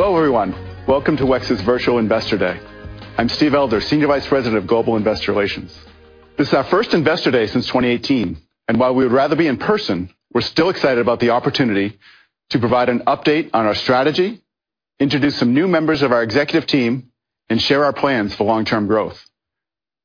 Hello, everyone. Welcome to WEX's Virtual Investor Day. I'm Steve Elder, Senior Vice President of Global Investor Relations. This is our first Investor Day since 2018, and while we would rather be in person, we're still excited about the opportunity to provide an update on our strategy, introduce some new members of our executive team, and share our plans for long-term growth.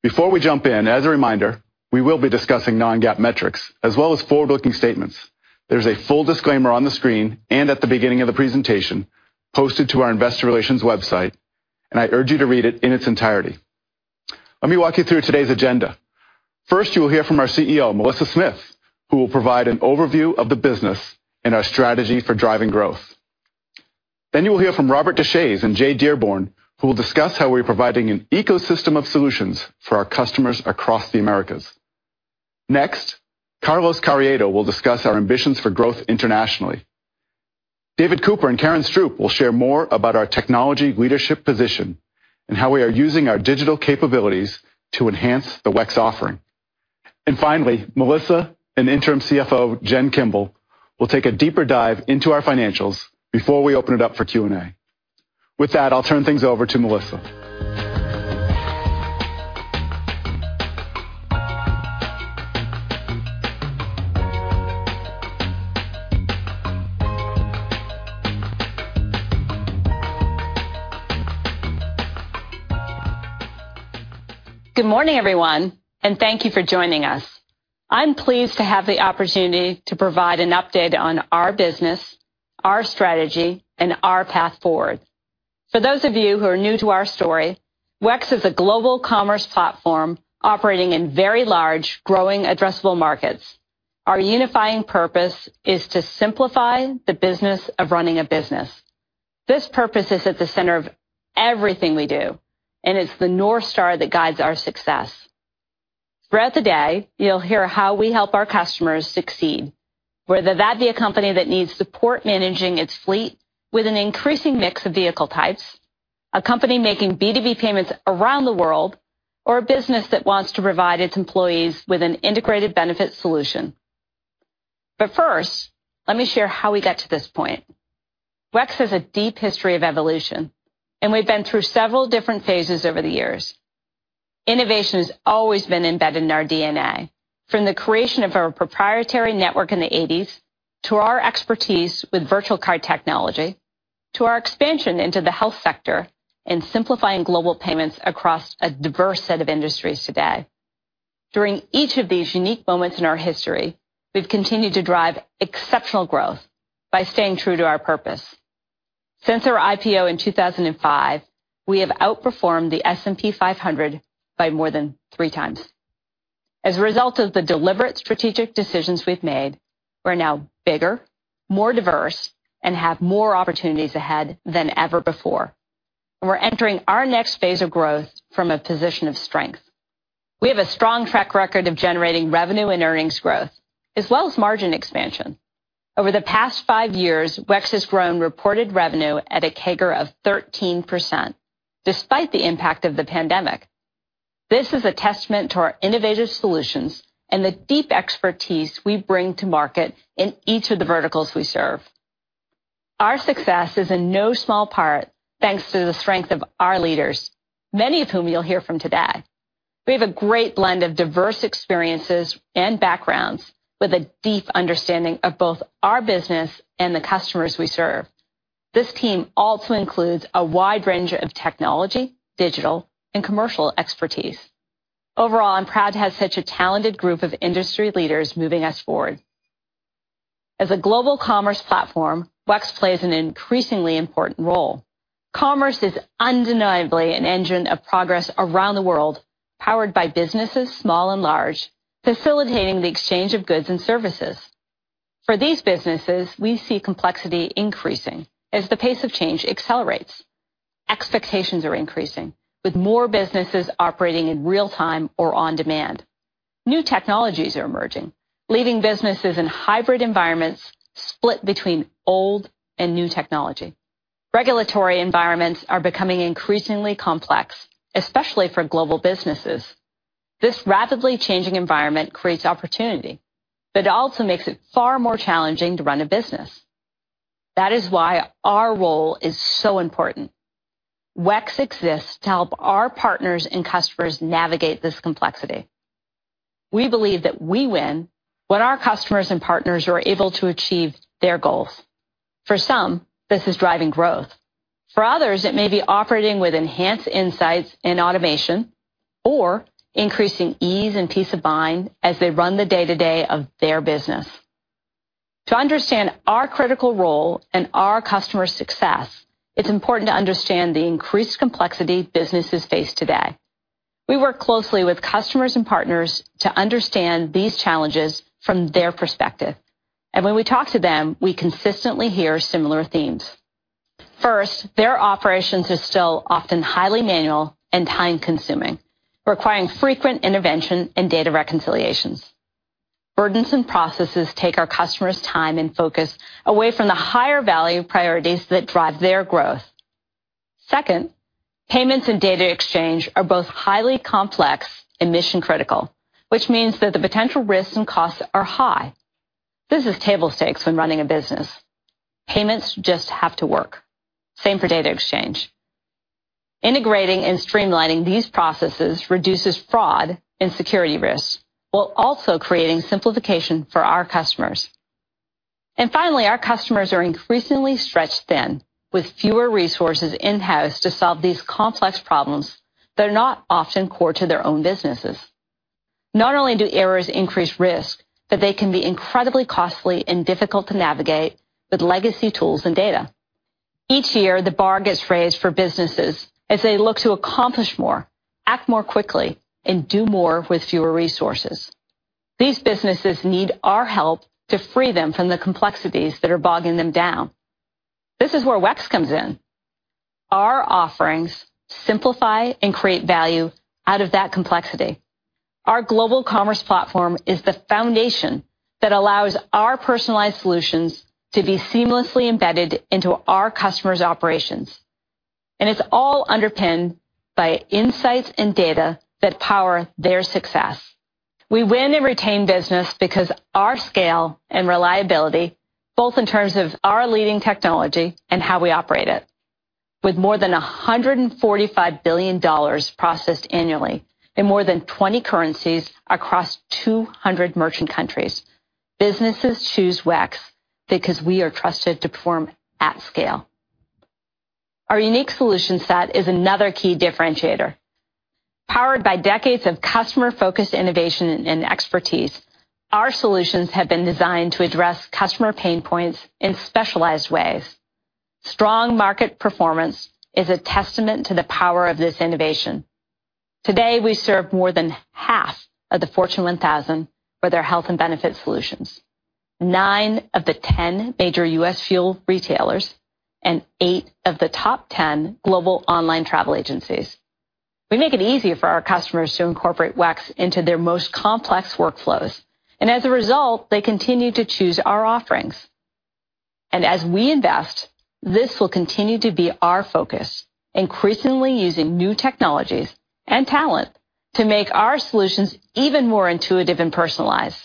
Before we jump in, as a reminder, we will be discussing non-GAAP metrics as well as forward-looking statements. There's a full disclaimer on the screen and at the beginning of the presentation posted to our investor relations website, and I urge you to read it in its entirety. Let me walk you through today's agenda. First, you will hear from our CEO, Melissa Smith, who will provide an overview of the business and our strategy for driving growth. You will hear from Robert Deshaies and Jay Dearborn, who will discuss how we're providing an ecosystem of solutions for our customers across the Americas. Next, Carlos Carriedo will discuss our ambitions for growth internationally. David Cooper and Karen Stroup will share more about our technology leadership position and how we are using our digital capabilities to enhance the WEX offering. Finally, Melissa and Interim CFO Jennifer Kimball will take a deeper dive into our financials before we open it up for Q&A. With that, I'll turn things over to Melissa. Good morning, everyone, and thank you for joining us. I'm pleased to have the opportunity to provide an update on our business, our strategy, and our path forward. For those of you who are new to our story, WEX is a global commerce platform operating in very large, growing addressable markets. Our unifying purpose is to simplify the business of running a business. This purpose is at the center of everything we do, and it's the North Star that guides our success. Throughout the day, you'll hear how we help our customers succeed, whether that be a company that needs support managing its fleet with an increasing mix of vehicle types, a company making B2B payments around the world, or a business that wants to provide its employees with an integrated benefit solution. First, let me share how we got to this point. WEX has a deep history of evolution, and we've been through several different phases over the years. Innovation has always been embedded in our DNA, from the creation of our proprietary network in the 1980s, to our expertise with virtual card technology, to our expansion into the health sector and simplifying global payments across a diverse set of industries today. During each of these unique moments in our history, we've continued to drive exceptional growth by staying true to our purpose. Since our IPO in 2005, we have outperformed the S&P 500 by more than 3x. As a result of the deliberate strategic decisions we've made, we're now bigger, more diverse, and have more opportunities ahead than ever before. We're entering our next phase of growth from a position of strength. We have a strong track record of generating revenue and earnings growth, as well as margin expansion. Over the past five years, WEX has grown reported revenue at a CAGR of 13% despite the impact of the pandemic. This is a testament to our innovative solutions and the deep expertise we bring to market in each of the verticals we serve. Our success is in no small part thanks to the strength of our leaders, many of whom you'll hear from today. We have a great blend of diverse experiences and backgrounds with a deep understanding of both our business and the customers we serve. This team also includes a wide range of technology, digital, and commercial expertise. Overall, I'm proud to have such a talented group of industry leaders moving us forward. As a global commerce platform, WEX plays an increasingly important role. Commerce is undeniably an engine of progress around the world, powered by businesses, small and large, facilitating the exchange of goods and services. For these businesses, we see complexity increasing as the pace of change accelerates. Expectations are increasing, with more businesses operating in real time or on demand. New technologies are emerging, leaving businesses in hybrid environments split between old and new technology. Regulatory environments are becoming increasingly complex, especially for global businesses. This rapidly changing environment creates opportunity, but it also makes it far more challenging to run a business. That is why our role is so important. WEX exists to help our partners and customers navigate this complexity. We believe that we win when our customers and partners are able to achieve their goals. For some, this is driving growth. For others, it may be operating with enhanced insights and automation or increasing ease and peace of mind as they run the day-to-day of their business. To understand our critical role and our customers' success, it's important to understand the increased complexity businesses face today. We work closely with customers and partners to understand these challenges from their perspective. When we talk to them, we consistently hear similar themes. First, their operations are still often highly manual and time-consuming, requiring frequent intervention and data reconciliations. Burdensome processes take our customers' time and focus away from the higher value priorities that drive their growth. Second, payments and data exchange are both highly complex and mission-critical, which means that the potential risks and costs are high. This is table stakes when running a business. Payments just have to work. Same for data exchange. Integrating and streamlining these processes reduces fraud and security risks while also creating simplification for our customers. Finally, our customers are increasingly stretched thin with fewer resources in-house to solve these complex problems that are not often core to their own businesses. Not only do errors increase risk, but they can be incredibly costly and difficult to navigate with legacy tools and data. Each year, the bar gets raised for businesses as they look to accomplish more, act more quickly, and do more with fewer resources. These businesses need our help to free them from the complexities that are bogging them down. This is where WEX comes in. Our offerings simplify and create value out of that complexity. Our global commerce platform is the foundation that allows our personalized solutions to be seamlessly embedded into our customers' operations, and it's all underpinned by insights and data that power their success. We win and retain business because of our scale and reliability, both in terms of our leading technology and how we operate it. With more than $145 billion processed annually in more than 20 currencies across 200 merchant countries, businesses choose WEX because we are trusted to perform at scale. Our unique solution set is another key differentiator. Powered by decades of customer-focused innovation and expertise, our solutions have been designed to address customer pain points in specialized ways. Strong market performance is a testament to the power of this innovation. Today, we serve more than half of the Fortune 1000 for their health and benefit solutions, 9 of the 10 major U.S. fuel retailers, and 8 of the top 10 global online travel agencies. We make it easy for our customers to incorporate WEX into their most complex workflows, and as a result, they continue to choose our offerings. As we invest, this will continue to be our focus, increasingly using new technologies and talent to make our solutions even more intuitive and personalized.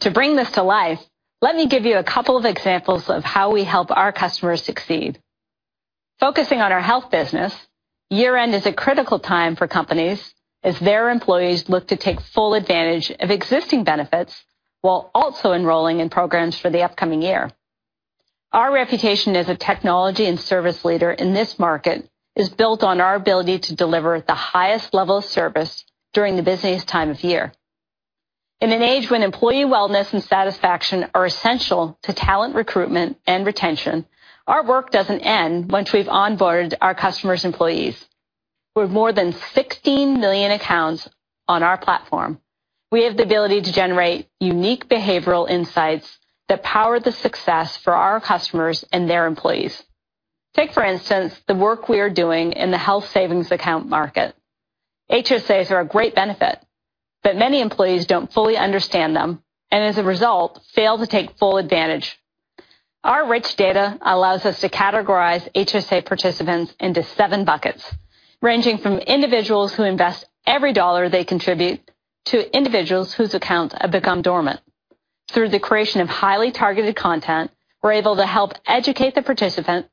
To bring this to life, let me give you a couple of examples of how we help our customers succeed. Focusing on our health business, year-end is a critical time for companies as their employees look to take full advantage of existing benefits while also enrolling in programs for the upcoming year. Our reputation as a technology and service leader in this market is built on our ability to deliver the highest level of service during the busiest time of year. In an age when employee wellness and satisfaction are essential to talent recruitment and retention, our work doesn't end once we've onboarded our customers' employees. With more than 16 million accounts on our platform, we have the ability to generate unique behavioral insights that power the success for our customers and their employees. Take, for instance, the work we are doing in the health savings account market. HSAs are a great benefit, but many employees don't fully understand them and as a result, fail to take full advantage. Our rich data allows us to categorize HSA participants into seven buckets, ranging from individuals who invest every dollar they contribute to individuals whose accounts have become dormant. Through the creation of highly targeted content, we're able to help educate the participant,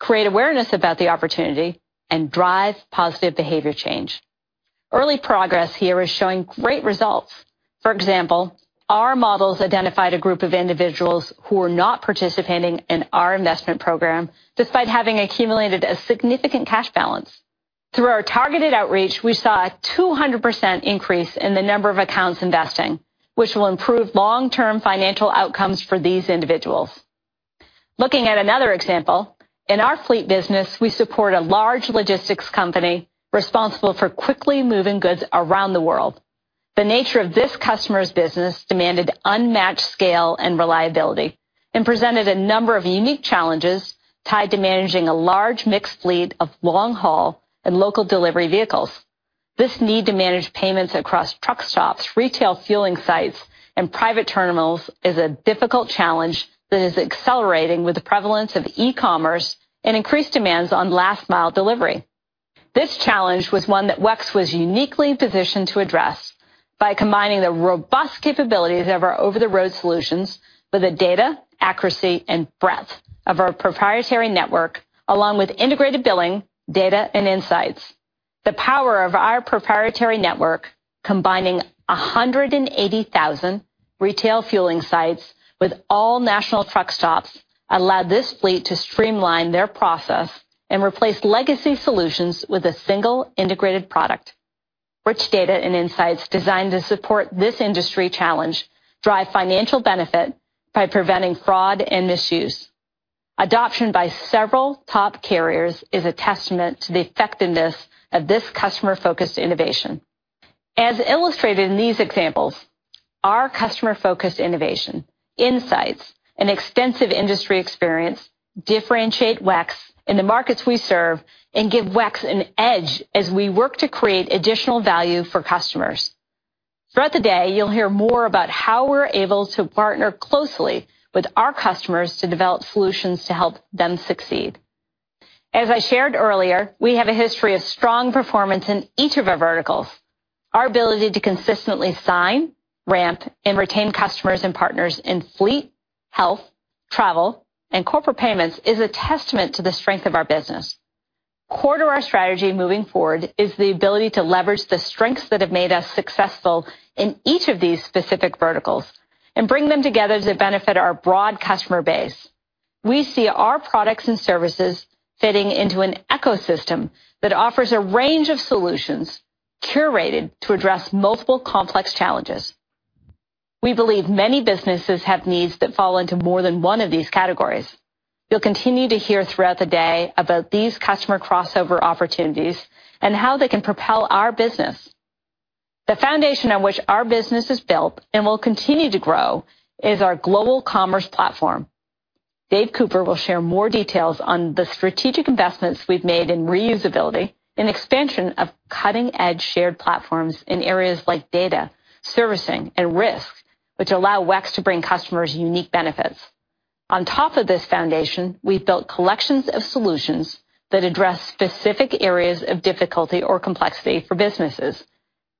create awareness about the opportunity, and drive positive behavior change. Early progress here is showing great results. For example, our models identified a group of individuals who were not participating in our investment program despite having accumulated a significant cash balance. Through our targeted outreach, we saw a 200% increase in the number of accounts investing, which will improve long-term financial outcomes for these individuals. Looking at another example, in our fleet business, we support a large logistics company responsible for quickly moving goods around the world. The nature of this customer's business demanded unmatched scale and reliability and presented a number of unique challenges tied to managing a large mixed fleet of long-haul and local delivery vehicles. This need to manage payments across truck stops, retail fueling sites, and private terminals is a difficult challenge that is accelerating with the prevalence of e-commerce and increased demands on last mile delivery. This challenge was one that WEX was uniquely positioned to address by combining the robust capabilities of our over-the-road solutions with the data, accuracy, and breadth of our proprietary network, along with integrated billing, data, and insights. The power of our proprietary network, combining 180,000 retail fueling sites with all national truck stops, allowed this fleet to streamline their process and replace legacy solutions with a single integrated product. Rich data and insights designed to support this industry challenge drive financial benefit by preventing fraud and misuse. Adoption by several top carriers is a testament to the effectiveness of this customer-focused innovation. As illustrated in these examples, our customer-focused innovation, insights, and extensive industry experience differentiate WEX in the markets we serve and give WEX an edge as we work to create additional value for customers. Throughout the day, you'll hear more about how we're able to partner closely with our customers to develop solutions to help them succeed. As I shared earlier, we have a history of strong performance in each of our verticals. Our ability to consistently sign, ramp, and retain customers and partners in fleet, health, travel, and corporate payments is a testament to the strength of our business. Core to our strategy moving forward is the ability to leverage the strengths that have made us successful in each of these specific verticals and bring them together to benefit our broad customer base. We see our products and services fitting into an ecosystem that offers a range of solutions curated to address multiple complex challenges. We believe many businesses have needs that fall into more than one of these categories. You'll continue to hear throughout the day about these customer crossover opportunities and how they can propel our business. The foundation on which our business is built and will continue to grow is our global commerce platform. David Cooper will share more details on the strategic investments we've made in reusability and expansion of cutting-edge shared platforms in areas like data, servicing, and risk, which allow WEX to bring customers unique benefits. On top of this foundation, we've built collections of solutions that address specific areas of difficulty or complexity for businesses,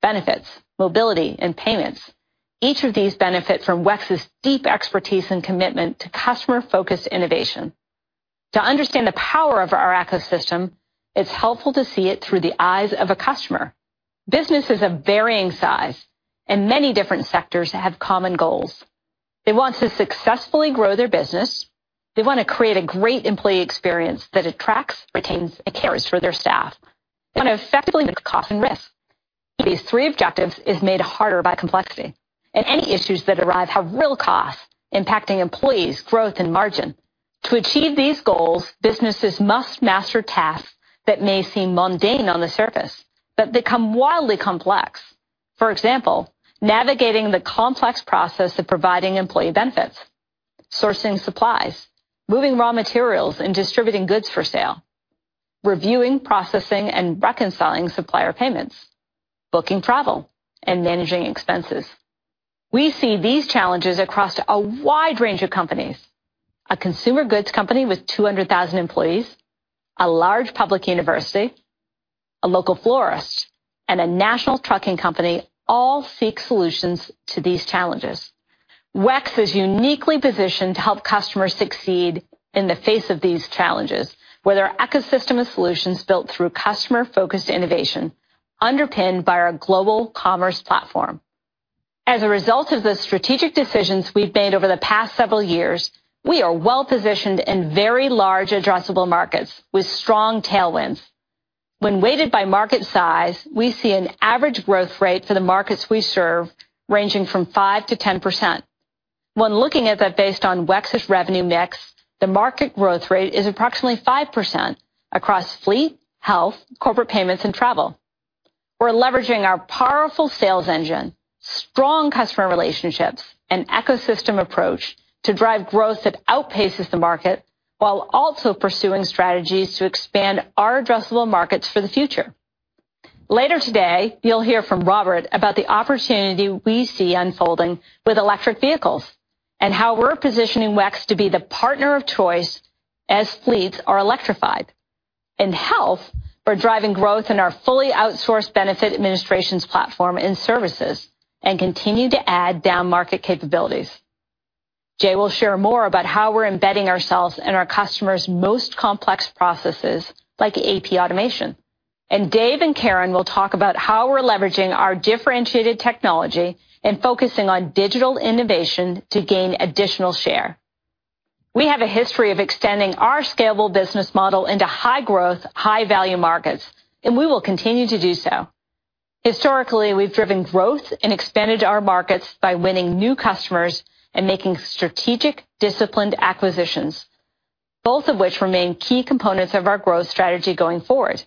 benefits, mobility, and payments. Each of these benefit from WEX's deep expertise and commitment to customer-focused innovation. To understand the power of our ecosystem, it's helpful to see it through the eyes of a customer. Businesses of varying size in many different sectors have common goals. They want to successfully grow their business. They wanna create a great employee experience that attracts, retains, and cares for their staff. They wanna effectively manage cost and risk. These three objectives is made harder by complexity, and any issues that arise have real costs, impacting employees, growth, and margin. To achieve these goals, businesses must master tasks that may seem mundane on the surface but become wildly complex. For example, navigating the complex process of providing employee benefits, sourcing supplies, moving raw materials, and distributing goods for sale, reviewing, processing, and reconciling supplier payments, booking travel, and managing expenses. We see these challenges across a wide range of companies. A consumer goods company with 200,000 employees, a large public university, a local florist, and a national trucking company all seek solutions to these challenges. WEX is uniquely positioned to help customers succeed in the face of these challenges with our ecosystem of solutions built through customer-focused innovation underpinned by our global commerce platform. As a result of the strategic decisions we've made over the past several years, we are well-positioned in very large addressable markets with strong tailwinds. When weighted by market size, we see an average growth rate for the markets we serve ranging from 5%-10%. When looking at that based on WEX's revenue mix, the market growth rate is approximately 5% across fleet, health, corporate payments, and travel. We're leveraging our powerful sales engine, strong customer relationships, and ecosystem approach to drive growth that outpaces the market while also pursuing strategies to expand our addressable markets for the future. Later today, you'll hear from Robert about the opportunity we see unfolding with electric vehicles and how we're positioning WEX to be the partner of choice as fleets are electrified. In health, we're driving growth in our fully outsourced benefit administrations platform and services and continue to add down-market capabilities. Jay will share more about how we're embedding ourselves in our customers' most complex processes like AP automation. Dave and Karen will talk about how we're leveraging our differentiated technology and focusing on digital innovation to gain additional share. We have a history of extending our scalable business model into high-growth, high-value markets, and we will continue to do so. Historically, we've driven growth and expanded our markets by winning new customers and making strategic disciplined acquisitions, both of which remain key components of our growth strategy going forward.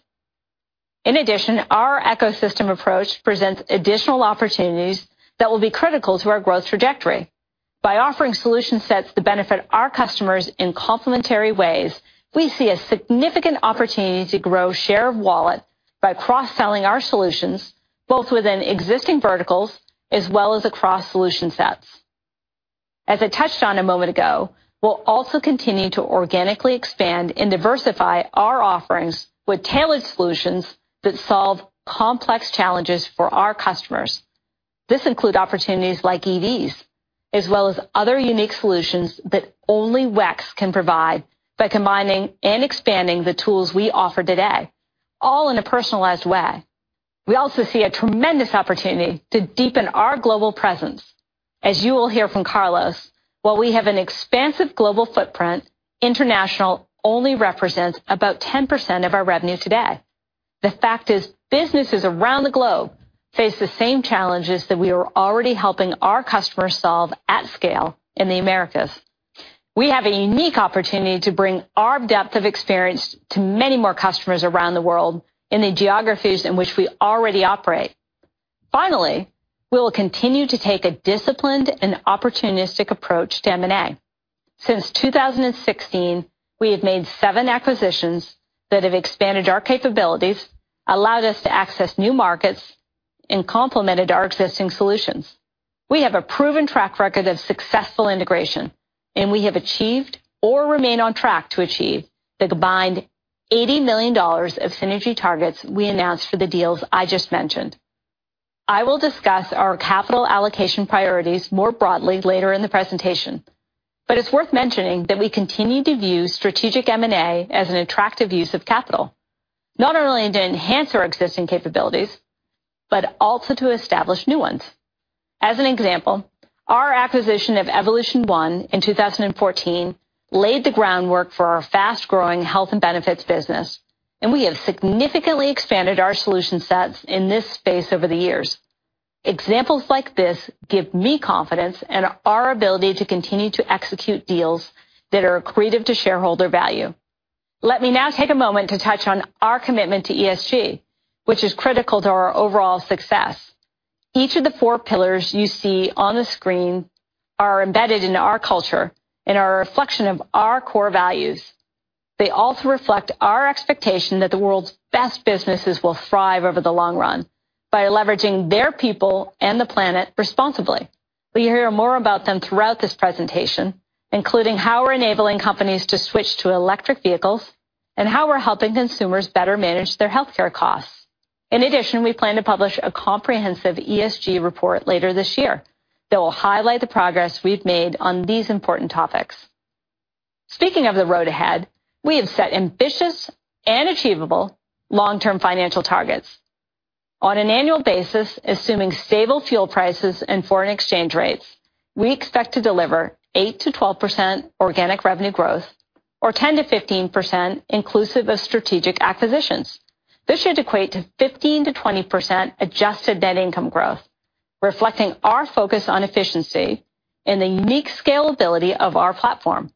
In addition, our ecosystem approach presents additional opportunities that will be critical to our growth trajectory. By offering solution sets that benefit our customers in complementary ways, we see a significant opportunity to grow share of wallet by cross-selling our solutions both within existing verticals as well as across solution sets. As I touched on a moment ago, we'll also continue to organically expand and diversify our offerings with tailored solutions that solve complex challenges for our customers. This includes opportunities like EVs as well as other unique solutions that only WEX can provide by combining and expanding the tools we offer today, all in a personalized way. We also see a tremendous opportunity to deepen our global presence. As you will hear from Carlos, while we have an expansive global footprint, international only represents about 10% of our revenue today. The fact is, businesses around the globe face the same challenges that we are already helping our customers solve at scale in the Americas. We have a unique opportunity to bring our depth of experience to many more customers around the world in the geographies in which we already operate. Finally, we will continue to take a disciplined and opportunistic approach to M&A. Since 2016, we have made seven acquisitions that have expanded our capabilities, allowed us to access new markets, and complemented our existing solutions. We have a proven track record of successful integration, and we have achieved or remain on track to achieve the combined $80 million of synergy targets we announced for the deals I just mentioned. I will discuss our capital allocation priorities more broadly later in the presentation, but it's worth mentioning that we continue to view strategic M&A as an attractive use of capital, not only to enhance our existing capabilities, but also to establish new ones. As an example, our acquisition of Evolution1 in 2014 laid the groundwork for our fast-growing health and benefits business, and we have significantly expanded our solution sets in this space over the years. Examples like this give me confidence in our ability to continue to execute deals that are accretive to shareholder value. Let me now take a moment to touch on our commitment to ESG, which is critical to our overall success. Each of the four pillars you see on the screen are embedded into our culture and are a reflection of our core values. They also reflect our expectation that the world's best businesses will thrive over the long run by leveraging their people and the planet responsibly. We hear more about them throughout this presentation, including how we're enabling companies to switch to electric vehicles and how we're helping consumers better manage their healthcare costs. In addition, we plan to publish a comprehensive ESG report later this year that will highlight the progress we've made on these important topics. Speaking of the road ahead, we have set ambitious and achievable long-term financial targets. On an annual basis, assuming stable fuel prices and foreign exchange rates, we expect to deliver 8%-12% organic revenue growth or 10%-15% inclusive of strategic acquisitions. This should equate to 15%-20% adjusted net income growth, reflecting our focus on efficiency and the unique scalability of our platform.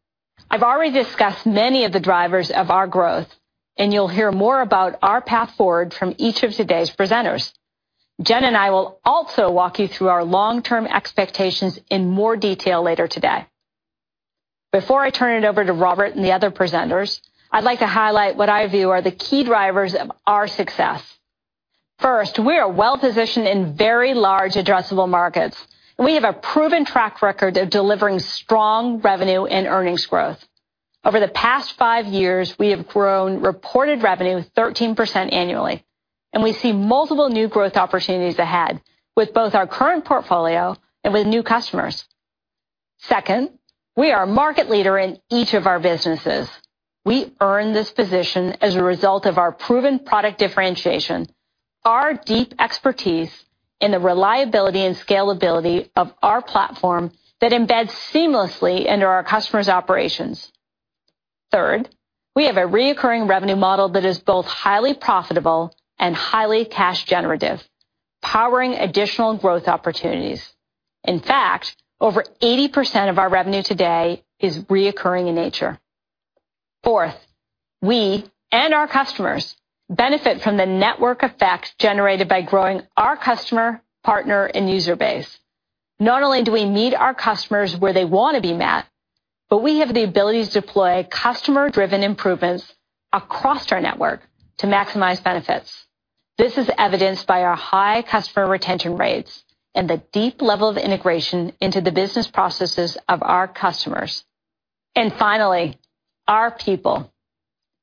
I've already discussed many of the drivers of our growth, and you'll hear more about our path forward from each of today's presenters. Jen and I will also walk you through our long-term expectations in more detail later today. Before I turn it over to Robert and the other presenters, I'd like to highlight what I view are the key drivers of our success. First, we are well-positioned in very large addressable markets, and we have a proven track record of delivering strong revenue and earnings growth. Over the past five years, we have grown reported revenue 13% annually, and we see multiple new growth opportunities ahead with both our current portfolio and with new customers. Second, we are a market leader in each of our businesses. We earn this position as a result of our proven product differentiation, our deep expertise in the reliability and scalability of our platform that embeds seamlessly into our customers' operations. Third, we have a recurring revenue model that is both highly profitable and highly cash generative, powering additional growth opportunities. In fact, over 80% of our revenue today is recurring in nature. Fourth, we and our customers benefit from the network effects generated by growing our customer, partner, and user base. Not only do we meet our customers where they wanna be met, but we have the ability to deploy customer-driven improvements across our network to maximize benefits. This is evidenced by our high customer retention rates and the deep level of integration into the business processes of our customers. Finally, our people.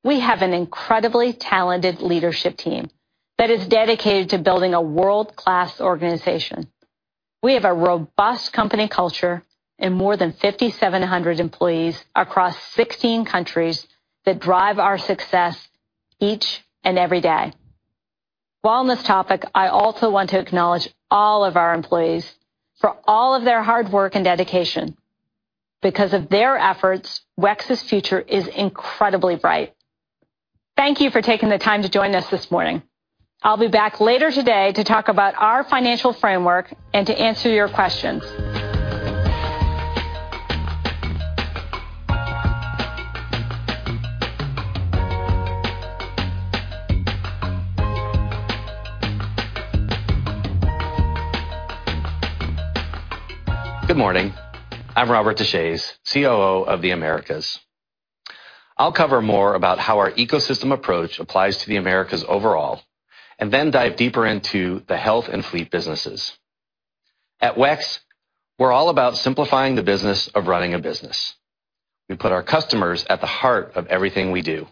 We have an incredibly talented leadership team that is dedicated to building a world-class organization. We have a robust company culture and more than 5,700 employees across 16 countries that drive our success each and every day. While on this topic, I also want to acknowledge all of our employees for all of their hard work and dedication. Because of their efforts, WEX's future is incredibly bright. Thank you for taking the time to join us this morning. I'll be back later today to talk about our financial framework and to answer your questions. Good morning. I'm Robert Deshaies, COO of the Americas. I'll cover more about how our ecosystem approach applies to the Americas overall and then dive deeper into the health and fleet businesses. At WEX, we're all about simplifying the business of running a business. We put our customers at the heart of everything we do.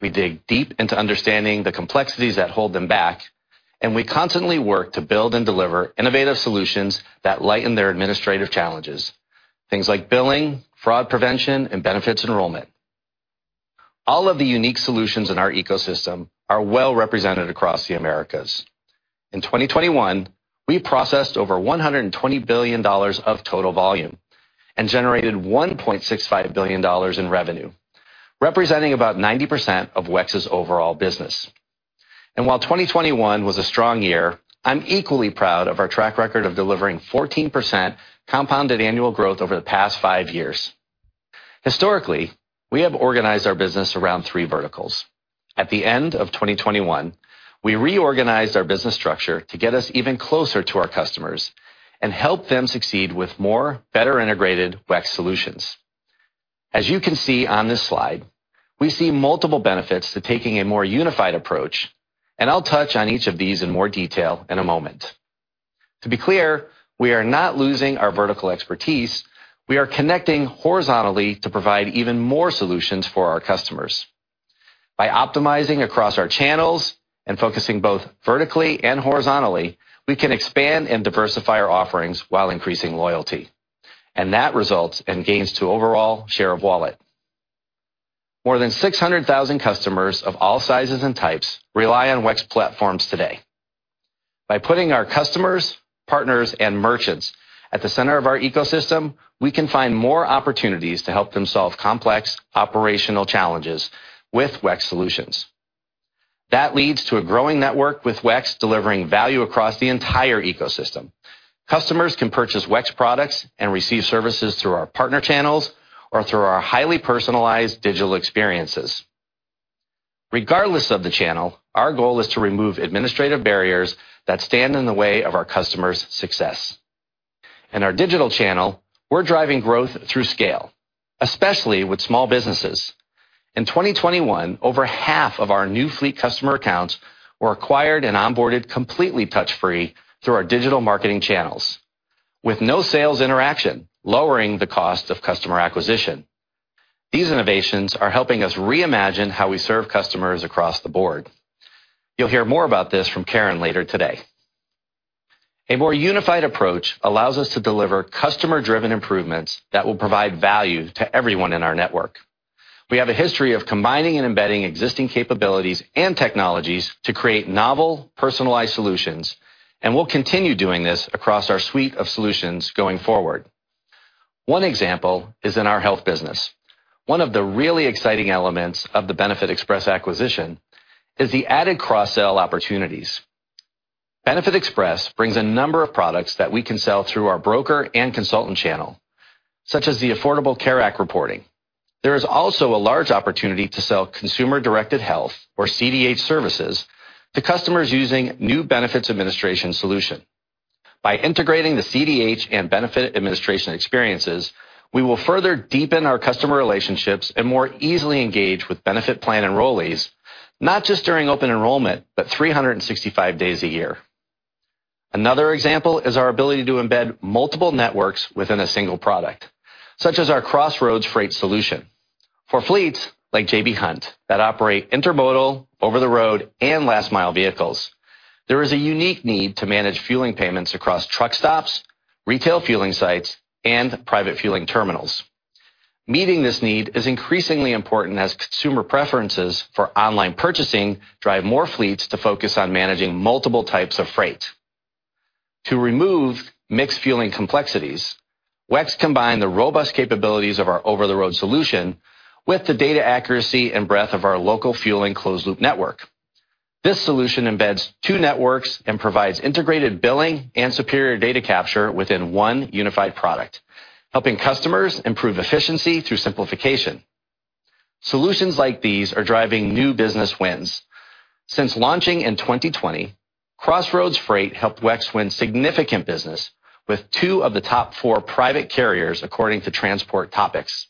We dig deep into understanding the complexities that hold them back, and we constantly work to build and deliver innovative solutions that lighten their administrative challenges, things like billing, fraud prevention, and benefits enrollment. All of the unique solutions in our ecosystem are well represented across the Americas. In 2021, we processed over $120 billion of total volume and generated $1.65 billion in revenue, representing about 90% of WEX's overall business. While 2021 was a strong year, I'm equally proud of our track record of delivering 14% compounded annual growth over the past five years. Historically, we have organized our business around three verticals. At the end of 2021, we reorganized our business structure to get us even closer to our customers and help them succeed with more better integrated WEX solutions. As you can see on this slide, we see multiple benefits to taking a more unified approach, and I'll touch on each of these in more detail in a moment. To be clear, we are not losing our vertical expertise. We are connecting horizontally to provide even more solutions for our customers. By optimizing across our channels and focusing both vertically and horizontally, we can expand and diversify our offerings while increasing loyalty, and that results in gains to overall share of wallet. More than 600,000 customers of all sizes and types rely on WEX platforms today. By putting our customers, partners, and merchants at the center of our ecosystem, we can find more opportunities to help them solve complex operational challenges with WEX solutions. That leads to a growing network, with WEX delivering value across the entire ecosystem. Customers can purchase WEX products and receive services through our partner channels or through our highly personalized digital experiences. Regardless of the channel, our goal is to remove administrative barriers that stand in the way of our customers' success. In our digital channel, we're driving growth through scale, especially with small businesses. In 2021, over half of our new fleet customer accounts were acquired and onboarded completely touch-free through our digital marketing channels, with no sales interaction, lowering the cost of customer acquisition. These innovations are helping us reimagine how we serve customers across the board. You'll hear more about this from Karen later today. A more unified approach allows us to deliver customer-driven improvements that will provide value to everyone in our network. We have a history of combining and embedding existing capabilities and technologies to create novel, personalized solutions, and we'll continue doing this across our suite of solutions going forward. One example is in our health business. One of the really exciting elements of the Benefitexpress acquisition is the added cross-sell opportunities. Benefitexpress brings a number of products that we can sell through our broker and consultant channel, such as the Affordable Care Act reporting. There is also a large opportunity to sell consumer-directed health or CDH services to customers using new benefits administration solution. By integrating the CDH and benefit administration experiences, we will further deepen our customer relationships and more easily engage with benefit plan enrollees, not just during open enrollment, but 365 days a year. Another example is our ability to embed multiple networks within a single product, such as our CrossRoads Freight solution. For fleets like J.B. Hunt that operate intermodal, over the road, and last-mile vehicles, there is a unique need to manage fueling payments across truck stops, retail fueling sites, and private fueling terminals. Meeting this need is increasingly important as consumer preferences for online purchasing drive more fleets to focus on managing multiple types of freight. To remove mixed fueling complexities, WEX combined the robust capabilities of our over-the-road solution with the data accuracy and breadth of our local fueling closed loop network. This solution embeds two networks and provides integrated billing and superior data capture within one unified product, helping customers improve efficiency through simplification. Solutions like these are driving new business wins. Since launching in 2020, CrossRoads Freight helped WEX win significant business with two of the top four private carriers according to Transport Topics.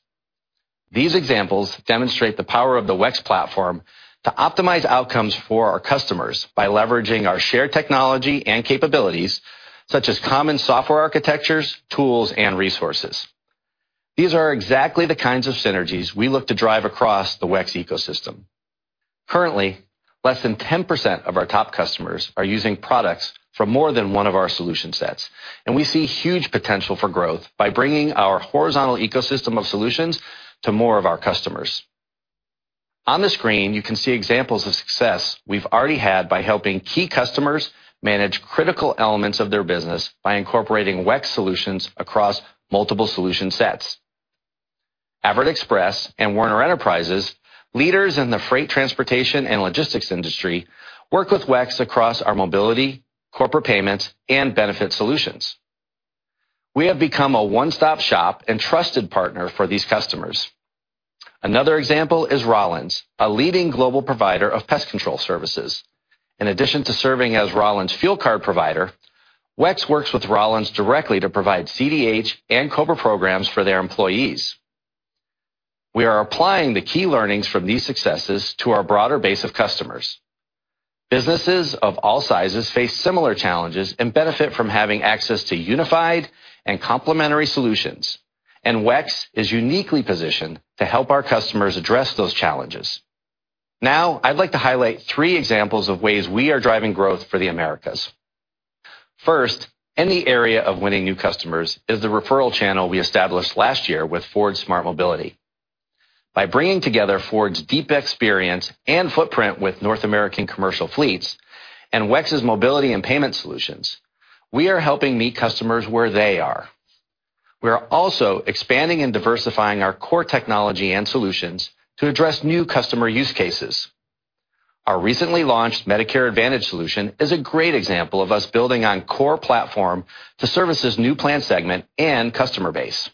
These examples demonstrate the power of the WEX platform to optimize outcomes for our customers by leveraging our shared technology and capabilities such as common software architectures, tools, and resources. These are exactly the kinds of synergies we look to drive across the WEX ecosystem. Currently, less than 10% of our top customers are using products for more than one of our solution sets, and we see huge potential for growth by bringing our horizontal ecosystem of solutions to more of our customers. On the screen, you can see examples of success we've already had by helping key customers manage critical elements of their business by incorporating WEX solutions across multiple solution sets. Averitt Express and Werner Enterprises, leaders in the freight transportation and logistics industry, work with WEX across our mobility, corporate payments, and benefit solutions. We have become a one-stop shop and trusted partner for these customers. Another example is Rollins, a leading global provider of pest control services. In addition to serving as Rollins' fuel card provider, WEX works with Rollins directly to provide CDH and COBRA programs for their employees. We are applying the key learnings from these successes to our broader base of customers. Businesses of all sizes face similar challenges and benefit from having access to unified and complementary solutions, and WEX is uniquely positioned to help our customers address those challenges. Now, I'd like to highlight three examples of ways we are driving growth for the Americas. First, in the area of winning new customers is the referral channel we established last year with Ford Smart Mobility. By bringing together Ford's deep experience and footprint with North American commercial fleets and WEX's mobility and payment solutions, we are helping meet customers where they are. We are also expanding and diversifying our core technology and solutions to address new customer use cases. Our recently launched Medicare Advantage solution is a great example of us building on core platform to services' new plan segment and customer base.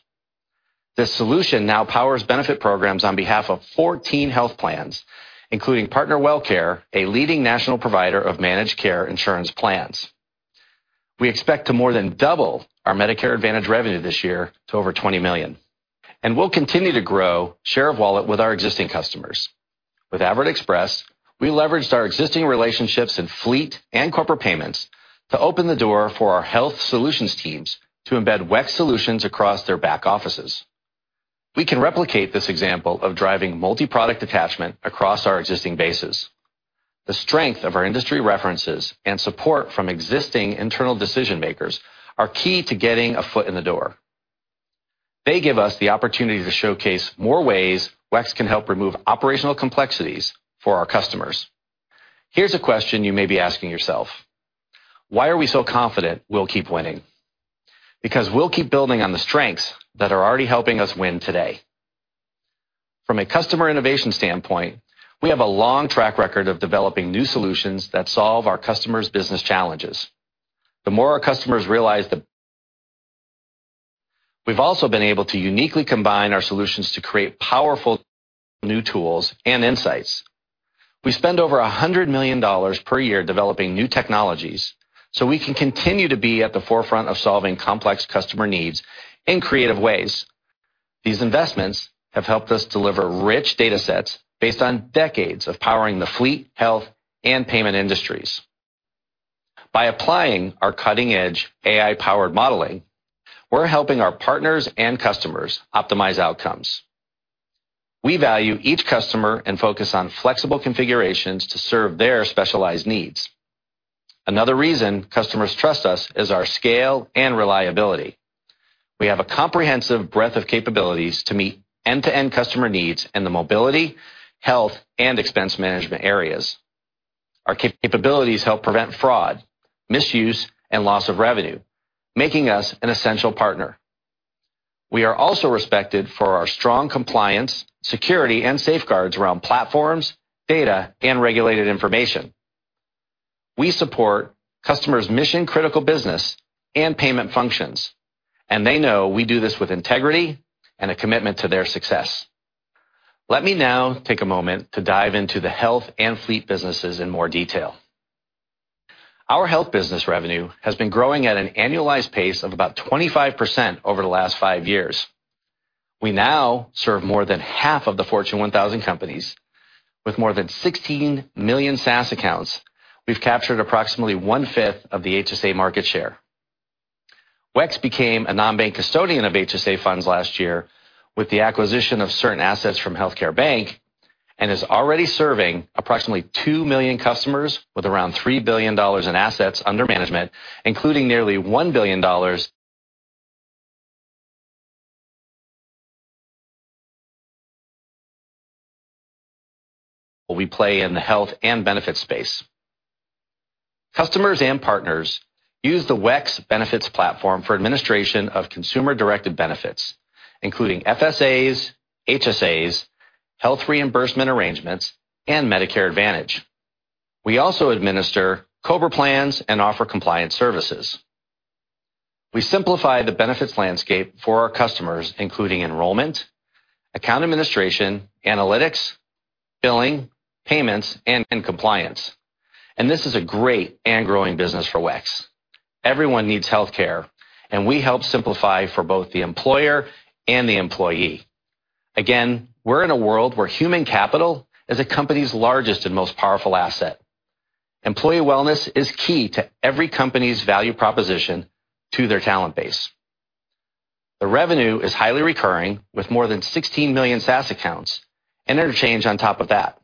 This solution now powers benefit programs on behalf of 14 health plans, including WellCare, a leading national provider of managed care insurance plans. We expect to more than double our Medicare Advantage revenue this year to over $20 million. We'll continue to grow share of wallet with our existing customers. With Averitt Express, we leveraged our existing relationships in fleet and corporate payments to open the door for our health solutions teams to embed WEX solutions across their back offices. We can replicate this example of driving multi-product attachment across our existing bases. The strength of our industry references and support from existing internal decision-makers are key to getting a foot in the door. They give us the opportunity to showcase more ways WEX can help remove operational complexities for our customers. Here's a question you may be asking yourself. Why are we so confident we'll keep winning? Because we'll keep building on the strengths that are already helping us win today. From a customer innovation standpoint, we have a long track record of developing new solutions that solve our customers' business challenges. The more our customers realize the... We've also been able to uniquely combine our solutions to create powerful new tools and insights. We spend over $100 million per year developing new technologies, so we can continue to be at the forefront of solving complex customer needs in creative ways. These investments have helped us deliver rich datasets based on decades of powering the fleet, health, and payment industries. By applying our cutting-edge AI-powered modeling, we're helping our partners and customers optimize outcomes. We value each customer and focus on flexible configurations to serve their specialized needs. Another reason customers trust us is our scale and reliability. We have a comprehensive breadth of capabilities to meet end-to-end customer needs in the mobility, health, and expense management areas. Our capabilities help prevent fraud, misuse, and loss of revenue, making us an essential partner. We are also respected for our strong compliance, security, and safeguards around platforms, data, and regulated information. We support customers' mission-critical business and payment functions, and they know we do this with integrity and a commitment to their success. Let me now take a moment to dive into the health and fleet businesses in more detail. Our health business revenue has been growing at an annualized pace of about 25% over the last five years. We now serve more than half of the Fortune 1000 companies. With more than 16 million SaaS accounts, we've captured approximately 1/5 of the HSA market share. WEX became a non-bank custodian of HSA funds last year with the acquisition of certain assets from HealthcareBank and is already serving approximately 2 million customers with around $3 billion in assets under management, including nearly $1 billion. We play in the health and benefits space. Customers and partners use the WEX benefits platform for administration of consumer-directed benefits, including FSAs, HSAs, health reimbursement arrangements, and Medicare Advantage. We also administer COBRA plans and offer compliance services. We simplify the benefits landscape for our customers, including enrollment, account administration, analytics, billing, payments, and compliance. This is a great and growing business for WEX. Everyone needs healthcare, and we help simplify for both the employer and the employee. Again, we're in a world where human capital is a company's largest and most powerful asset. Employee wellness is key to every company's value proposition to their talent base. The revenue is highly recurring with more than 16 million SaaS accounts and interchange on top of that.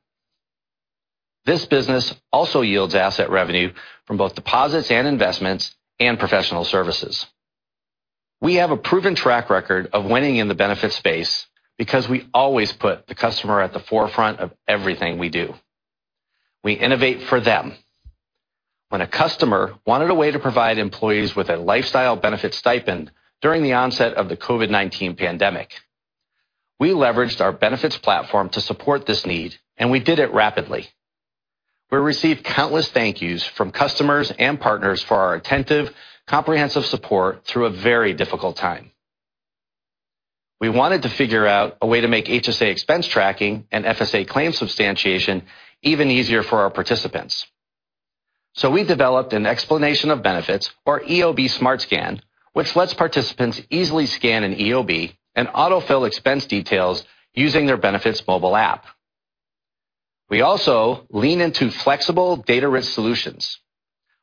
This business also yields asset revenue from both deposits and investments and professional services. We have a proven track record of winning in the benefits space because we always put the customer at the forefront of everything we do. We innovate for them. When a customer wanted a way to provide employees with a lifestyle benefit stipend during the onset of the COVID-19 pandemic, we leveraged our benefits platform to support this need, and we did it rapidly. We received countless thank yous from customers and partners for our attentive, comprehensive support through a very difficult time. We wanted to figure out a way to make HSA expense tracking and FSA claim substantiation even easier for our participants. We developed an explanation of benefits, or EOB Smart Scan, which lets participants easily scan an EOB and autofill expense details using their benefits mobile app. We also lean into flexible data-rich solutions.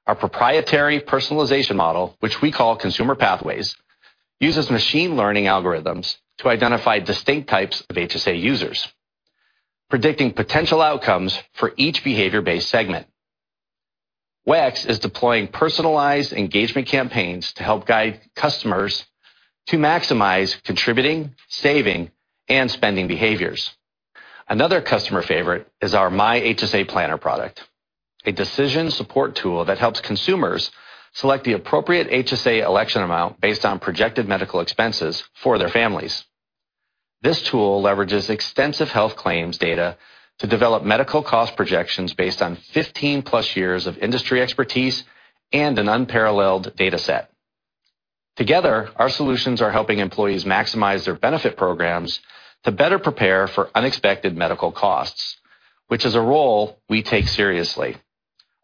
Our proprietary personalization model, which we call Consumer Pathways, uses machine learning algorithms to identify distinct types of HSA users, predicting potential outcomes for each behavior-based segment. WEX is deploying personalized engagement campaigns to help guide customers to maximize contributing, saving, and spending behaviors. Another customer favorite is our My HSA Planner product, a decision support tool that helps consumers select the appropriate HSA election amount based on projected medical expenses for their families. This tool leverages extensive health claims data to develop medical cost projections based on 15+ years of industry expertise and an unparalleled data set. Together, our solutions are helping employees maximize their benefit programs to better prepare for unexpected medical costs, which is a role we take seriously.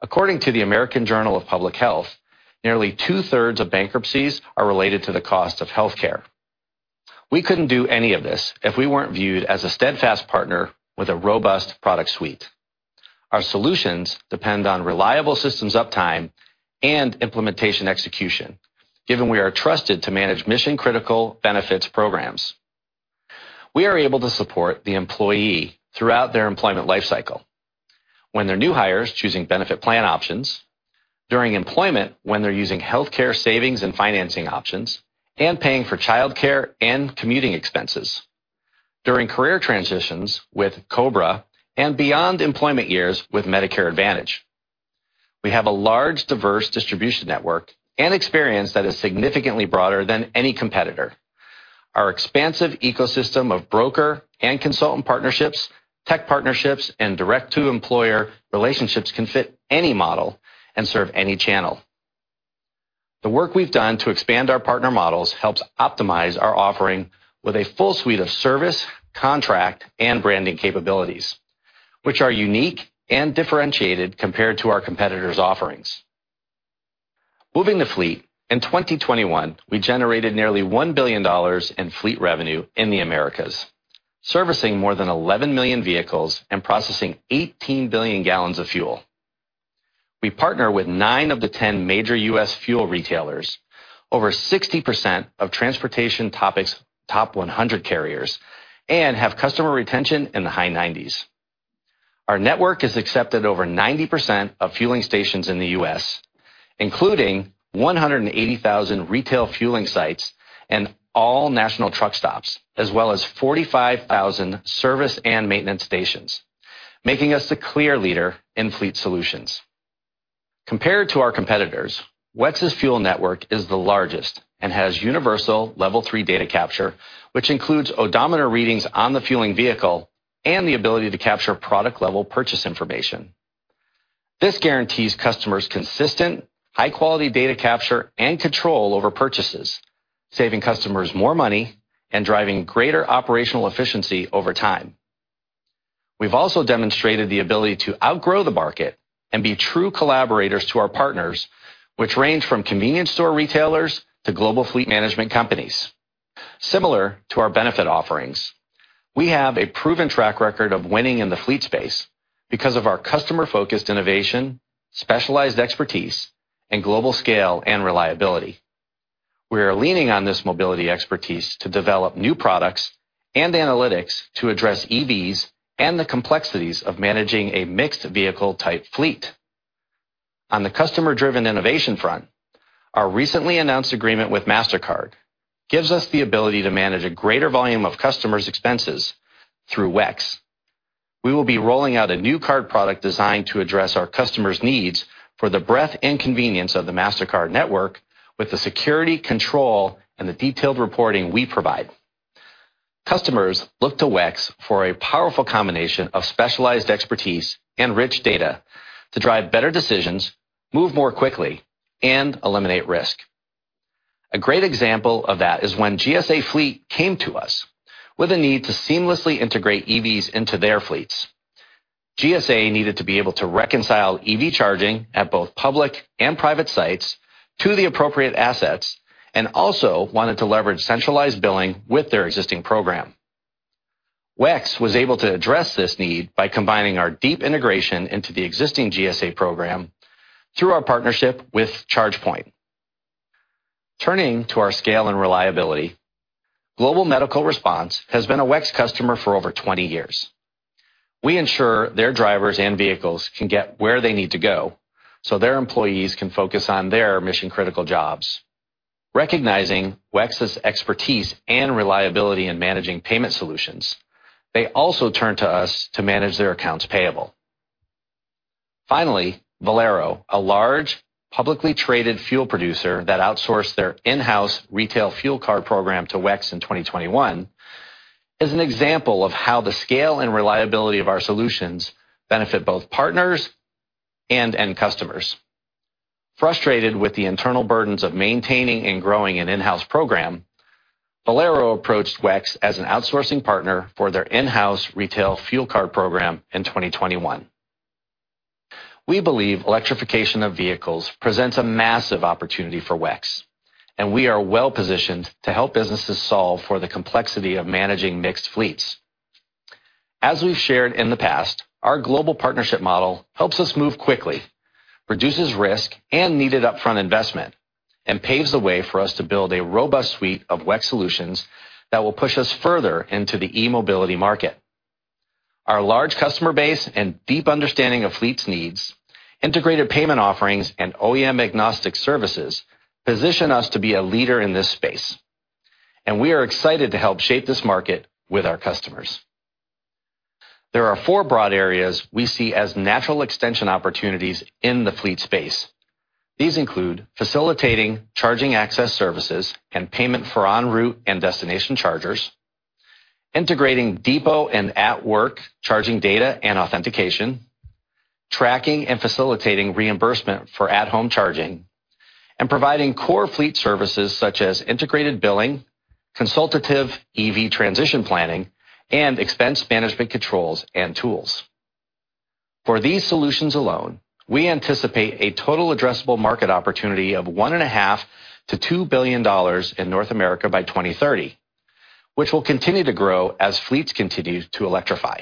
According to the American Journal of Public Health, nearly two-thirds of bankruptcies are related to the cost of healthcare. We couldn't do any of this if we weren't viewed as a steadfast partner with a robust product suite. Our solutions depend on reliable systems uptime and implementation execution, given we are trusted to manage mission-critical benefits programs. We are able to support the employee throughout their employment life cycle, when they're new hires choosing benefit plan options, during employment when they're using healthcare savings and financing options, and paying for childcare and commuting expenses, during career transitions with COBRA, and beyond employment years with Medicare Advantage. We have a large, diverse distribution network and experience that is significantly broader than any competitor. Our expansive ecosystem of broker and consultant partnerships, tech partnerships, and direct-to-employer relationships can fit any model and serve any channel. The work we've done to expand our partner models helps optimize our offering with a full suite of service, contract, and branding capabilities, which are unique and differentiated compared to our competitors' offerings. Moving to fleet. In 2021, we generated nearly $1 billion in fleet revenue in the Americas, servicing more than 11 million vehicles and processing 18 billion gallons of fuel. We partner with 9 of the 10 major U.S. fuel retailers, over 60% of Transport Topics Top 100 carriers, and have customer retention in the high 90s. Our network is accepted over 90% of fueling stations in the U.S., including 180,000 retail fueling sites and all national truck stops, as well as 45,000 service and maintenance stations, making us the clear leader in fleet solutions. Compared to our competitors, WEX's fuel network is the largest and has universal level three data capture, which includes odometer readings on the fueling vehicle and the ability to capture product-level purchase information. This guarantees customers consistent high-quality data capture and control over purchases, saving customers more money and driving greater operational efficiency over time. We've also demonstrated the ability to outgrow the market and be true collaborators to our partners, which range from convenience store retailers to global fleet management companies. Similar to our benefit offerings, we have a proven track record of winning in the fleet space because of our customer-focused innovation, specialized expertise, and global scale and reliability. We are leaning on this mobility expertise to develop new products and analytics to address EVs and the complexities of managing a mixed vehicle type fleet. On the customer-driven innovation front, our recently announced agreement with Mastercard gives us the ability to manage a greater volume of customers' expenses through WEX. We will be rolling out a new card product designed to address our customers' needs for the breadth and convenience of the Mastercard network with the security, control, and the detailed reporting we provide. Customers look to WEX for a powerful combination of specialized expertise and rich data to drive better decisions, move more quickly, and eliminate risk. A great example of that is when GSA Fleet came to us with a need to seamlessly integrate EVs into their fleets. GSA needed to be able to reconcile EV charging at both public and private sites to the appropriate assets and also wanted to leverage centralized billing with their existing program. WEX was able to address this need by combining our deep integration into the existing GSA program through our partnership with ChargePoint. Turning to our scale and reliability, Global Medical Response has been a WEX customer for over 20 years. We ensure their drivers and vehicles can get where they need to go, so their employees can focus on their mission-critical jobs. Recognizing WEX's expertise and reliability in managing payment solutions, they also turn to us to manage their accounts payable. Finally, Valero, a large, publicly traded fuel producer that outsourced their in-house retail fuel card program to WEX in 2021, is an example of how the scale and reliability of our solutions benefit both partners and end customers. Frustrated with the internal burdens of maintaining and growing an in-house program, Valero approached WEX as an outsourcing partner for their in-house retail fuel card program in 2021. We believe electrification of vehicles presents a massive opportunity for WEX, and we are well-positioned to help businesses solve for the complexity of managing mixed fleets. As we've shared in the past, our global partnership model helps us move quickly, reduces risk and needed upfront investment, and paves the way for us to build a robust suite of WEX solutions that will push us further into the e-mobility market. Our large customer base and deep understanding of fleet's needs, integrated payment offerings, and OEM-agnostic services position us to be a leader in this space, and we are excited to help shape this market with our customers. There are four broad areas we see as natural extension opportunities in the fleet space. These include facilitating charging access services and payment for en route and destination chargers, integrating depot and at-work charging data and authentication, tracking and facilitating reimbursement for at-home charging, and providing core fleet services such as integrated billing, consultative EV transition planning, and expense management controls and tools. For these solutions alone, we anticipate a total addressable market opportunity of $1.5 billion-$2 billion in North America by 2030, which will continue to grow as fleets continue to electrify.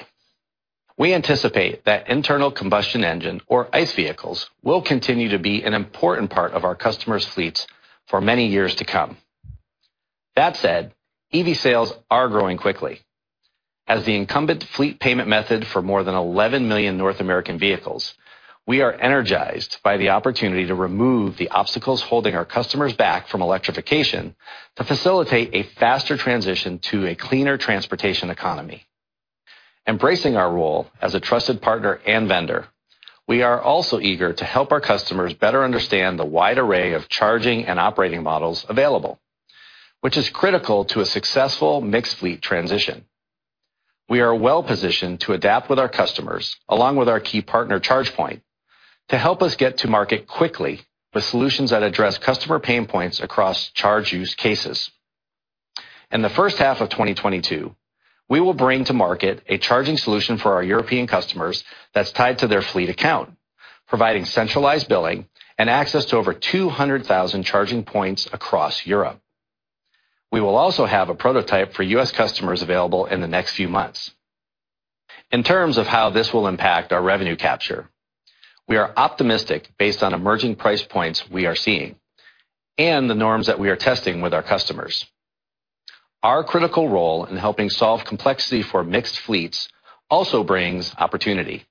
We anticipate that internal combustion engine or ICE vehicles will continue to be an important part of our customers' fleets for many years to come. That said, EV sales are growing quickly. As the incumbent fleet payment method for more than 11 million North American vehicles, we are energized by the opportunity to remove the obstacles holding our customers back from electrification to facilitate a faster transition to a cleaner transportation economy. Embracing our role as a trusted partner and vendor, we are also eager to help our customers better understand the wide array of charging and operating models available, which is critical to a successful mixed fleet transition. We are well-positioned to adapt with our customers along with our key partner, ChargePoint, to help us get to market quickly with solutions that address customer pain points across charge use cases. In the first half of 2022, we will bring to market a charging solution for our European customers that's tied to their fleet account, providing centralized billing and access to over 200,000 charging points across Europe. We will also have a prototype for U.S. customers available in the next few months. In terms of how this will impact our revenue capture, we are optimistic based on emerging price points we are seeing and the norms that we are testing with our customers. Our critical role in helping solve complexity for mixed fleets also brings opportunity.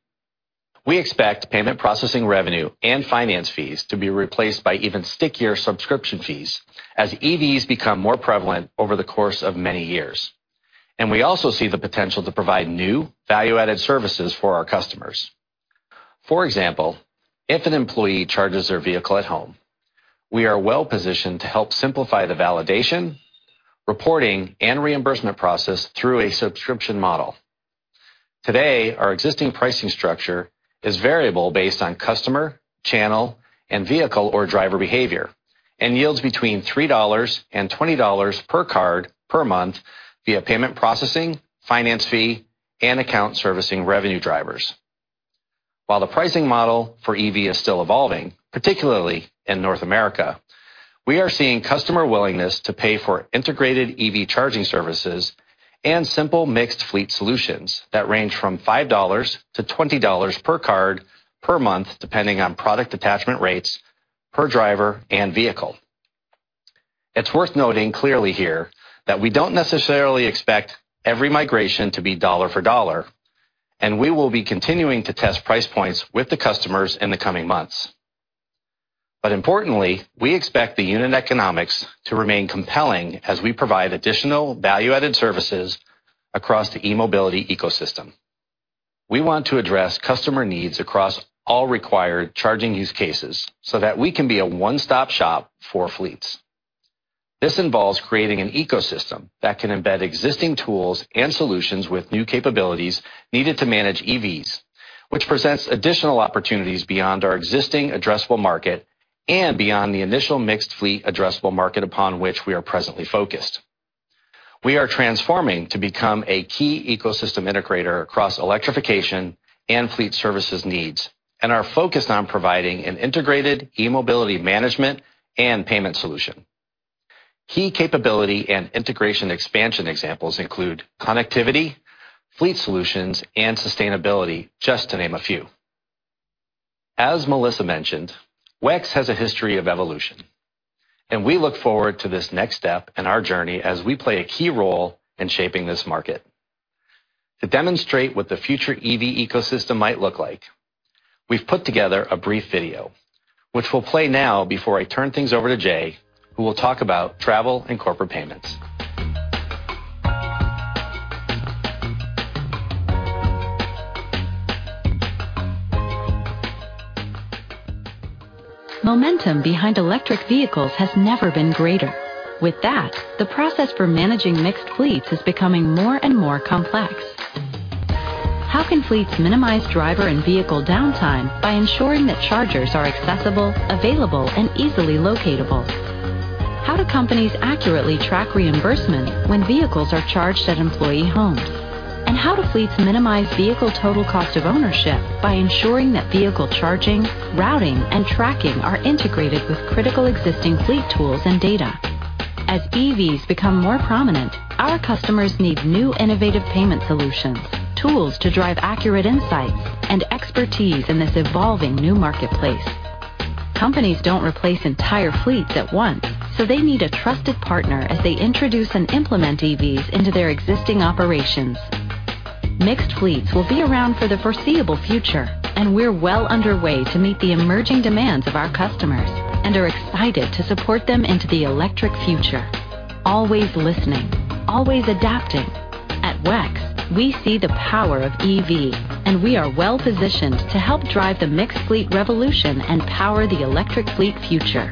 We expect payment processing revenue and finance fees to be replaced by even stickier subscription fees as EVs become more prevalent over the course of many years. We also see the potential to provide new value-added services for our customers. For example, if an employee charges their vehicle at home, we are well-positioned to help simplify the validation, reporting, and reimbursement process through a subscription model. Today, our existing pricing structure is variable based on customer, channel, and vehicle or driver behavior and yields $3-$20 per card per month via payment processing, finance fee, and account servicing revenue drivers. While the pricing model for EV is still evolving, particularly in North America, we are seeing customer willingness to pay for integrated EV charging services and simple mixed fleet solutions that range from $5-$20 per card per month, depending on product attachment rates per driver and vehicle. It's worth noting clearly here that we don't necessarily expect every migration to be dollar for dollar, and we will be continuing to test price points with the customers in the coming months. Importantly, we expect the unit economics to remain compelling as we provide additional value-added services across the e-mobility ecosystem. We want to address customer needs across all required charging use cases so that we can be a one-stop-shop for fleets. This involves creating an ecosystem that can embed existing tools and solutions with new capabilities needed to manage EVs, which presents additional opportunities beyond our existing addressable market and beyond the initial mixed fleet addressable market upon which we are presently focused. We are transforming to become a key ecosystem integrator across electrification and fleet services needs and are focused on providing an integrated e-mobility management and payment solution. Key capability and integration expansion examples include connectivity, fleet solutions, and sustainability, just to name a few. As Melissa mentioned, WEX has a history of evolution, and we look forward to this next step in our journey as we play a key role in shaping this market. To demonstrate what the future EV ecosystem might look like, we've put together a brief video which will play now before I turn things over to Jay, who will talk about travel and corporate payments. Momentum behind electric vehicles has never been greater. With that, the process for managing mixed fleets is becoming more and more complex. How can fleets minimize driver and vehicle downtime by ensuring that chargers are accessible, available, and easily locatable? How do companies accurately track reimbursement when vehicles are charged at employee homes? How do fleets minimize vehicle total cost of ownership by ensuring that vehicle charging, routing, and tracking are integrated with critical existing fleet tools and data? As EVs become more prominent, our customers need new innovative payment solutions, tools to drive accurate insights, and expertise in this evolving new marketplace. Companies don't replace entire fleets at once, so they need a trusted partner as they introduce and implement EVs into their existing operations. Mixed fleets will be around for the foreseeable future, and we're well underway to meet the emerging demands of our customers and are excited to support them into the electric future. Always listening, always adapting. At WEX, we see the power of EV, and we are well-positioned to help drive the mixed fleet revolution and power the electric fleet future.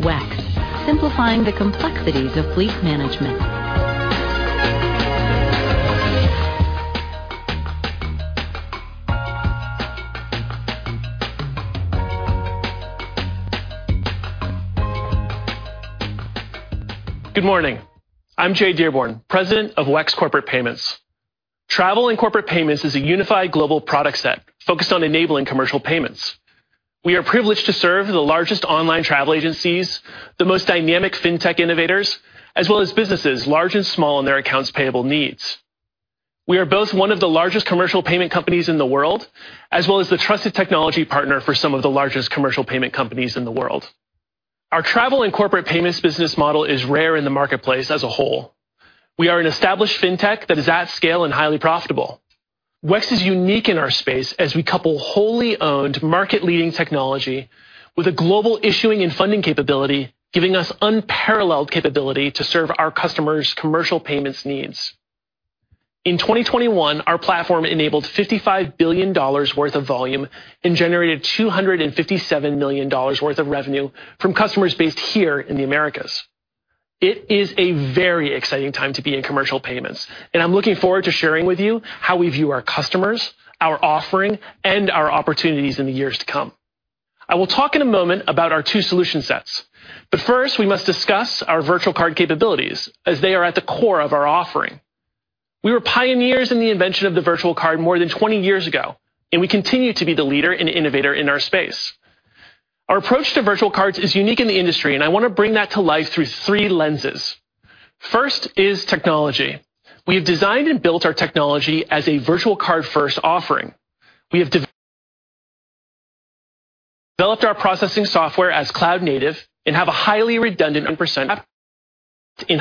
WEX, simplifying the complexities of fleet management. Good morning. I'm Jay Dearborn, President of WEX Corporate Payments. Travel and corporate payments is a unified global product set focused on enabling commercial payments. We are privileged to serve the largest online travel agencies, the most dynamic fintech innovators, as well as businesses large and small in their accounts payable needs. We are both one of the largest commercial payment companies in the world, as well as the trusted technology partner for some of the largest commercial payment companies in the world. Our travel and corporate payments business model is rare in the marketplace as a whole. We are an established fintech that is at scale and highly profitable. WEX is unique in our space as we couple wholly owned market-leading technology with a global issuing and funding capability, giving us unparalleled capability to serve our customers' commercial payments needs. In 2021, our platform enabled $55 billion worth of volume and generated $257 million worth of revenue from customers based here in the Americas. It is a very exciting time to be in commercial payments, and I'm looking forward to sharing with you how we view our customers, our offering, and our opportunities in the years to come. I will talk in a moment about our two solution sets, but first, we must discuss our virtual card capabilities as they are at the core of our offering. We were pioneers in the invention of the virtual card more than 20 years ago, and we continue to be the leader and innovator in our space. Our approach to virtual cards is unique in the industry, and I want to bring that to life through three lenses. First is technology. We have designed and built our technology as a virtual card-first offering. We have developed our processing software as cloud native and have a highly redundant 100% wrapped in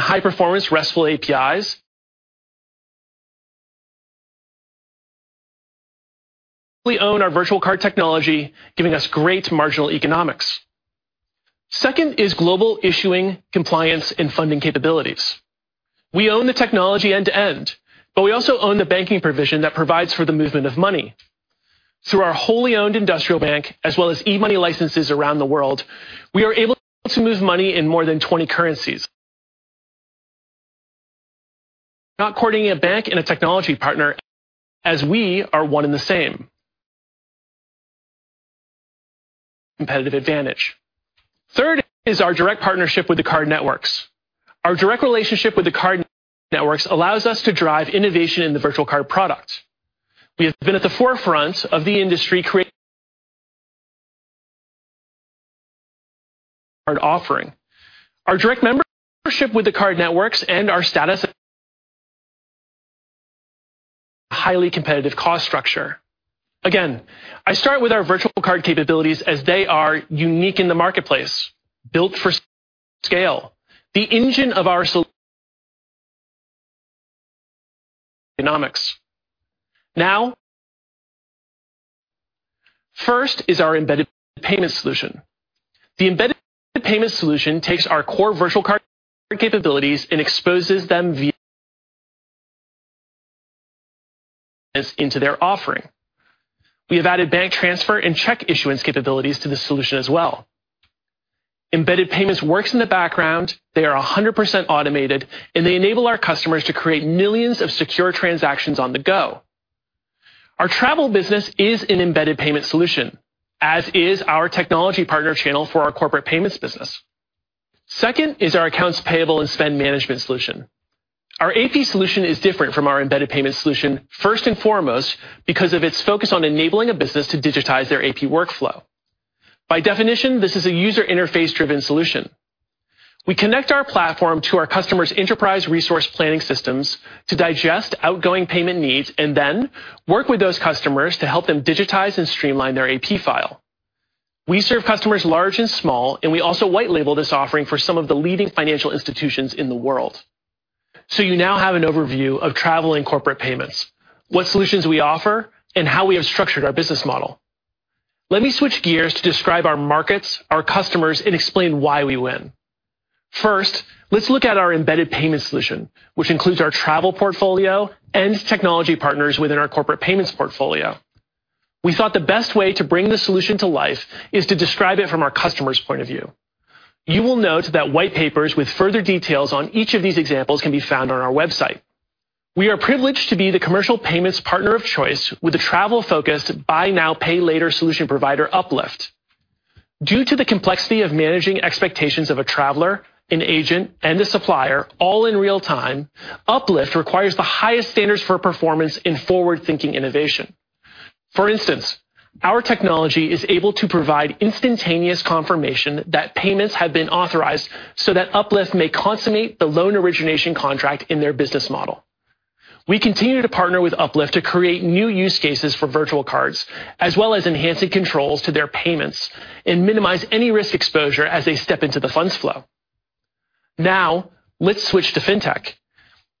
high-performance RESTful APIs. We own our virtual card technology, giving us great marginal economics. Second is global issuing, compliance, and funding capabilities. We own the technology end to end, but we also own the banking provision that provides for the movement of money. Through our wholly owned industrial bank as well as e-money licenses around the world, we are able to move money in more than 20 currencies. Not courting a bank and a technology partner as we are one and the same. Competitive advantage. Third is our direct partnership with the card networks. Our direct relationship with the card networks allows us to drive innovation in the virtual card product. We have been at the forefront of the industry creating virtual card offering. Our direct membership with the card networks and our status of highly competitive cost structure. Again, I start with our virtual card capabilities as they are unique in the marketplace, built for scale, the engine of our solution economics. Now, first is our embedded payment solution. The embedded payment solution takes our core virtual card capabilities and exposes them via APIs into their offering. We have added bank transfer and check issuance capabilities to the solution as well. Embedded payments works in the background, they are 100% automated, and they enable our customers to create millions of secure transactions on the go. Our travel business is an embedded payment solution, as is our technology partner channel for our corporate payments business. Second is our accounts payable and spend management solution. Our AP solution is different from our embedded payment solution, first and foremost, because of its focus on enabling a business to digitize their AP workflow. By definition, this is a user interface-driven solution. We connect our platform to our customers' enterprise resource planning systems to digest outgoing payment needs and then work with those customers to help them digitize and streamline their AP file. We serve customers large and small, and we also white label this offering for some of the leading financial institutions in the world. You now have an overview of travel and corporate payments, what solutions we offer, and how we have structured our business model. Let me switch gears to describe our markets, our customers, and explain why we win. First, let's look at our embedded payment solution, which includes our travel portfolio and technology partners within our corporate payments portfolio. We thought the best way to bring the solution to life is to describe it from our customer's point of view. You will note that white papers with further details on each of these examples can be found on our website. We are privileged to be the commercial payments partner of choice with a travel-focused buy now, pay later solution provider, Uplift. Due to the complexity of managing expectations of a traveler, an agent, and a supplier all in real time, Uplift requires the highest standards for performance in forward-thinking innovation. For instance, our technology is able to provide instantaneous confirmation that payments have been authorized so that Uplift may consummate the loan origination contract in their business model. We continue to partner with Uplift to create new use cases for virtual cards, as well as enhancing controls to their payments and minimize any risk exposure as they step into the funds flow. Now let's switch to fintech.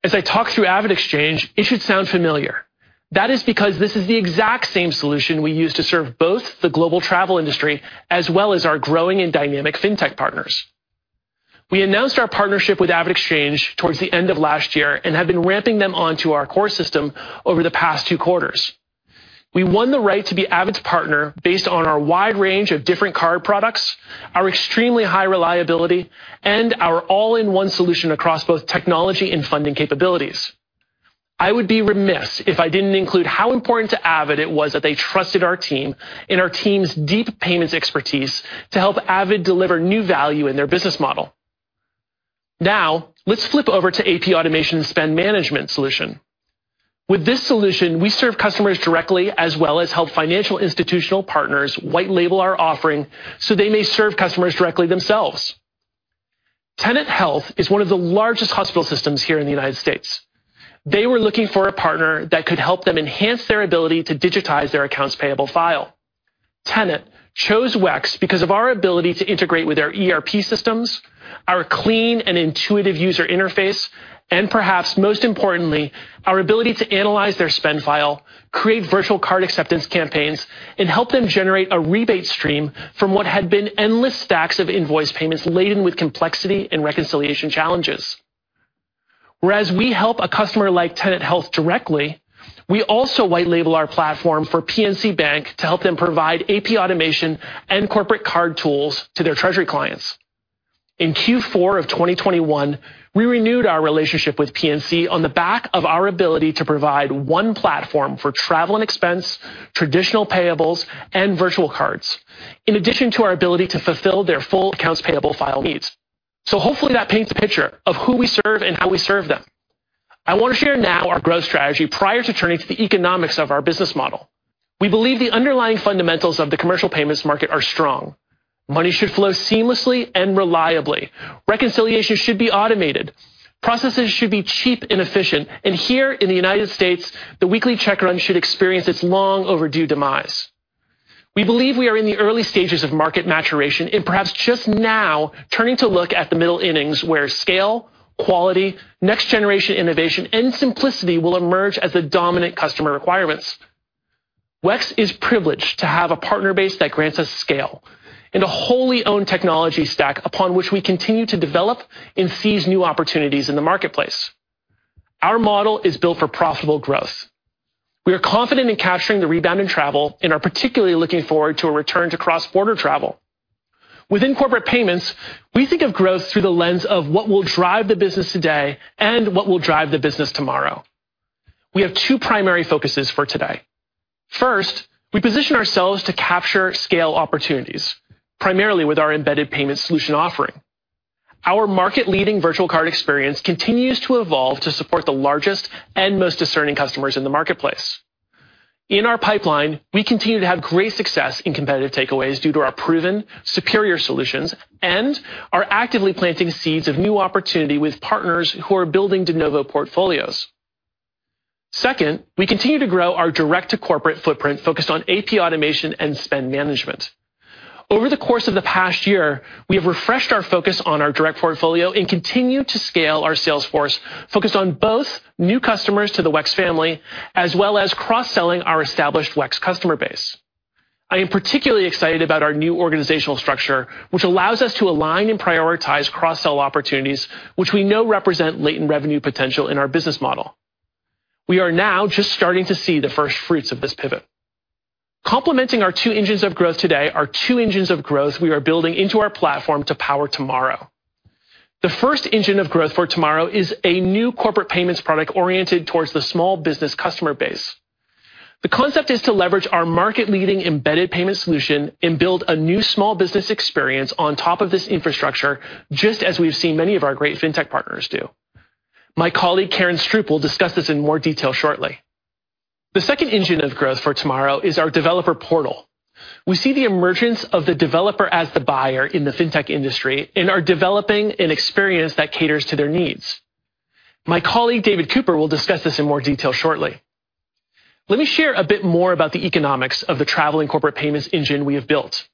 As I talk through AvidXchange, it should sound familiar. That is because this is the exact same solution we use to serve both the global travel industry as well as our growing and dynamic fintech partners. We announced our partnership with AvidXchange towards the end of last year and have been ramping them onto our core system over the past two quarters. We won the right to be AvidXchange's partner based on our wide range of different card products, our extremely high reliability, and our all-in-one solution across both technology and funding capabilities. I would be remiss if I didn't include how important to AvidXchange it was that they trusted our team and our team's deep payments expertise to help AvidXchange deliver new value in their business model. Now let's flip over to AP automation spend management solution. With this solution, we serve customers directly as well as help financial institutional partners white label our offering so they may serve customers directly themselves. Tenet Healthcare is one of the largest hospital systems here in the United States. They were looking for a partner that could help them enhance their ability to digitize their accounts payable file. Tenet chose WEX because of our ability to integrate with their ERP systems, our clean and intuitive user interface, and perhaps most importantly, our ability to analyze their spend file, create virtual card acceptance campaigns, and help them generate a rebate stream from what had been endless stacks of invoice payments laden with complexity and reconciliation challenges. Whereas we help a customer like Tenet Health directly, we also white label our platform for PNC Bank to help them provide AP automation and corporate card tools to their treasury clients. In Q4 of 2021, we renewed our relationship with PNC on the back of our ability to provide one platform for travel and expense, traditional payables, and virtual cards, in addition to our ability to fulfill their full accounts payable file needs. Hopefully that paints a picture of who we serve and how we serve them. I want to share now our growth strategy prior to turning to the economics of our business model. We believe the underlying fundamentals of the commercial payments market are strong. Money should flow seamlessly and reliably. Reconciliation should be automated. Processes should be cheap and efficient. Here in the United States, the weekly check run should experience its long overdue demise. We believe we are in the early stages of market maturation and perhaps just now turning to look at the middle innings where scale, quality, next generation innovation, and simplicity will emerge as the dominant customer requirements. WEX is privileged to have a partner base that grants us scale and a wholly owned technology stack upon which we continue to develop and seize new opportunities in the marketplace. Our model is built for profitable growth. We are confident in capturing the rebound in travel and are particularly looking forward to a return to cross-border travel. Within corporate payments, we think of growth through the lens of what will drive the business today and what will drive the business tomorrow. We have two primary focuses for today. First, we position ourselves to capture scale opportunities, primarily with our embedded payment solution offering. Our market-leading virtual card experience continues to evolve to support the largest and most discerning customers in the marketplace. In our pipeline, we continue to have great success in competitive takeaways due to our proven superior solutions and are actively planting seeds of new opportunity with partners who are building de novo portfolios. Second, we continue to grow our direct-to-corporate footprint focused on AP automation and spend management. Over the course of the past year, we have refreshed our focus on our direct portfolio and continue to scale our sales force focused on both new customers to the WEX family as well as cross-selling our established WEX customer base. I am particularly excited about our new organizational structure, which allows us to align and prioritize cross-sell opportunities which we know represent latent revenue potential in our business model. We are now just starting to see the first fruits of this pivot. Complementing our two engines of growth today are two engines of growth we are building into our platform to power tomorrow. The first engine of growth for tomorrow is a new corporate payments product oriented towards the small business customer base. The concept is to leverage our market-leading embedded payment solution and build a new small business experience on top of this infrastructure, just as we've seen many of our great fintech partners do. My colleague, Karen Stroup, will discuss this in more detail shortly. The second engine of growth for tomorrow is our developer portal. We see the emergence of the developer as the buyer in the fintech industry and are developing an experience that caters to their needs. My colleague, David Cooper, will discuss this in more detail shortly. Let me share a bit more about the economics of the travel and corporate payments engine we have built.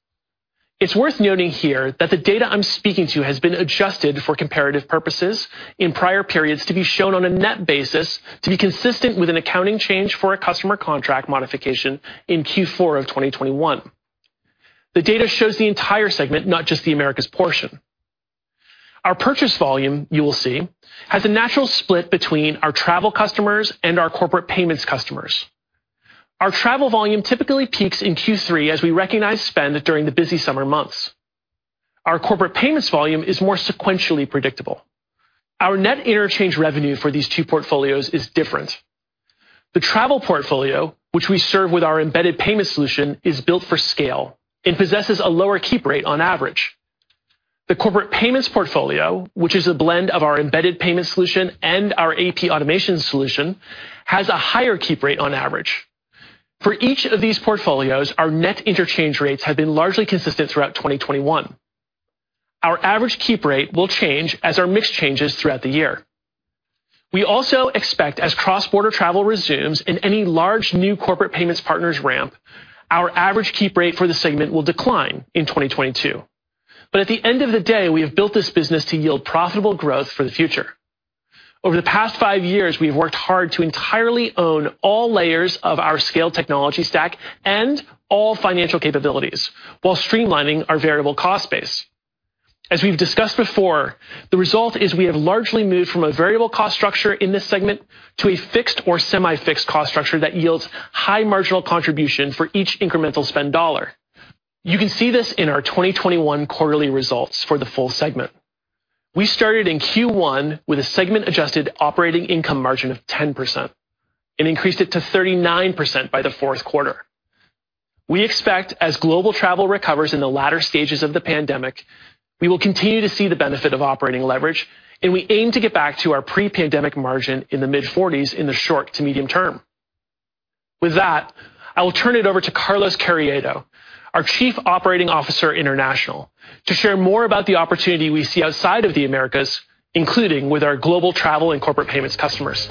It's worth noting here that the data I'm speaking to has been adjusted for comparative purposes in prior periods to be shown on a net basis to be consistent with an accounting change for a customer contract modification in Q4 of 2021. The data shows the entire segment, not just the Americas portion. Our purchase volume, you will see, has a natural split between our travel customers and our corporate payments customers. Our travel volume typically peaks in Q3 as we recognize spend during the busy summer months. Our corporate payments volume is more sequentially predictable. Our net interchange revenue for these two portfolios is different. The travel portfolio, which we serve with our embedded payment solution, is built for scale and possesses a lower keep rate on average. The corporate payments portfolio, which is a blend of our embedded payment solution and our AP automation solution, has a higher keep rate on average. For each of these portfolios, our net interchange rates have been largely consistent throughout 2021. Our average keep rate will change as our mix changes throughout the year. We also expect, as cross-border travel resumes and any large new corporate payments partners ramp, our average keep rate for the segment will decline in 2022. At the end of the day, we have built this business to yield profitable growth for the future. Over the past five years, we have worked hard to entirely own all layers of our scalable technology stack and all financial capabilities while streamlining our variable cost base. As we've discussed before, the result is we have largely moved from a variable cost structure in this segment to a fixed or semi-fixed cost structure that yields high marginal contribution for each incremental spend dollar. You can see this in our 2021 quarterly results for the full segment. We started in Q1 with a segment-adjusted operating income margin of 10% and increased it to 39% by the fourth quarter. We expect as global travel recovers in the latter stages of the pandemic, we will continue to see the benefit of operating leverage, and we aim to get back to our pre-pandemic margin in the mid-40s% in the short to medium term. With that, I will turn it over to Carlos Carriedo, our Chief Operating Officer, International, to share more about the opportunity we see outside of the Americas, including with our global travel and corporate payments customers.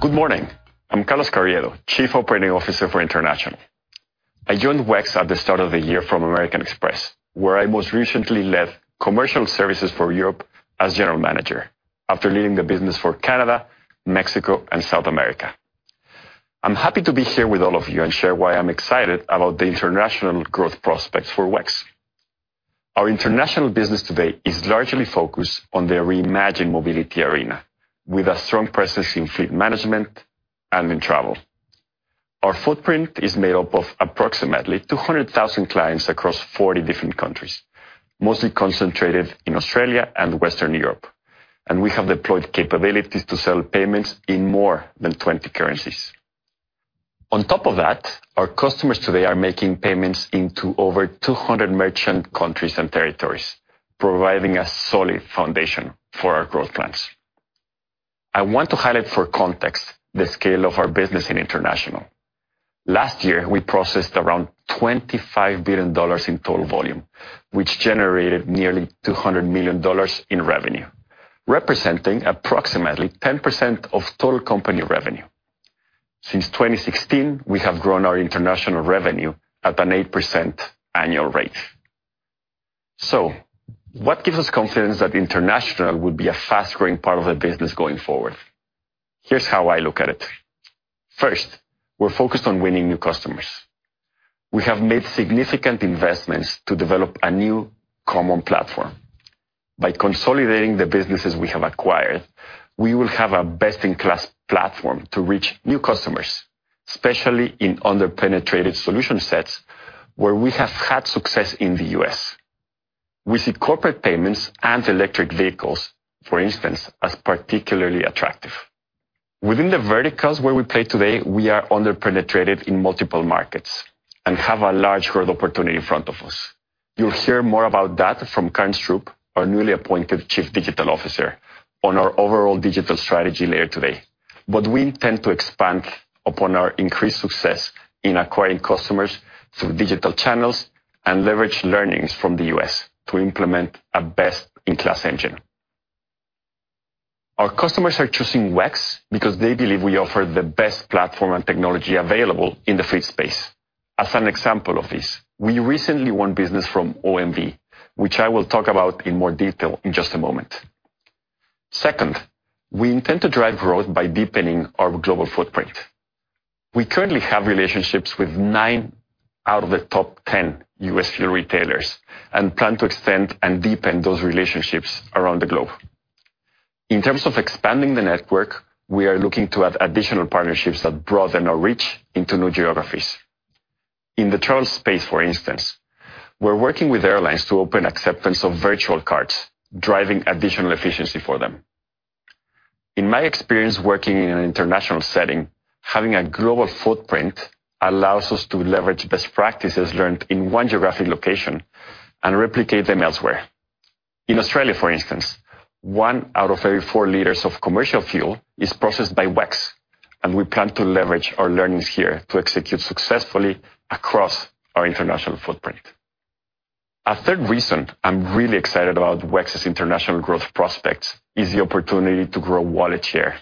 Good morning. I'm Carlos Carriedo, Chief Operating Officer for International. I joined WEX at the start of the year from American Express, where I most recently led commercial services for Europe as General Manager after leading the business for Canada, Mexico, and South America. I'm happy to be here with all of you and share why I'm excited about the international growth prospects for WEX. Our international business today is largely focused on the reimagined mobility arena with a strong presence in fleet management and in travel. Our footprint is made up of approximately 200,000 clients across 40 different countries, mostly concentrated in Australia and Western Europe. We have deployed capabilities to sell payments in more than 20 currencies. On top of that, our customers today are making payments into over 200 merchant countries and territories, providing a solid foundation for our growth plans. I want to highlight for context the scale of our business in international. Last year, we processed around $25 billion in total volume, which generated nearly $200 million in revenue, representing approximately 10% of total company revenue. Since 2016, we have grown our international revenue at an 8% annual rate. What gives us confidence that international will be a fast-growing part of the business going forward? Here's how I look at it. First, we're focused on winning new customers. We have made significant investments to develop a new common platform. By consolidating the businesses we have acquired, we will have a best-in-class platform to reach new customers, especially in under-penetrated solution sets where we have had success in the U.S. We see corporate payments and electric vehicles, for instance, as particularly attractive. Within the verticals where we play today, we are under-penetrated in multiple markets and have a large growth opportunity in front of us. You'll hear more about that from Karen Stroup, our newly appointed Chief Digital Officer, on our overall digital strategy later today. We intend to expand upon our increased success in acquiring customers through digital channels and leverage learnings from the U.S. to implement a best-in-class engine. Our customers are choosing WEX because they believe we offer the best platform and technology available in the fleet space. As an example of this, we recently won business from OMV, which I will talk about in more detail in just a moment. Second, we intend to drive growth by deepening our global footprint. We currently have relationships with nine out of the top 10 U.S. fuel retailers and plan to extend and deepen those relationships around the globe. In terms of expanding the network, we are looking to have additional partnerships that broaden our reach into new geographies. In the travel space, for instance, we're working with airlines to open acceptance of virtual cards, driving additional efficiency for them. In my experience working in an international setting, having a global footprint allows us to leverage best practices learned in one geographic location and replicate them elsewhere. In Australia, for instance, 1 out of every 4 liters of commercial fuel is processed by WEX, and we plan to leverage our learnings here to execute successfully across our international footprint. A third reason I'm really excited about WEX's international growth prospects is the opportunity to grow wallet share.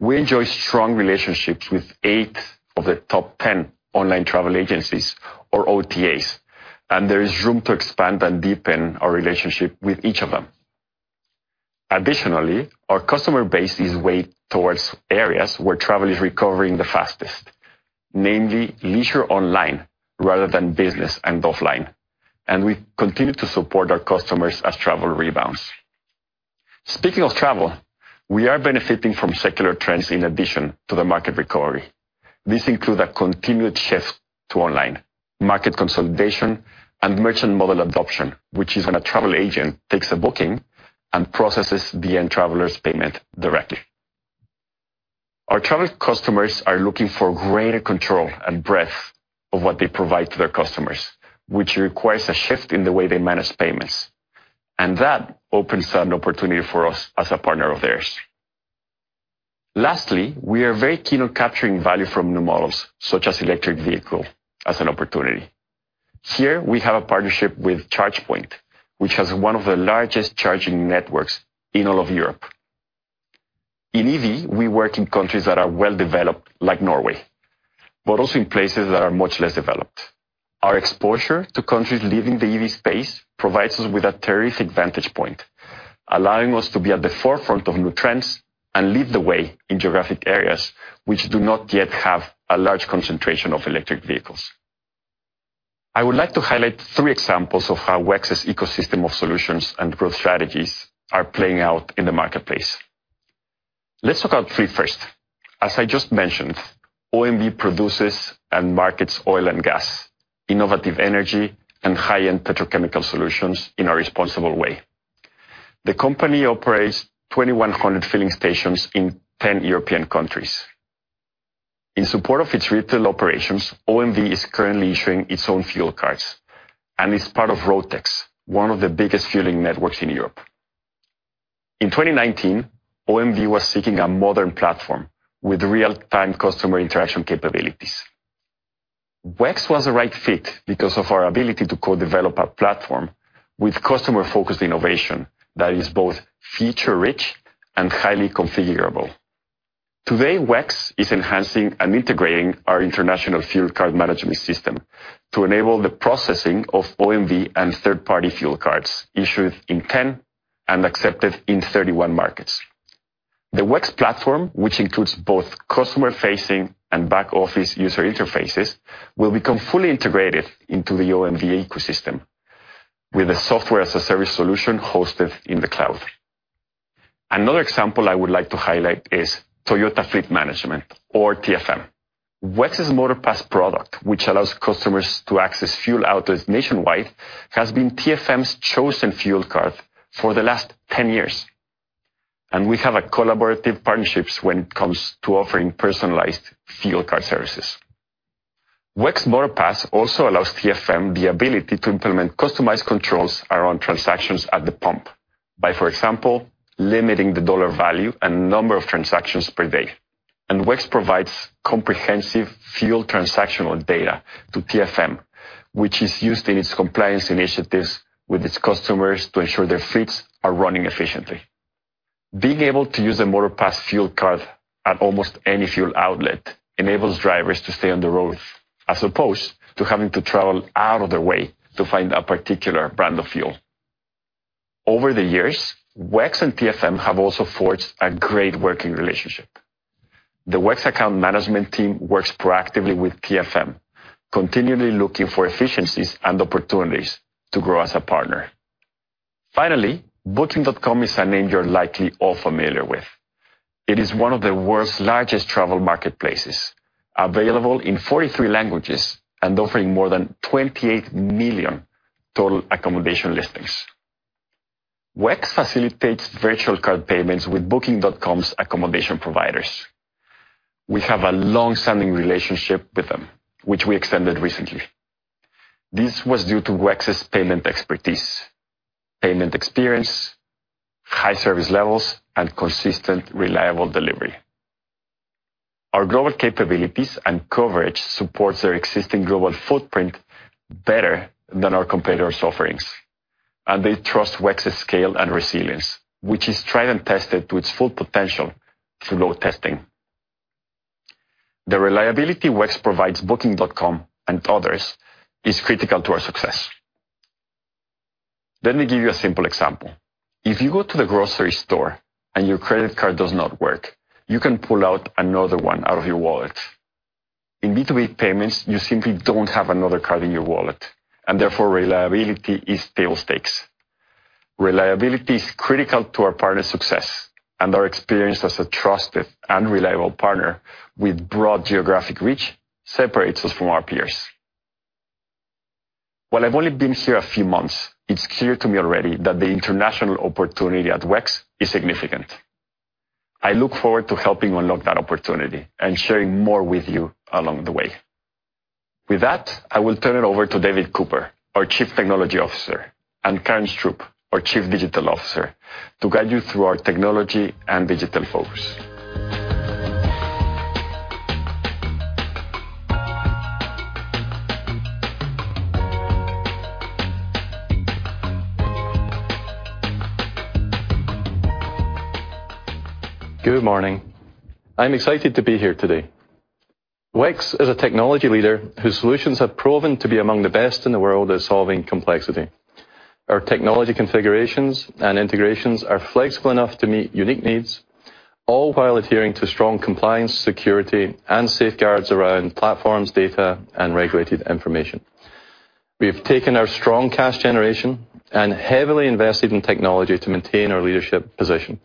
We enjoy strong relationships with 8 of the top 10 online travel agencies or OTAs, and there is room to expand and deepen our relationship with each of them. Additionally, our customer base is weighed towards areas where travel is recovering the fastest, namely leisure online rather than business and offline, and we continue to support our customers as travel rebounds. Speaking of travel, we are benefiting from secular trends in addition to the market recovery. These include a continued shift to online market consolidation and merchant model adoption, which is when a travel agent takes a booking and processes the end traveler's payment directly. Our travel customers are looking for greater control and breadth of what they provide to their customers, which requires a shift in the way they manage payments, and that opens an opportunity for us as a partner of theirs. Lastly, we are very keen on capturing value from new models, such as electric vehicle as an opportunity. Here we have a partnership with ChargePoint, which has one of the largest charging networks in all of Europe. In EV, we work in countries that are well-developed, like Norway, but also in places that are much less developed. Our exposure to countries leading the EV space provides us with a terrific vantage point, allowing us to be at the forefront of new trends and lead the way in geographic areas which do not yet have a large concentration of electric vehicles. I would like to highlight three examples of how WEX's ecosystem of solutions and growth strategies are playing out in the marketplace. Let's talk about fleet first. As I just mentioned, OMV produces and markets oil and gas, innovative energy, and high-end petrochemical solutions in a responsible way. The company operates 2,100 filling stations in 10 European countries. In support of its retail operations, OMV is currently issuing its own fuel cards and is part of ROUTEX, one of the biggest fueling networks in Europe. In 2019, OMV was seeking a modern platform with real-time customer interaction capabilities. WEX was the right fit because of our ability to co-develop a platform with customer-focused innovation that is both feature-rich and highly configurable. Today, WEX is enhancing and integrating our international fuel card management system to enable the processing of OMV and third-party fuel cards issued in 10 and accepted in 31 markets. The WEX platform, which includes both customer facing and back office user interfaces, will become fully integrated into the OMV ecosystem with a software as a service solution hosted in the cloud. Another example I would like to highlight is Toyota Fleet Management or TFM. WEX's Motorpass product, which allows customers to access fuel outlets nationwide, has been TFM's chosen fuel card for the last 10 years. We have a collaborative partnerships when it comes to offering personalized fuel card services. WEX Motorpass also allows TFM the ability to implement customized controls around transactions at the pump by, for example, limiting the dollar value and number of transactions per day. WEX provides comprehensive fuel transactional data to TFM, which is used in its compliance initiatives with its customers to ensure their fleets are running efficiently. Being able to use a Motorpass fuel card at almost any fuel outlet enables drivers to stay on the road as opposed to having to travel out of their way to find a particular brand of fuel. Over the years, WEX and TFM have also forged a great working relationship. The WEX account management team works proactively with TFM, continually looking for efficiencies and opportunities to grow as a partner. Finally, booking.com is a name you're likely all familiar with. It is one of the world's largest travel marketplaces, available in 43 languages and offering more than 28 million total accommodation listings. WEX facilitates virtual card payments with booking.com's accommodation providers. We have a long-standing relationship with them, which we extended recently. This was due to WEX's payment expertise, payment experience, high service levels, and consistent reliable delivery. Our global capabilities and coverage supports their existing global footprint better than our competitors' offerings. They trust WEX's scale and resilience, which is tried and tested to its full potential through load testing. The reliability WEX provides booking.com and others is critical to our success. Let me give you a simple example. If you go to the grocery store and your credit card does not work, you can pull out another one out of your wallet. In B2B payments, you simply don't have another card in your wallet, and therefore, reliability is table stakes. Reliability is critical to our partners' success and our experience as a trusted and reliable partner with broad geographic reach separates us from our peers. While I've only been here a few months, it's clear to me already that the international opportunity at WEX is significant. I look forward to helping unlock that opportunity and sharing more with you along the way. With that, I will turn it over to David Cooper, our Chief Technology Officer, and Karen Stroup, our Chief Digital Officer, to guide you through our technology and digital focus. Good morning. I'm excited to be here today. WEX is a technology leader whose solutions have proven to be among the best in the world at solving complexity. Our technology configurations and integrations are flexible enough to meet unique needs, all while adhering to strong compliance, security, and safeguards around platforms, data, and regulated information. We have taken our strong cash generation and heavily invested in technology to maintain our leadership position.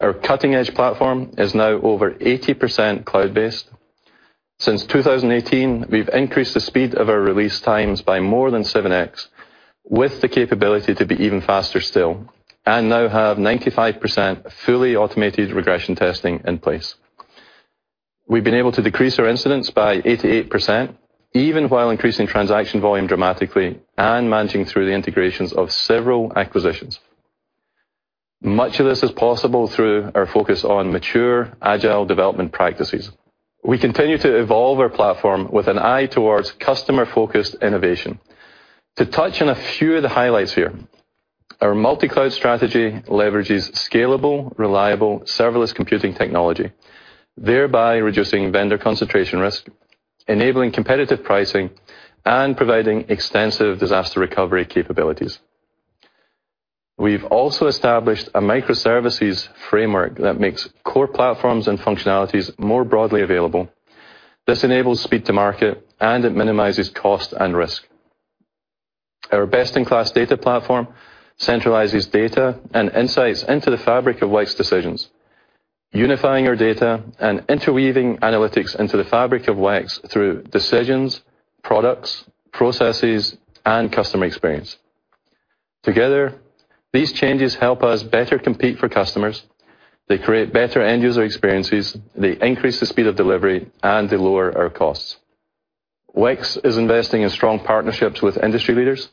Our cutting-edge platform is now over 80% cloud-based. Since 2018, we've increased the speed of our release times by more than 7x, with the capability to be even faster still, and now have 95% fully automated regression testing in place. We've been able to decrease our incidents by 88%, even while increasing transaction volume dramatically and managing through the integrations of several acquisitions. Much of this is possible through our focus on mature agile development practices. We continue to evolve our platform with an eye towards customer-focused innovation. To touch on a few of the highlights here, our multi-cloud strategy leverages scalable, reliable, serverless computing technology, thereby reducing vendor concentration risk, enabling competitive pricing, and providing extensive disaster recovery capabilities. We've also established a microservices framework that makes core platforms and functionalities more broadly available. This enables speed to market, and it minimizes cost and risk. Our best-in-class data platform centralizes data and insights into the fabric of WEX decisions, unifying our data and interweaving analytics into the fabric of WEX through decisions, products, processes, and customer experience. Together, these changes help us better compete for customers. They create better end-user experiences. They increase the speed of delivery, and they lower our costs. WEX is investing in strong partnerships with industry leaders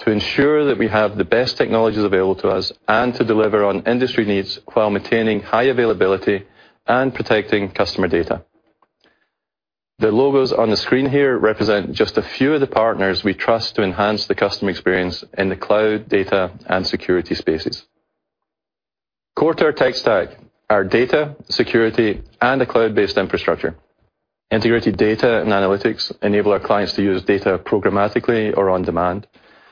to ensure that we have the best technologies available to us and to deliver on industry needs while maintaining high availability and protecting customer data. The logos on the screen here represent just a few of the partners we trust to enhance the customer experience in the cloud data and security spaces. Core to our tech stack, our data, security, and a cloud-based infrastructure. Integrated data and analytics enable our clients to use data programmatically or on demand.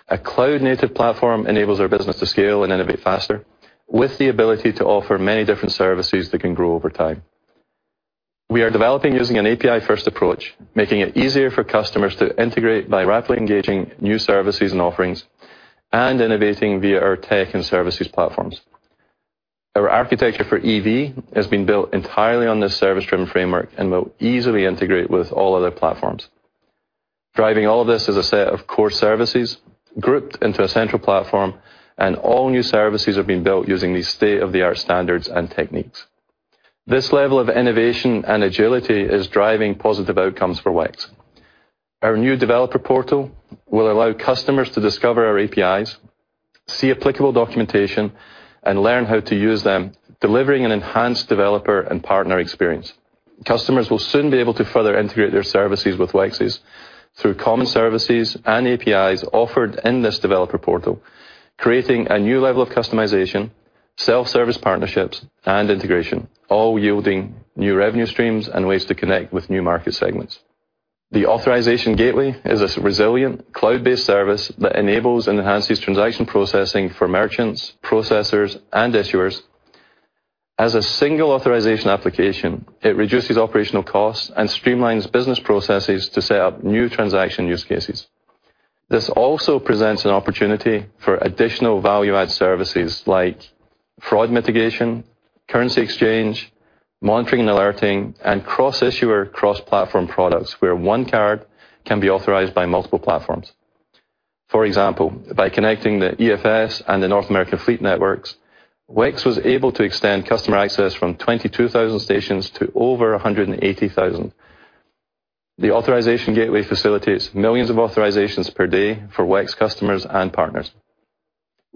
A cloud-native platform enables our business to scale and innovate faster with the ability to offer many different services that can grow over time. We are developing using an API-first approach, making it easier for customers to integrate by rapidly engaging new services and offerings and innovating via our tech and services platforms. Our architecture for EV has been built entirely on this service-driven framework and will easily integrate with all other platforms. Driving all of this is a set of core services grouped into a central platform, and all new services have been built using these state-of-the-art standards and techniques. This level of innovation and agility is driving positive outcomes for WEX. Our new developer portal will allow customers to discover our APIs, see applicable documentation, and learn how to use them, delivering an enhanced developer and partner experience. Customers will soon be able to further integrate their services with WEX's through common services and APIs offered in this developer portal, creating a new level of customization, self-service partnerships, and integration, all yielding new revenue streams and ways to connect with new market segments. The authorization gateway is this resilient cloud-based service that enables and enhances transaction processing for merchants, processors, and issuers. As a single authorization application, it reduces operational costs and streamlines business processes to set up new transaction use cases. This also presents an opportunity for additional value-add services like fraud mitigation, currency exchange, monitoring and alerting, and cross-issuer, cross-platform products where one card can be authorized by multiple platforms. For example, by connecting the EFS and the North American fleet networks, WEX was able to extend customer access from 22,000 stations to over 180,000. The authorization gateway facilitates millions of authorizations per day for WEX customers and partners.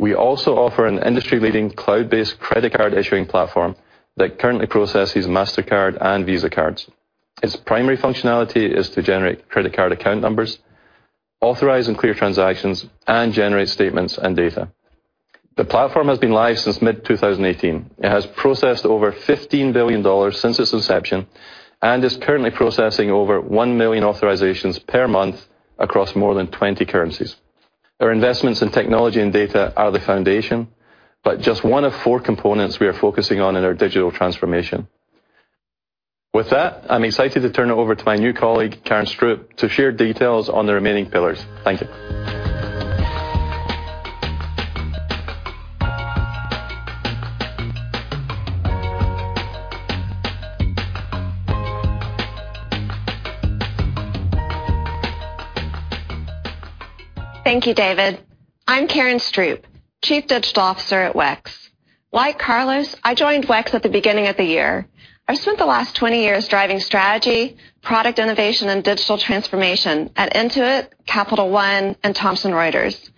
We also offer an industry-leading cloud-based credit card issuing platform that currently processes Mastercard and Visa cards. Its primary functionality is to generate credit card account numbers, authorize and clear transactions, and generate statements and data. The platform has been live since mid-2018. It has processed over $15 billion since its inception and is currently processing over 1 million authorizations per month across more than 20 currencies. Our investments in technology and data are the foundation, but just one of 4 components we are focusing on in our digital transformation. With that, I'm excited to turn it over to my new colleague, Karen Stroup, to share details on the remaining pillars. Thank you. Thank you, David. I'm Karen Stroup, Chief Digital Officer at WEX. Like Carlos, I joined WEX at the beginning of the year. I've spent the last 20 years driving strategy, product innovation, and digital transformation at Intuit, Capital One, and Thomson Reuters.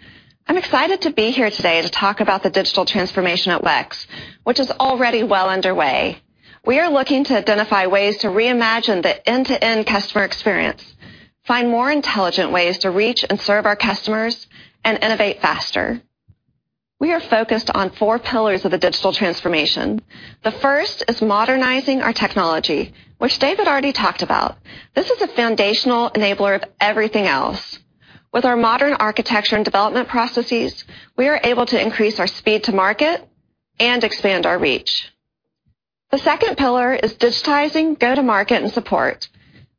I'm excited to be here today to talk about the digital transformation at WEX, which is already well underway. We are looking to identify ways to reimagine the end-to-end customer experience, find more intelligent ways to reach and serve our customers, and innovate faster. We are focused on four pillars of the digital transformation. The first is modernizing our technology, which David already talked about. This is a foundational enabler of everything else. With our modern architecture and development processes, we are able to increase our speed to market and expand our reach. The second pillar is digitizing go-to-market and support,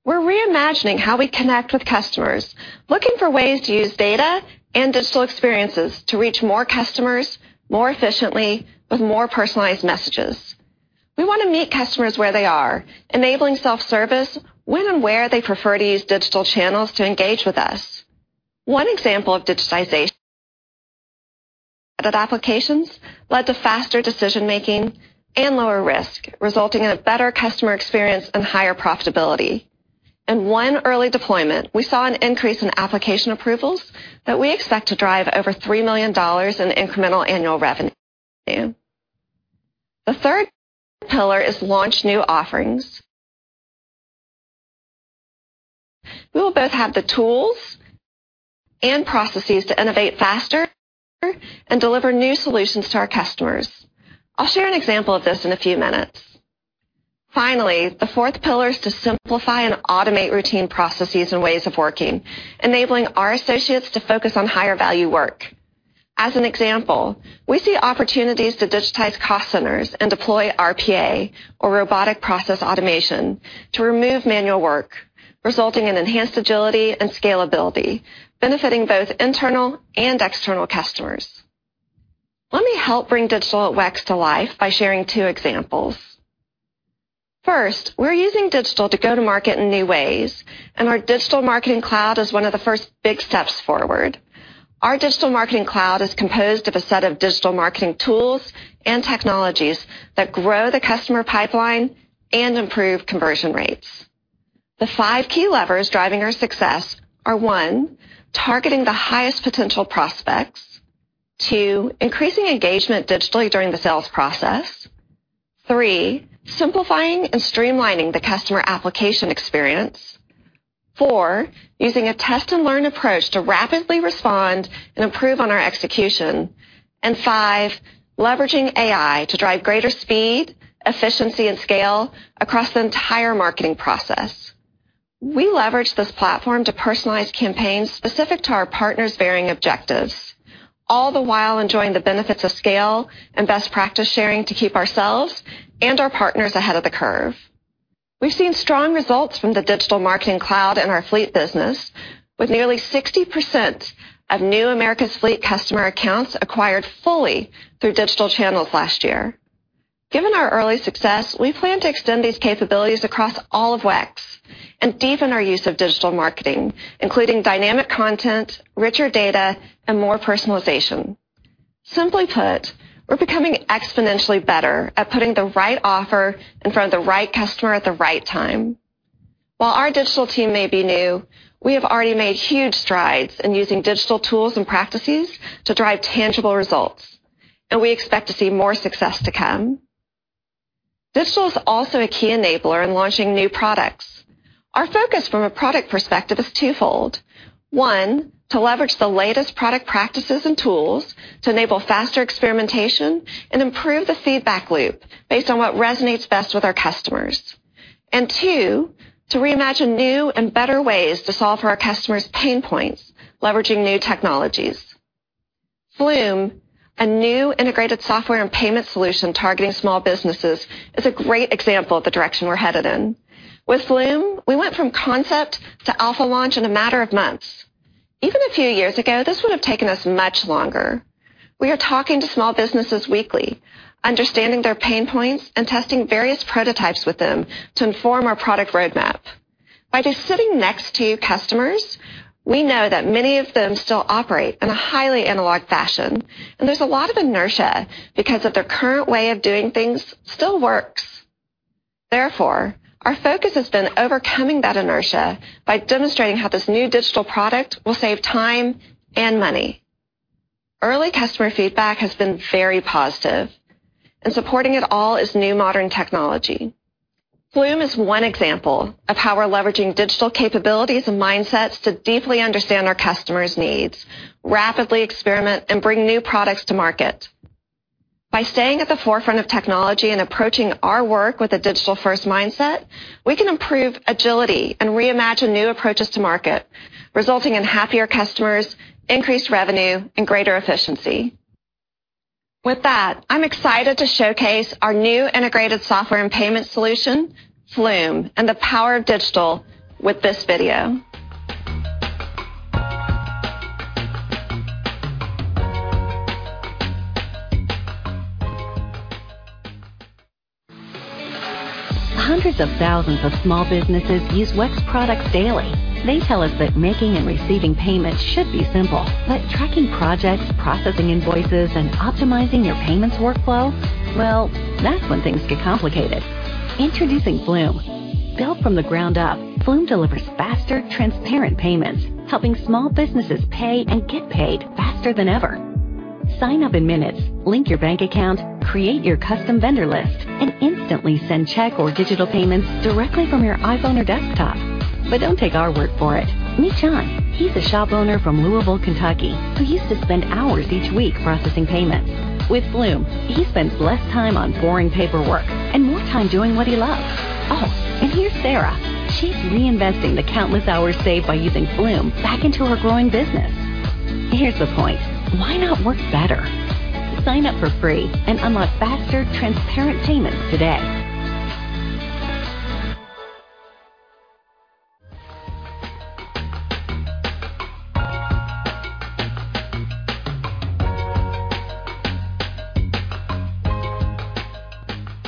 where imagining how we connect with customers, looking for ways to use data and digital experiences to reach more customers more efficiently with more personalized messages. We wanna meet customers where they are, enabling self-service when and where they prefer to use digital channels to engage with us. One example of digitization applications led to faster decision-making and lower risk, resulting in a better customer experience and higher profitability. In one early deployment, we saw an increase in application approvals that we expect to drive over $3 million in incremental annual revenue. The third pillar is launching new offerings. We will both have the tools and processes to innovate faster and deliver new solutions to our customers. I'll share an example of this in a few minutes. Finally, the fourth pillar is to simplify and automate routine processes and ways of working, enabling our associates to focus on higher value work. As an example, we see opportunities to digitize cost centers and deploy RPA or robotic process automation to remove manual work, resulting in enhanced agility and scalability, benefiting both internal and external customers. Let me help bring digital at WEX to life by sharing two examples. First, we're using digital to go to market in new ways, and our Digital Marketing Cloud is one of the first big steps forward. Our Digital Marketing Cloud is composed of a set of digital marketing tools and technologies that grow the customer pipeline and improve conversion rates. The five key levers driving our success are, one, targeting the highest potential prospects. Two, increasing engagement digitally during the sales process. Three, simplifying and streamlining the customer application experience. Four, using a test and learn approach to rapidly respond and improve on our execution. Five, leveraging AI to drive greater speed, efficiency, and scale across the entire marketing process. We leverage this platform to personalize campaigns specific to our partners' varying objectives, all the while enjoying the benefits of scale and best practice sharing to keep ourselves and our partners ahead of the curve. We've seen strong results from the digital marketing cloud in our fleet business with nearly 60% of new Americas fleet customer accounts acquired fully through digital channels last year. Given our early success, we plan to extend these capabilities across all of WEX and deepen our use of digital marketing, including dynamic content, richer data, and more personalization. Simply put, we're becoming exponentially better at putting the right offer in front of the right customer at the right time. While our digital team may be new, we have already made huge strides in using digital tools and practices to drive tangible results, and we expect to see more success to come. Digital is also a key enabler in launching new products. Our focus from a product perspective is twofold. One, to leverage the latest product practices and tools to enable faster experimentation and improve the feedback loop based on what resonates best with our customers. Two, to reimagine new and better ways to solve for our customers' pain points, leveraging new technologies. Flume, a new integrated software and payment solution targeting small businesses, is a great example of the direction we're headed in. With Flume, we went from concept to alpha launch in a matter of months. Even a few years ago, this would have taken us much longer. We are talking to small businesses weekly, understanding their pain points and testing various prototypes with them to inform our product roadmap. By just sitting next to customers, we know that many of them still operate in a highly analog fashion, and there's a lot of inertia because their current way of doing things still works. Therefore, our focus has been overcoming that inertia by demonstrating how this new digital product will save time and money. Early customer feedback has been very positive, and supporting it all is new modern technology. Flume is one example of how we're leveraging digital capabilities and mindsets to deeply understand our customers' needs, rapidly experiment, and bring new products to market. By staying at the forefront of technology and approaching our work with a digital-first mindset, we can improve agility and reimagine new approaches to market, resulting in happier customers, increased revenue, and greater efficiency. With that, I'm excited to showcase our new integrated software and payment solution, Flume, and the power of digital with this video. Hundreds of thousands of small businesses use WEX products daily. They tell us that making and receiving payments should be simple, but tracking projects, processing invoices, and optimizing your payments workflow, well, that's when things get complicated. Introducing Flume. Built from the ground up, Flume delivers faster, transparent payments, helping small businesses pay and get paid faster than ever. Sign up in minutes. Link your bank account. Create your custom vendor list, and instantly send check or digital payments directly from your iPhone or desktop. Don't take our word for it. Meet John. He's a shop owner from Louisville, Kentucky, who used to spend hours each week processing payments. With Flume, he spends less time on boring paperwork and more time doing what he loves. Oh, and here's Sarah. She's reinvesting the countless hours saved by using Flume back into her growing business. Here's the point. Why not work better? Sign up for free and unlock faster, transparent payments today.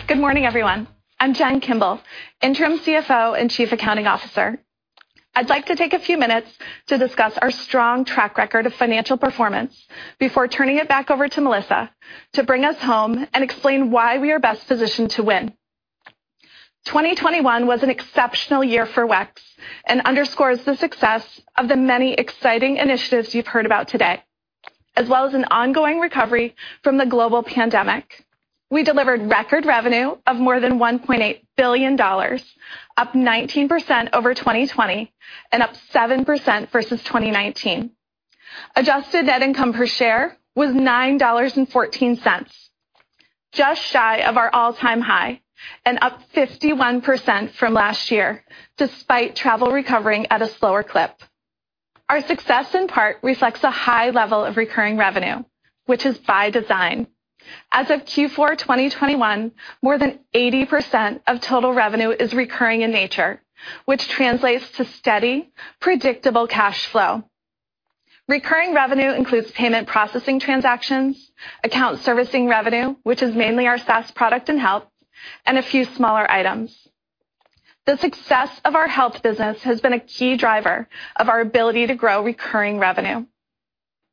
Good morning, everyone. I'm Jennifer Kimball, Interim CFO and Chief Accounting Officer. I'd like to take a few minutes to discuss our strong track record of financial performance before turning it back over to Melissa to bring us home and explain why we are best positioned to win. 2021 was an exceptional year for WEX and underscores the success of the many exciting initiatives you've heard about today, as well as an ongoing recovery from the global pandemic. We delivered record revenue of more than $1.8 billion, up 19% over 2020 and up 7% versus 2019. Adjusted net income per share was $9.14, just shy of our all-time high and up 51% from last year, despite travel recovering at a slower clip. Our success in part reflects a high level of recurring revenue, which is by design. As of Q4 2021, more than 80% of total revenue is recurring in nature, which translates to steady, predictable cash flow. Recurring revenue includes payment processing transactions, account servicing revenue, which is mainly our SaaS product and health, and a few smaller items. The success of our health business has been a key driver of our ability to grow recurring revenue.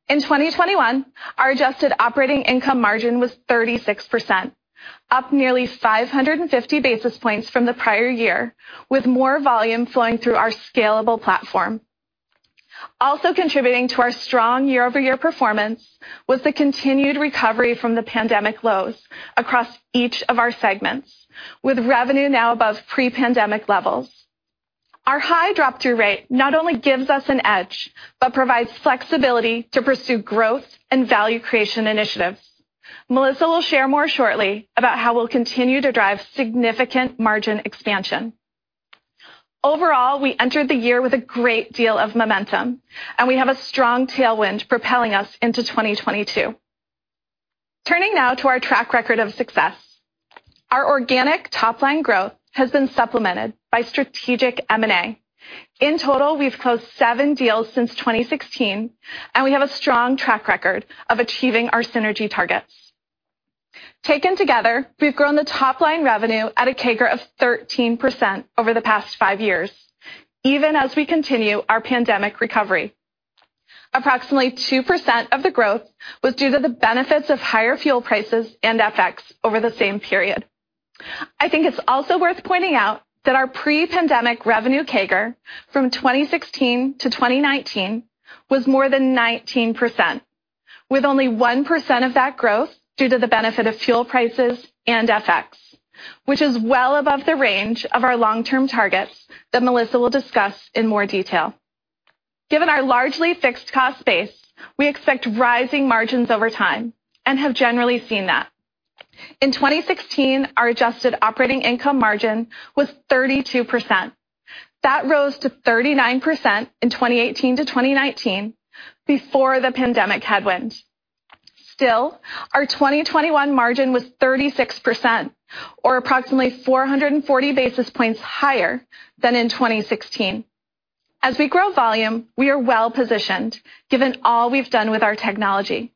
In 2021, our adjusted operating income margin was 36%, up nearly 550 basis points from the prior year, with more volume flowing through our scalable platform. Also contributing to our strong year-over-year performance was the continued recovery from the pandemic lows across each of our segments, with revenue now above pre-pandemic levels. Our high drop-through rate not only gives us an edge, but provides flexibility to pursue growth and value creation initiatives. Melissa will share more shortly about how we'll continue to drive significant margin expansion. Overall, we entered the year with a great deal of momentum, and we have a strong tailwind propelling us into 2022. Turning now to our track record of success. Our organic top-line growth has been supplemented by strategic M&A. In total, we've closed seven deals since 2016, and we have a strong track record of achieving our synergy targets. Taken together, we've grown the top-line revenue at a CAGR of 13% over the past five years, even as we continue our pandemic recovery. Approximately 2% of the growth was due to the benefits of higher fuel prices and FX over the same period. I think it's also worth pointing out that our pre-pandemic revenue CAGR from 2016 to 2019 was more than 19%, with only 1% of that growth due to the benefit of fuel prices and FX, which is well above the range of our long-term targets that Melissa will discuss in more detail. Given our largely fixed cost base, we expect rising margins over time and have generally seen that. In 2016, our adjusted operating income margin was 32%. That rose to 39% in 2018 to 2019 before the pandemic headwind. Still, our 2021 margin was 36% or approximately 440 basis points higher than in 2016. As we grow volume, we are well-positioned given all we've done with our technology.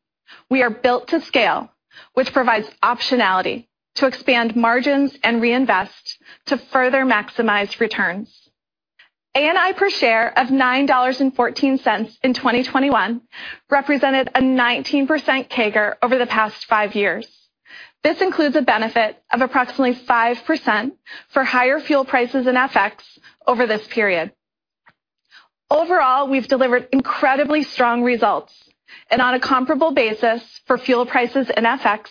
We are built to scale, which provides optionality to expand margins and reinvest to further maximize returns. ANI per share of $9.14 in 2021 represented a 19% CAGR over the past fiveyears. This includes a benefit of approximately 5% for higher fuel prices in FX over this period. Overall, we've delivered incredibly strong results. On a comparable basis for fuel prices in FX,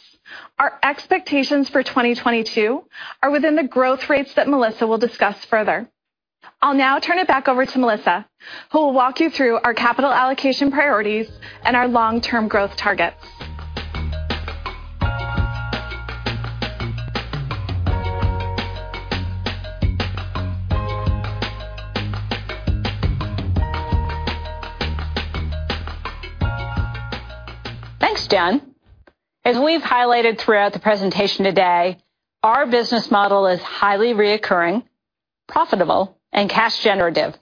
our expectations for 2022 are within the growth rates that Melissa will discuss further. I'll now turn it back over to Melissa, who will walk you through our capital allocation priorities and our long-term growth targets. Thanks, Jen. As we've highlighted throughout the presentation today, our business model is highly recurring, profitable, and cash generative.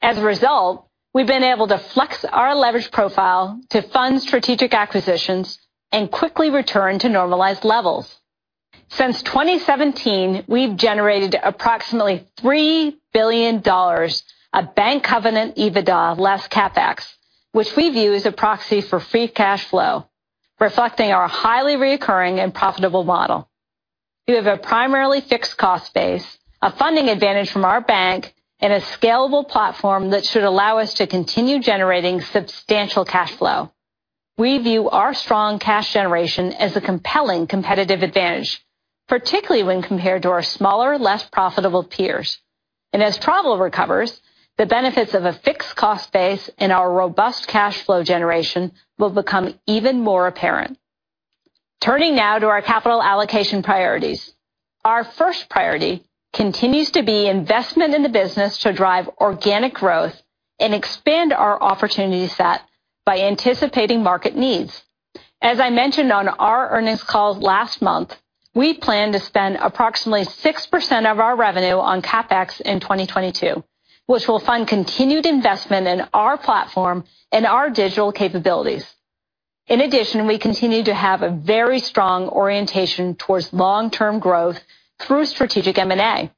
As a result, we've been able to flex our leverage profile to fund strategic acquisitions and quickly return to normalized levels. Since 2017, we've generated approximately $3 billion of bank covenant EBITDA less CapEx, which we view as a proxy for free cash flow, reflecting our highly recurring and profitable model. We have a primarily fixed cost base, a funding advantage from our bank, and a scalable platform that should allow us to continue generating substantial cash flow. We view our strong cash generation as a compelling competitive advantage, particularly when compared to our smaller, less profitable peers. As travel recovers, the benefits of a fixed cost base and our robust cash flow generation will become even more apparent. Turning now to our capital allocation priorities. Our first priority continues to be investment in the business to drive organic growth and expand our opportunity set by anticipating market needs. As I mentioned on our earnings call last month, we plan to spend approximately 6% of our revenue on CapEx in 2022, which will fund continued investment in our platform and our digital capabilities. In addition, we continue to have a very strong orientation towards long-term growth through strategic M&A.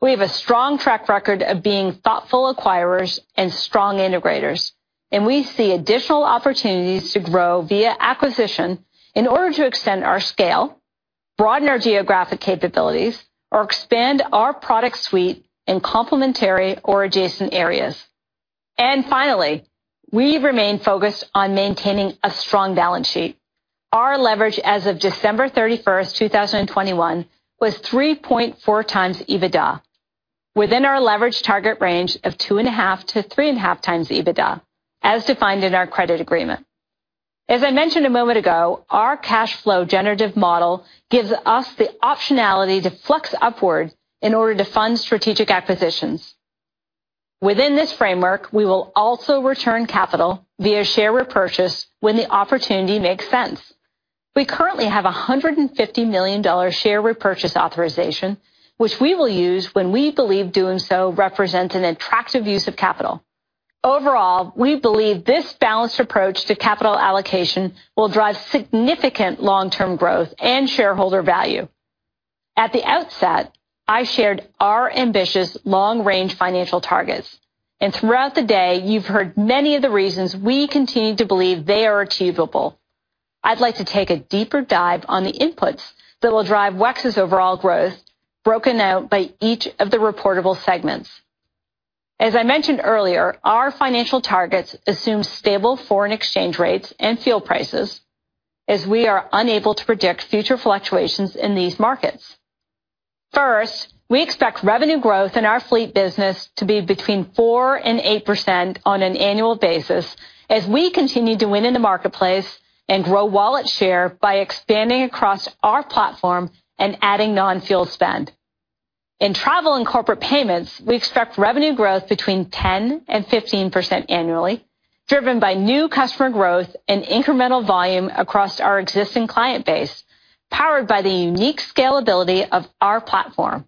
We have a strong track record of being thoughtful acquirers and strong integrators, and we see additional opportunities to grow via acquisition in order to extend our scale, broaden our geographic capabilities, or expand our product suite in complementary or adjacent areas. Finally, we remain focused on maintaining a strong balance sheet. Our leverage as of December 31st, 2021 was 3.4x EBITDA, within our leverage target range of 2.5x-3.5x EBITDA, as defined in our credit agreement. As I mentioned a moment ago, our cash flow generative model gives us the optionality to flex upward in order to fund strategic acquisitions. Within this framework, we will also return capital via share repurchase when the opportunity makes sense. We currently have a $150 million share repurchase authorization, which we will use when we believe doing so represents an attractive use of capital. Overall, we believe this balanced approach to capital allocation will drive significant long-term growth and shareholder value. At the outset, I shared our ambitious long-range financial targets, and throughout the day, you've heard many of the reasons we continue to believe they are achievable. I'd like to take a deeper dive on the inputs that will drive WEX's overall growth, broken out by each of the reportable segments. As I mentioned earlier, our financial targets assume stable foreign exchange rates and fuel prices as we are unable to predict future fluctuations in these markets. First, we expect revenue growth in our fleet business to be between 4% and 8% on an annual basis as we continue to win in the marketplace and grow wallet share by expanding across our platform and adding non-fuel spend. In travel and corporate payments, we expect revenue growth between 10% and 15% annually, driven by new customer growth and incremental volume across our existing client base, powered by the unique scalability of our platform.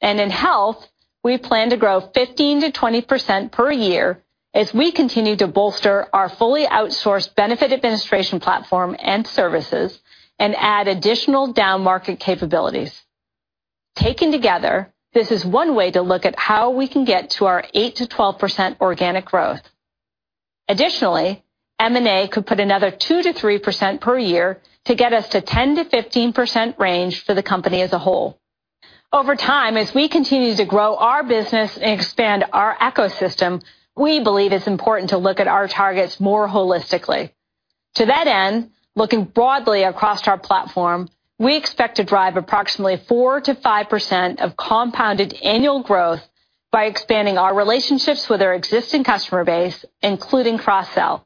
In health, we plan to grow 15%-20% per year as we continue to bolster our fully outsourced benefit administration platform and services and add additional down-market capabilities. Taken together, this is one way to look at how we can get to our 8%-12% organic growth. Additionally, M&A could put another 2%-3% per year to get us to 10%-15% range for the company as a whole. Over time, as we continue to grow our business and expand our ecosystem, we believe it's important to look at our targets more holistically. To that end, looking broadly across our platform, we expect to drive approximately 4%-5% of compounded annual growth by expanding our relationships with our existing customer base, including cross-sell.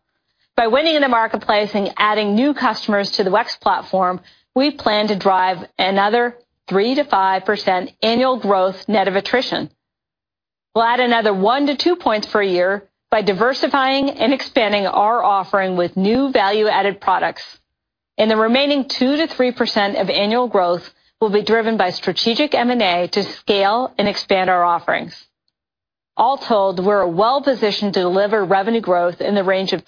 By winning in the marketplace and adding new customers to the WEX platform, we plan to drive another 3%-5% annual growth net of attrition. We'll add another 1-2 points per year by diversifying and expanding our offering with new value-added products. The remaining 2%-3% of annual growth will be driven by strategic M&A to scale and expand our offerings. All told, we're well-positioned to deliver revenue growth in the range of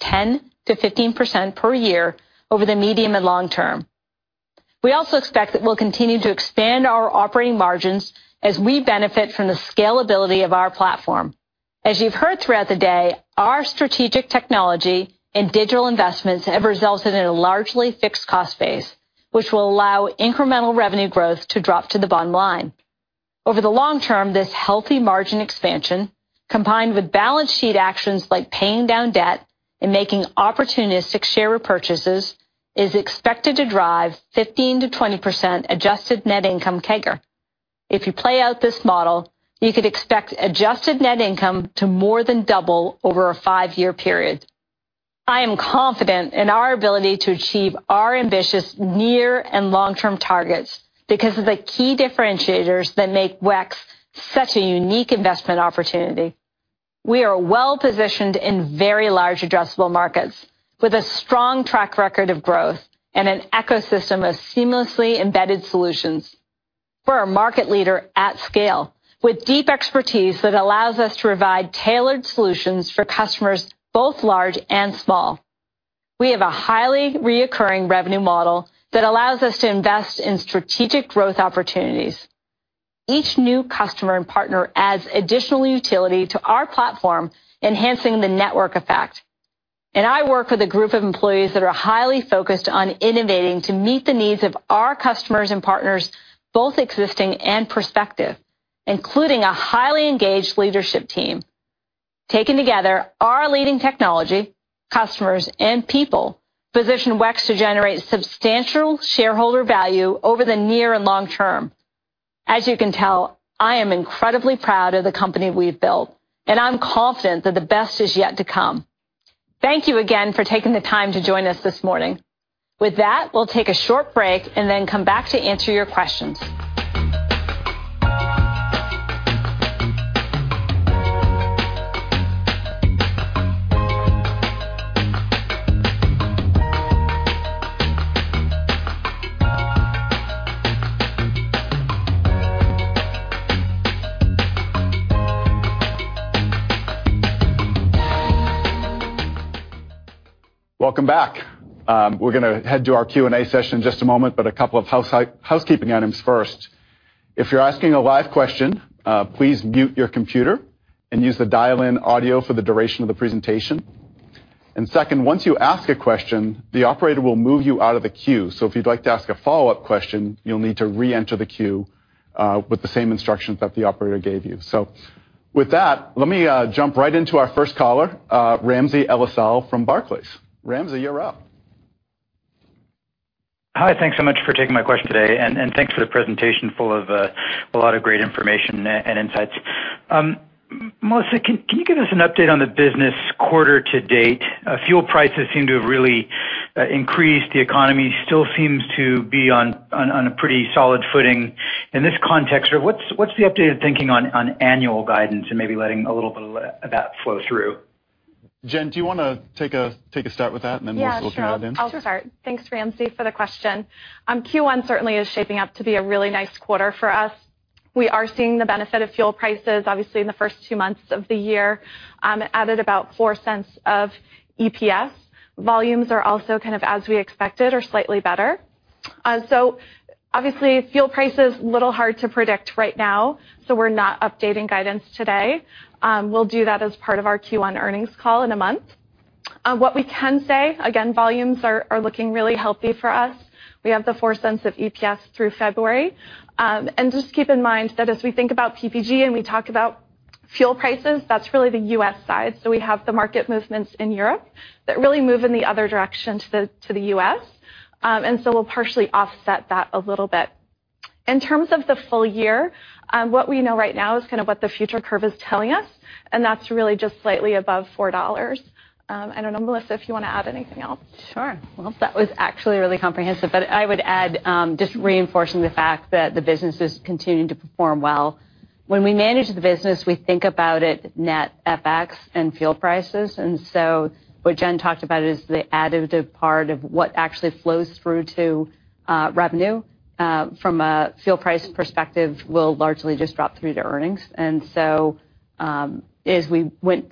10%-15% per year over the medium and long term. We also expect that we'll continue to expand our operating margins as we benefit from the scalability of our platform. As you've heard throughout the day, our strategic technology and digital investments have resulted in a largely fixed cost base, which will allow incremental revenue growth to drop to the bottom line. Over the long term, this healthy margin expansion, combined with balance sheet actions like paying down debt and making opportunistic share repurchases, is expected to drive 15%-20% adjusted net income CAGR. If you play out this model, you could expect adjusted net income to more than double over a five-year period. I am confident in our ability to achieve our ambitious near and long-term targets because of the key differentiators that make WEX such a unique investment opportunity. We are well-positioned in very large addressable markets with a strong track record of growth and an ecosystem of seamlessly embedded solutions. We're a market leader at scale with deep expertise that allows us to provide tailored solutions for customers both large and small. We have a highly recurring revenue model that allows us to invest in strategic growth opportunities. Each new customer and partner adds additional utility to our platform, enhancing the network effect. I work with a group of employees that are highly focused on innovating to meet the needs of our customers and partners, both existing and prospective, including a highly engaged leadership team. Taken together, our leading technology, customers, and people position WEX to generate substantial shareholder value over the near and long term. As you can tell, I am incredibly proud of the company we've built, and I'm confident that the best is yet to come. Thank you again for taking the time to join us this morning. With that, we'll take a short break and then come back to answer your questions. Welcome back. We're gonna head to our Q&A session in just a moment, but a couple of housekeeping items first. If you're asking a live question, please mute your computer and use the dial-in audio for the duration of the presentation. Second, once you ask a question, the operator will move you out of the queue. If you'd like to ask a follow-up question, you'll need to reenter the queue with the same instructions that the operator gave you. With that, let me jump right into our first caller, Ramsey El-Assal from Barclays. Ramsey, you're up. Hi. Thanks so much for taking my question today, and thanks for the presentation full of a lot of great information and insights. Melissa, can you give us an update on the business quarter to date? Fuel prices seem to have really increased, the economy still seems to be on a pretty solid footing. In this context, what's the updated thinking on annual guidance and maybe letting a little bit of that flow through? Jen, do you wanna take a start with that, and then we'll see how it goes? Yeah, sure. I'll start. Thanks, Ramsey, for the question. Q1 certainly is shaping up to be a really nice quarter for us. We are seeing the benefit of fuel prices, obviously, in the first two months of the year, added about $0.04 of EPS. Volumes are also kind of as we expected or slightly better. Obviously, fuel price is a little hard to predict right now, so we're not updating guidance today. We'll do that as part of our Q1 earnings call in a month. What we can say, again, volumes are looking really healthy for us. We have the $0.04 of EPS through February. Just keep in mind that as we think about PPG and we talk about fuel prices, that's really the U.S. side. We have the market movements in Europe that really move in the other direction to the US, and we'll partially offset that a little bit. In terms of the full year, what we know right now is kind of what the future curve is telling us, and that's really just slightly above $4. I don't know, Melissa, if you wanna add anything else. Sure. Well, that was actually really comprehensive, but I would add, just reinforcing the fact that the business is continuing to perform well. When we manage the business, we think about it net FX and fuel prices. What Jen talked about is the additive part of what actually flows through to revenue from a fuel price perspective will largely just drop through to earnings. As we put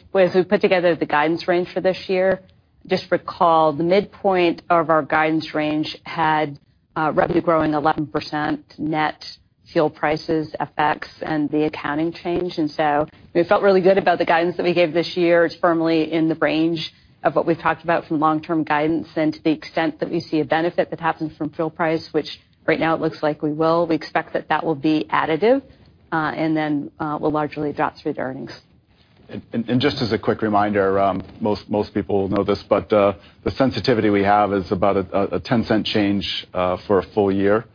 together the guidance range for this year, just recall the midpoint of our guidance range had revenue growing 11%, net fuel prices, FX, and the accounting change. We felt really good about the guidance that we gave this year. It's firmly in the range of what we've talked about from long-term guidance. To the extent that we see a benefit that happens from fuel price, which right now it looks like we will, we expect that will be additive, and then will largely drop through to earnings. Just as a quick reminder, most people will know this, but the sensitivity we have is about a $0.10 change for a full year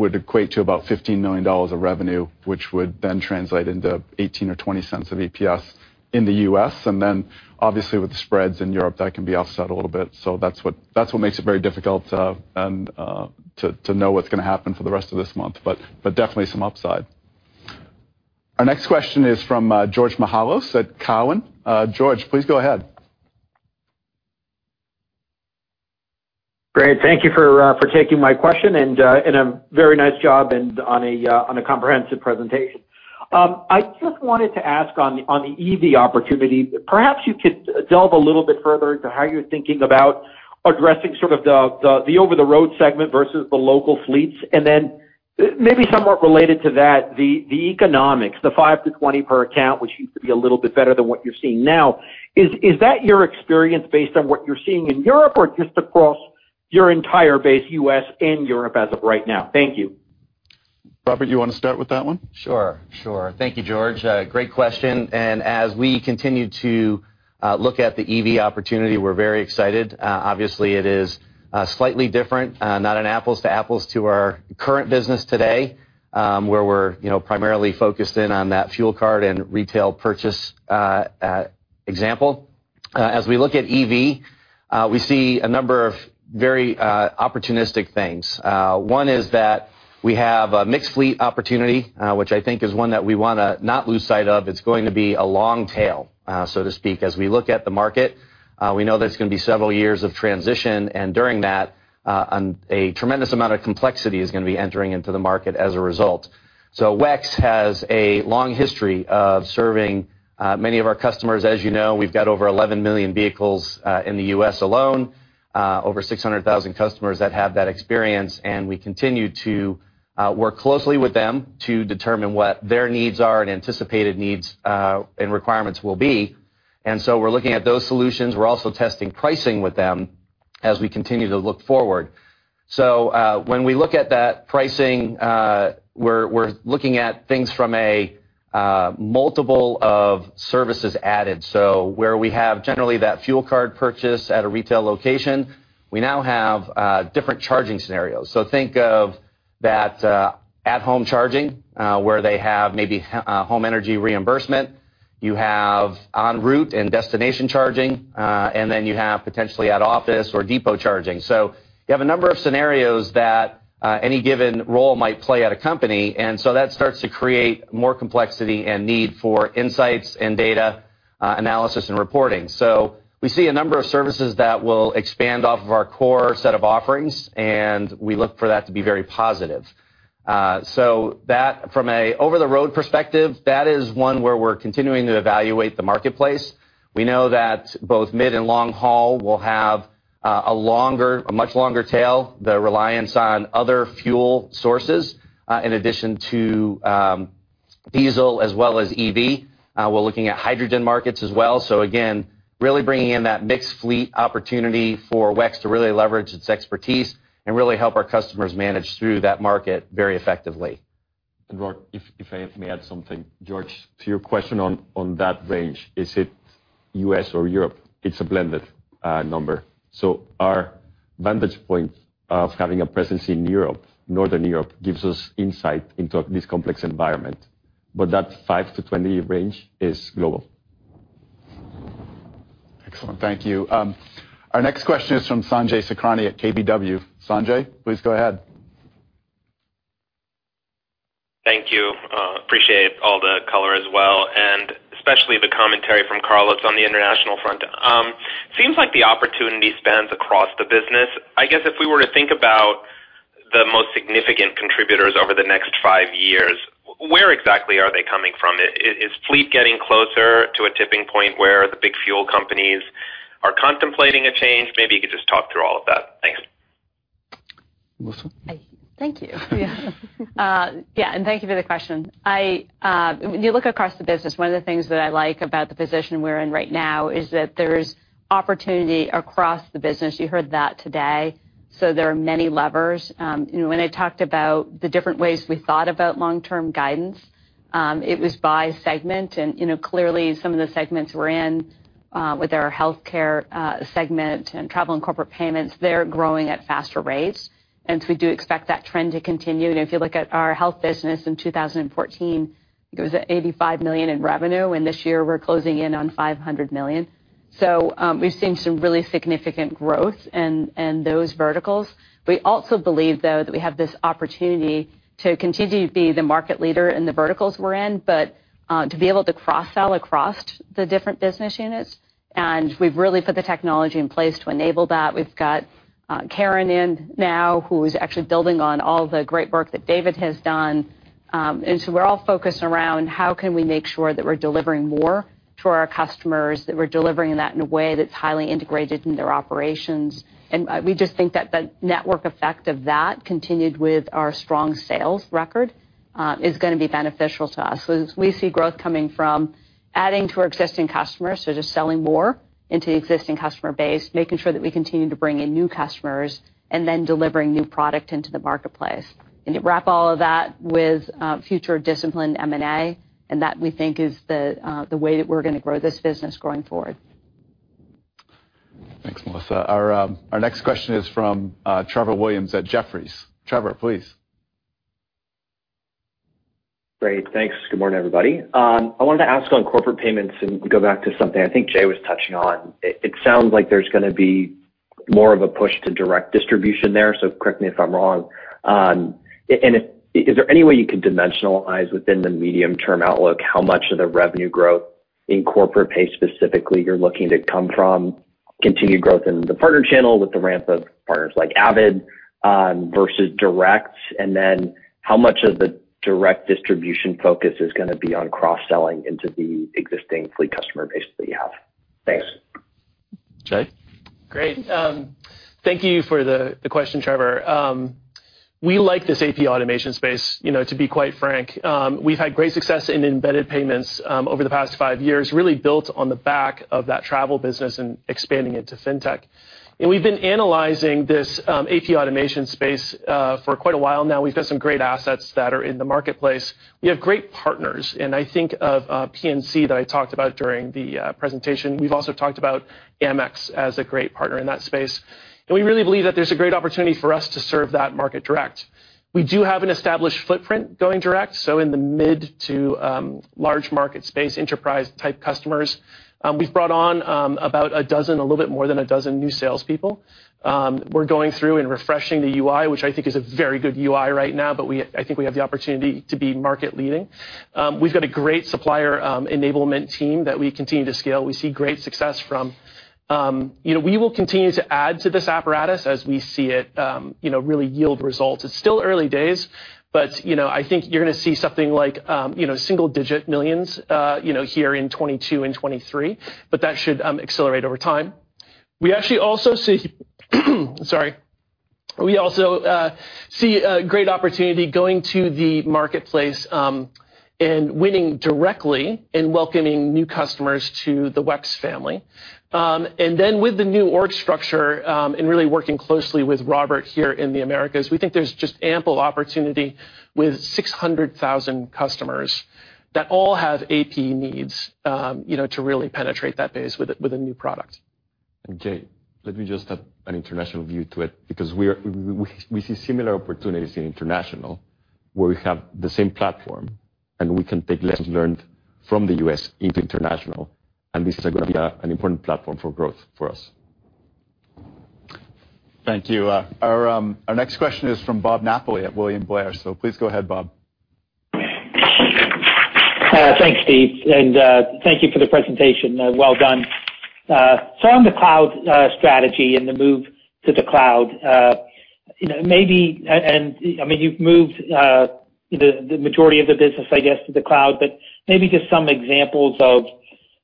would equate to about $15 million of revenue, which would then translate into 18 or 20 cents of EPS in the U.S. Obviously, with the spreads in Europe, that can be offset a little bit. That's what makes it very difficult and to know what's gonna happen for the rest of this month, but definitely some upside. Our next question is from George Mihalos at Cowen. George, please go ahead. Great. Thank you for taking my question, and a very nice job on a comprehensive presentation. I just wanted to ask on the EV opportunity, perhaps you could delve a little bit further into how you're thinking about addressing sort of the over-the-road segment versus the local fleets. Then maybe somewhat related to that, the economics, the $5-$20 per account, which used to be a little bit better than what you're seeing now, is that your experience based on what you're seeing in Europe or just across your entire base, U.S. and Europe as of right now? Thank you. Robert, you wanna start with that one? Sure. Thank you, George. Great question. As we continue to look at the EV opportunity, we're very excited. Obviously, it is slightly different, not an apples to apples to our current business today, where we're, you know, primarily focused in on that fuel card and retail purchase example. As we look at EV, we see a number of very opportunistic things. One is that we have a mixed fleet opportunity, which I think is one that we wanna not lose sight of. It's going to be a long tail, so to speak. As we look at the market, we know there's gonna be several years of transition, and during that, a tremendous amount of complexity is gonna be entering into the market as a result. WEX has a long history of serving many of our customers. As you know, we've got over 11 million vehicles in the U.S. alone, over 600,000 customers that have that experience, and we continue to work closely with them to determine what their needs are and anticipated needs and requirements will be. We're looking at those solutions. We're also testing pricing with them as we continue to look forward. When we look at that pricing, we're looking at things from a multiple of services added. Where we have generally that fuel card purchase at a retail location, we now have different charging scenarios. Think of- That, at-home charging, where they have maybe home energy reimbursement, you have en route and destination charging, and then you have potentially at-office or depot charging. You have a number of scenarios that, any given role might play at a company, and so that starts to create more complexity and need for insights and data, analysis and reporting. We see a number of services that will expand off of our core set of offerings, and we look for that to be very positive. That from a over-the-road perspective, that is one where we're continuing to evaluate the marketplace. We know that both mid and long haul will have, a much longer tail, the reliance on other fuel sources, in addition to, diesel as well as EV. We're looking at hydrogen markets as well. Again, really bringing in that mixed fleet opportunity for WEX to really leverage its expertise and really help our customers manage through that market very effectively. Rob, if I may add something, George, to your question on that range. Is it U.S. or Europe? It's a blended number. Our vantage point of having a presence in Europe, Northern Europe, gives us insight into this complex environment. That 5%-20% range is global. Excellent. Thank you. Our next question is from Sanjay Sakhrani at KBW. Sanjay, please go ahead. Thank you. Appreciate all the color as well, and especially the commentary from Carlos on the international front. Seems like the opportunity spans across the business. I guess if we were to think about the most significant contributors over the next five years, where exactly are they coming from? Is fleet getting closer to a tipping point where the big fuel companies are contemplating a change? Maybe you could just talk through all of that. Thanks. Melissa? Thank you. Yeah, and thank you for the question. When you look across the business, one of the things that I like about the position we're in right now is that there's opportunity across the business. You heard that today. There are many levers. You know, when I talked about the different ways we thought about long-term guidance, it was by segment. You know, clearly, some of the segments we're in, with our healthcare segment and travel and corporate payments, they're growing at faster rates, and so we do expect that trend to continue. You know, if you look at our health business in 2014, it was at $85 million in revenue, and this year we're closing in on $500 million. We've seen some really significant growth in those verticals. We also believe, though, that we have this opportunity to continue to be the market leader in the verticals we're in, but to be able to cross-sell across the different business units, and we've really put the technology in place to enable that. We've got Karen in now, who is actually building on all the great work that David has done. We're all focused around how can we make sure that we're delivering more to our customers, that we're delivering that in a way that's highly integrated in their operations. We just think that the network effect of that continued with our strong sales record is gonna be beneficial to us. We see growth coming from adding to our existing customers, so just selling more into existing customer base, making sure that we continue to bring in new customers, and then delivering new product into the marketplace. To wrap all of that with future disciplined M&A, and that we think is the way that we're gonna grow this business going forward. Thanks, Melissa. Our next question is from Trevor Williams at Jefferies. Trevor, please. Great. Thanks. Good morning, everybody. I wanted to ask on Corporate Payments and go back to something I think Jay was touching on. It sounds like there's gonna be more of a push to direct distribution there, so correct me if I'm wrong. Is there any way you can dimensionalize within the medium-term outlook how much of the revenue growth in Corporate Payments specifically you're looking to come from continued growth in the partner channel with the ramp of partners like Avid versus direct? And then how much of the direct distribution focus is gonna be on cross-selling into the existing fleet customer base that you have? Thanks. Jay? Great. Thank you for the question, Trevor. We like this AP automation space. You know, to be quite frank, we've had great success in embedded payments over the past five years, really built on the back of that travel business and expanding it to fintech. We've been analyzing this AP automation space for quite a while now. We've got some great assets that are in the marketplace. We have great partners, and I think of PNC that I talked about during the presentation. We've also talked about Amex as a great partner in that space. We really believe that there's a great opportunity for us to serve that market direct. We do have an established footprint going direct, so in the mid to large market space, enterprise-type customers. We've brought on about a dozen, a little bit more than a dozen new salespeople. We're going through and refreshing the UI, which I think is a very good UI right now, but I think we have the opportunity to be market leading. We've got a great supplier enablement team that we continue to scale. We see great success from it. You know, we will continue to add to this apparatus as we see it you know, really yield results. It's still early days, but you know, I think you're gonna see something like you know, single-digit millions here in 2022 and 2023, but that should accelerate over time. We also see a great opportunity going to the marketplace and winning directly and welcoming new customers to the WEX family. With the new org structure and really working closely with Robert here in the Americas, we think there's just ample opportunity with 600,000 customers that all have AP needs, you know, to really penetrate that base with a new product. Jay, let me just add an international view to it because we see similar opportunities in international, where we have the same platform, and we can take lessons learned from the U.S. into international, and this is gonna be an important platform for growth for us. Thank you. Our next question is from Bob Napoli at William Blair. Please go ahead, Bob. Thanks, Steve, and thank you for the presentation. Well done. On the cloud strategy and the move to the cloud, you know, maybe, and I mean, you've moved, you know, the majority of the business, I guess, to the cloud, but maybe just some examples of,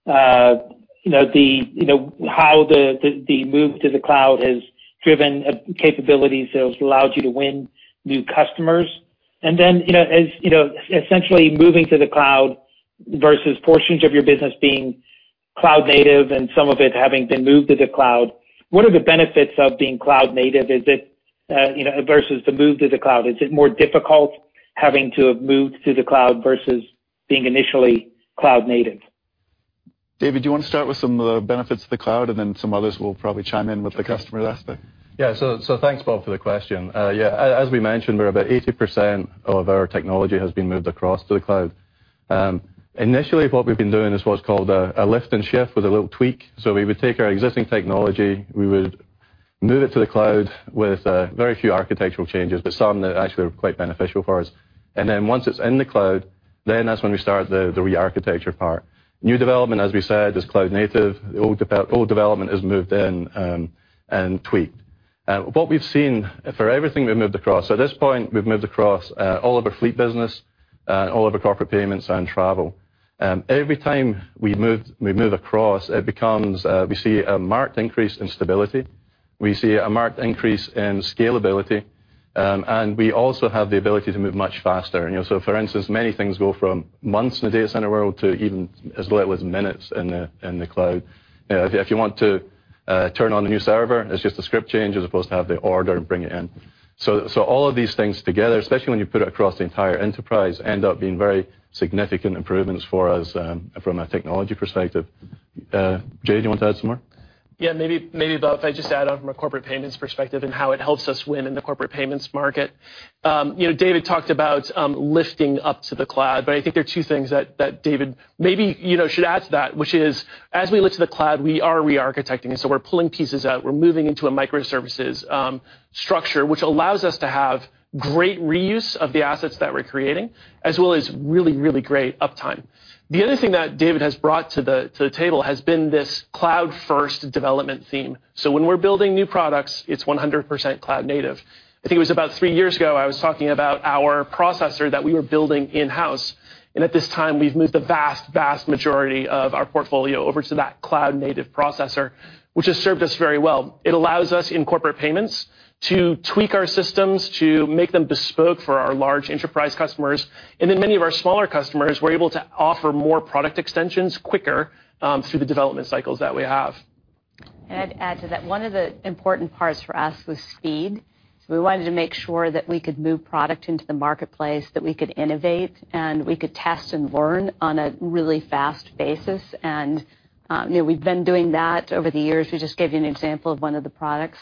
you know, the, you know, how the move to the cloud has driven capabilities that has allowed you to win new customers. Then, you know, as you know, essentially moving to the cloud versus portions of your business being cloud native and some of it having been moved to the cloud, what are the benefits of being cloud native? Is it, you know, versus the move to the cloud, is it more difficult having to move to the cloud versus being initially cloud native? David, do you want to start with some of the benefits of the cloud, and then some others will probably chime in with the customer aspect? Thanks, Bob, for the question. As we mentioned, we're about 80% of our technology has been moved across to the cloud. Initially, what we've been doing is what's called a lift and shift with a little tweak. We would take our existing technology, we would move it to the cloud with very few architectural changes, but some that actually were quite beneficial for us. Once it's in the cloud, that's when we start the re-architecture part. New development, as we said, is cloud native. Old development is moved in and tweaked. What we've seen for everything we've moved across. At this point, we've moved across all of our fleet business, all of our corporate payments and travel. Every time we move across, it becomes we see a marked increase in stability. We see a marked increase in scalability, and we also have the ability to move much faster. You know, so for instance, many things go from months in the data center world to even as little as minutes in the cloud. You know, if you want to turn on a new server, it's just a script change as opposed to have to order and bring it in. So all of these things together, especially when you put it across the entire enterprise, end up being very significant improvements for us from a technology perspective. Jay, do you want to add some more? Yeah, maybe Bob, if I just add on from a corporate payments perspective and how it helps us win in the corporate payments market. You know, David talked about lifting up to the cloud, but I think there are two things that David maybe you know should add to that, which is, as we lift to the cloud, we are re-architecting. We're pulling pieces out, we're moving into a microservices structure, which allows us to have great reuse of the assets that we're creating, as well as really great uptime. The other thing that David has brought to the table has been this cloud-first development theme. When we're building new products, it's 100% cloud native. I think it was about three years ago, I was talking about our processor that we were building in-house. At this time, we've moved the vast majority of our portfolio over to that cloud native processor, which has served us very well. It allows us in Corporate Payments to tweak our systems, to make them bespoke for our large enterprise customers. Many of our smaller customers, we're able to offer more product extensions quicker through the development cycles that we have. I'd add to that, one of the important parts for us was speed. We wanted to make sure that we could move product into the marketplace, that we could innovate, and we could test and learn on a really fast basis. You know, we've been doing that over the years. We just gave you an example of one of the products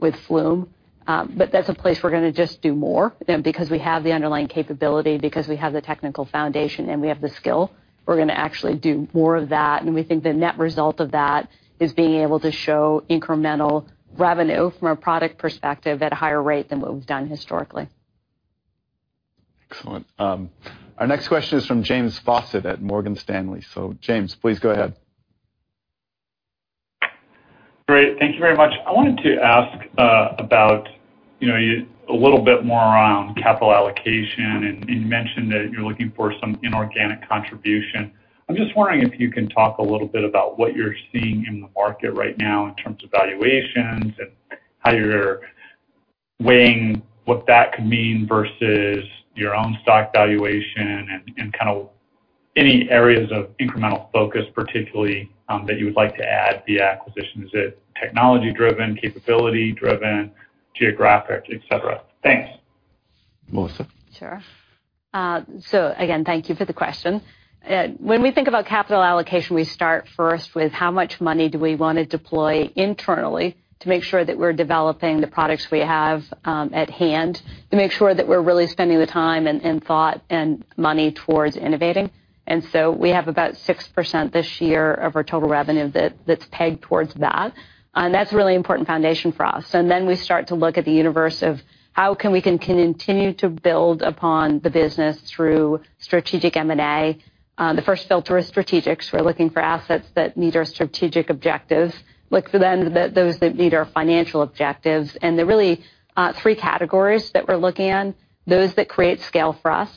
with Flume. That's a place we're gonna just do more because we have the underlying capability, because we have the technical foundation, and we have the skill. We're gonna actually do more of that. We think the net result of that is being able to show incremental revenue from a product perspective at a higher rate than what we've done historically. Excellent. Our next question is from James Faucette at Morgan Stanley. James, please go ahead. Great. Thank you very much. I wanted to ask about, you know, a little bit more around capital allocation, and you mentioned that you're looking for some inorganic contribution. I'm just wondering if you can talk a little bit about what you're seeing in the market right now in terms of valuations and how you're weighing what that could mean versus your own stock valuation and kind of any areas of incremental focus, particularly that you would like to add via acquisition. Is it technology-driven, capability-driven, geographic, et cetera? Thanks. Melissa. Sure. Again, thank you for the question. When we think about capital allocation, we start first with how much money do we wanna deploy internally to make sure that we're developing the products we have at hand, to make sure that we're really spending the time and thought and money towards innovating. We have about 6% this year of our total revenue that's pegged towards that. That's a really important foundation for us. Then we start to look at the universe of how we can continue to build upon the business through strategic M&A. The first filter is strategics. We're looking for assets that meet our strategic objectives. Look for then those that meet our financial objectives. There are really three categories that we're looking in, those that create scale for us,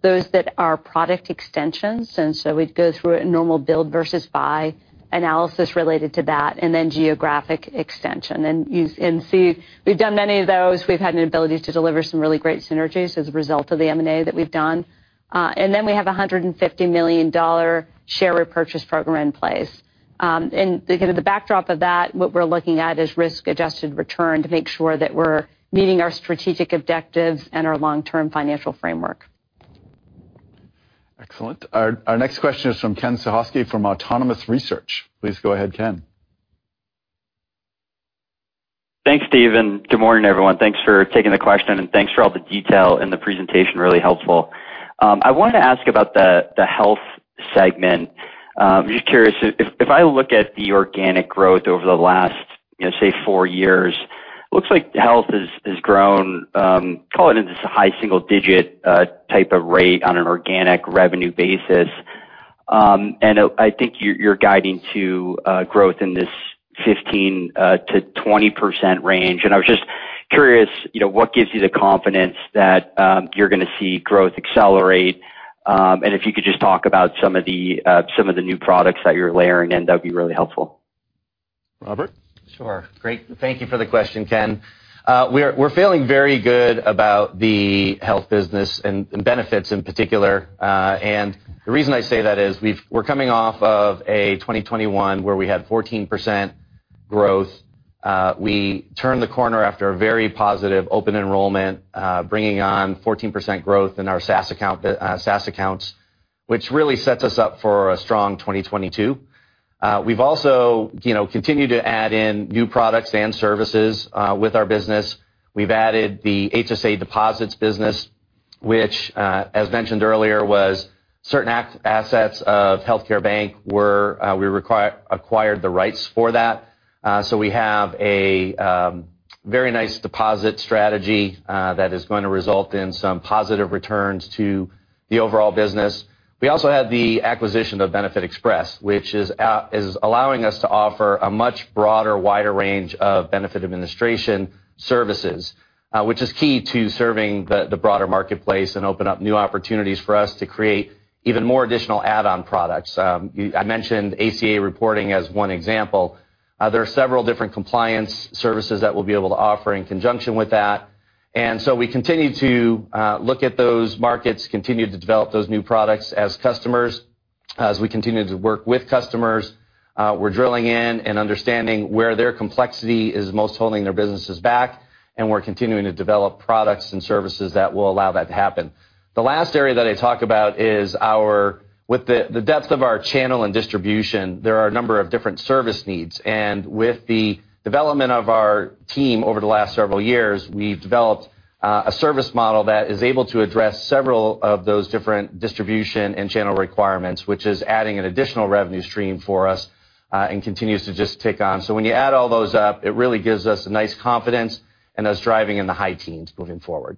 those that are product extensions, and so we'd go through a normal build versus buy analysis related to that, and then geographic extension. You see, we've done many of those. We've had an ability to deliver some really great synergies as a result of the M&A that we've done. We have a $150 million share repurchase program in place. You know, the backdrop of that, what we're looking at is risk-adjusted return to make sure that we're meeting our strategic objectives and our long-term financial framework. Excellent. Our next question is from Ken Suchoski from Autonomous Research. Please go ahead, Ken. Thanks, Steve, and good morning, everyone. Thanks for taking the question, and thanks for all the detail in the presentation. Really helpful. I wanted to ask about the Health segment. Just curious, if I look at the organic growth over the last, you know, say four years, looks like Health has grown, call it in just a high single digit type of rate on an organic revenue basis. I think you're guiding to growth in this 15%-20% range. I was just curious, you know, what gives you the confidence that you're gonna see growth accelerate, and if you could just talk about some of the new products that you're layering in, that would be really helpful. Robert? Sure. Great. Thank you for the question, Ken. We're feeling very good about the health business and Benefits in particular. The reason I say that is we're coming off of a 2021 where we had 14% growth. We turned the corner after a very positive open enrollment, bringing on 14% growth in our SaaS accounts, which really sets us up for a strong 2022. We've also continued to add in new products and services with our business. We've added the HSA Deposits business which, as mentioned earlier, was certain assets of HealthcareBank that we acquired the rights for that. We have a very nice deposit strategy that is gonna result in some positive returns to the overall business. We also had the acquisition of BenefitExpress, which is allowing us to offer a much broader, wider range of benefit administration services, which is key to serving the broader marketplace and open up new opportunities for us to create even more additional add-on products. I mentioned ACA reporting as one example. There are several different compliance services that we'll be able to offer in conjunction with that. We continue to look at those markets, continue to develop those new products as customers. As we continue to work with customers, we're drilling in and understanding where their complexity is most holding their businesses back, and we're continuing to develop products and services that will allow that to happen. The last area that I talk about is our... With the depth of our channel and distribution, there are a number of different service needs. With the development of our team over the last several years, we've developed a service model that is able to address several of those different distribution and channel requirements, which is adding an additional revenue stream for us, and continues to just take on. When you add all those up, it really gives us a nice confidence and us driving in the high teens moving forward.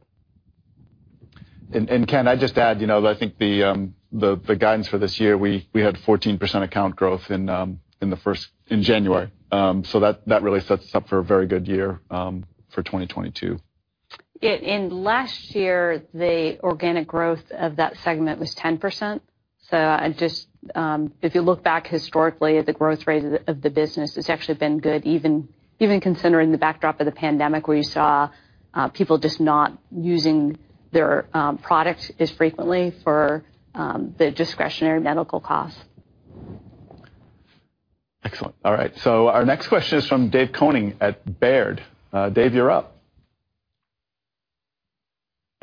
Ken, I'd just add, you know, that I think the guidance for this year, we had 14% account growth in January. That really sets us up for a very good year for 2022. Yeah, last year, the organic growth of that segment was 10%. I just, if you look back historically at the growth rate of the business, it's actually been good even considering the backdrop of the pandemic where you saw people just not using their product as frequently for the discretionary medical costs. Excellent. All right, so our next question is from Dave Koning at Baird. Dave, you're up.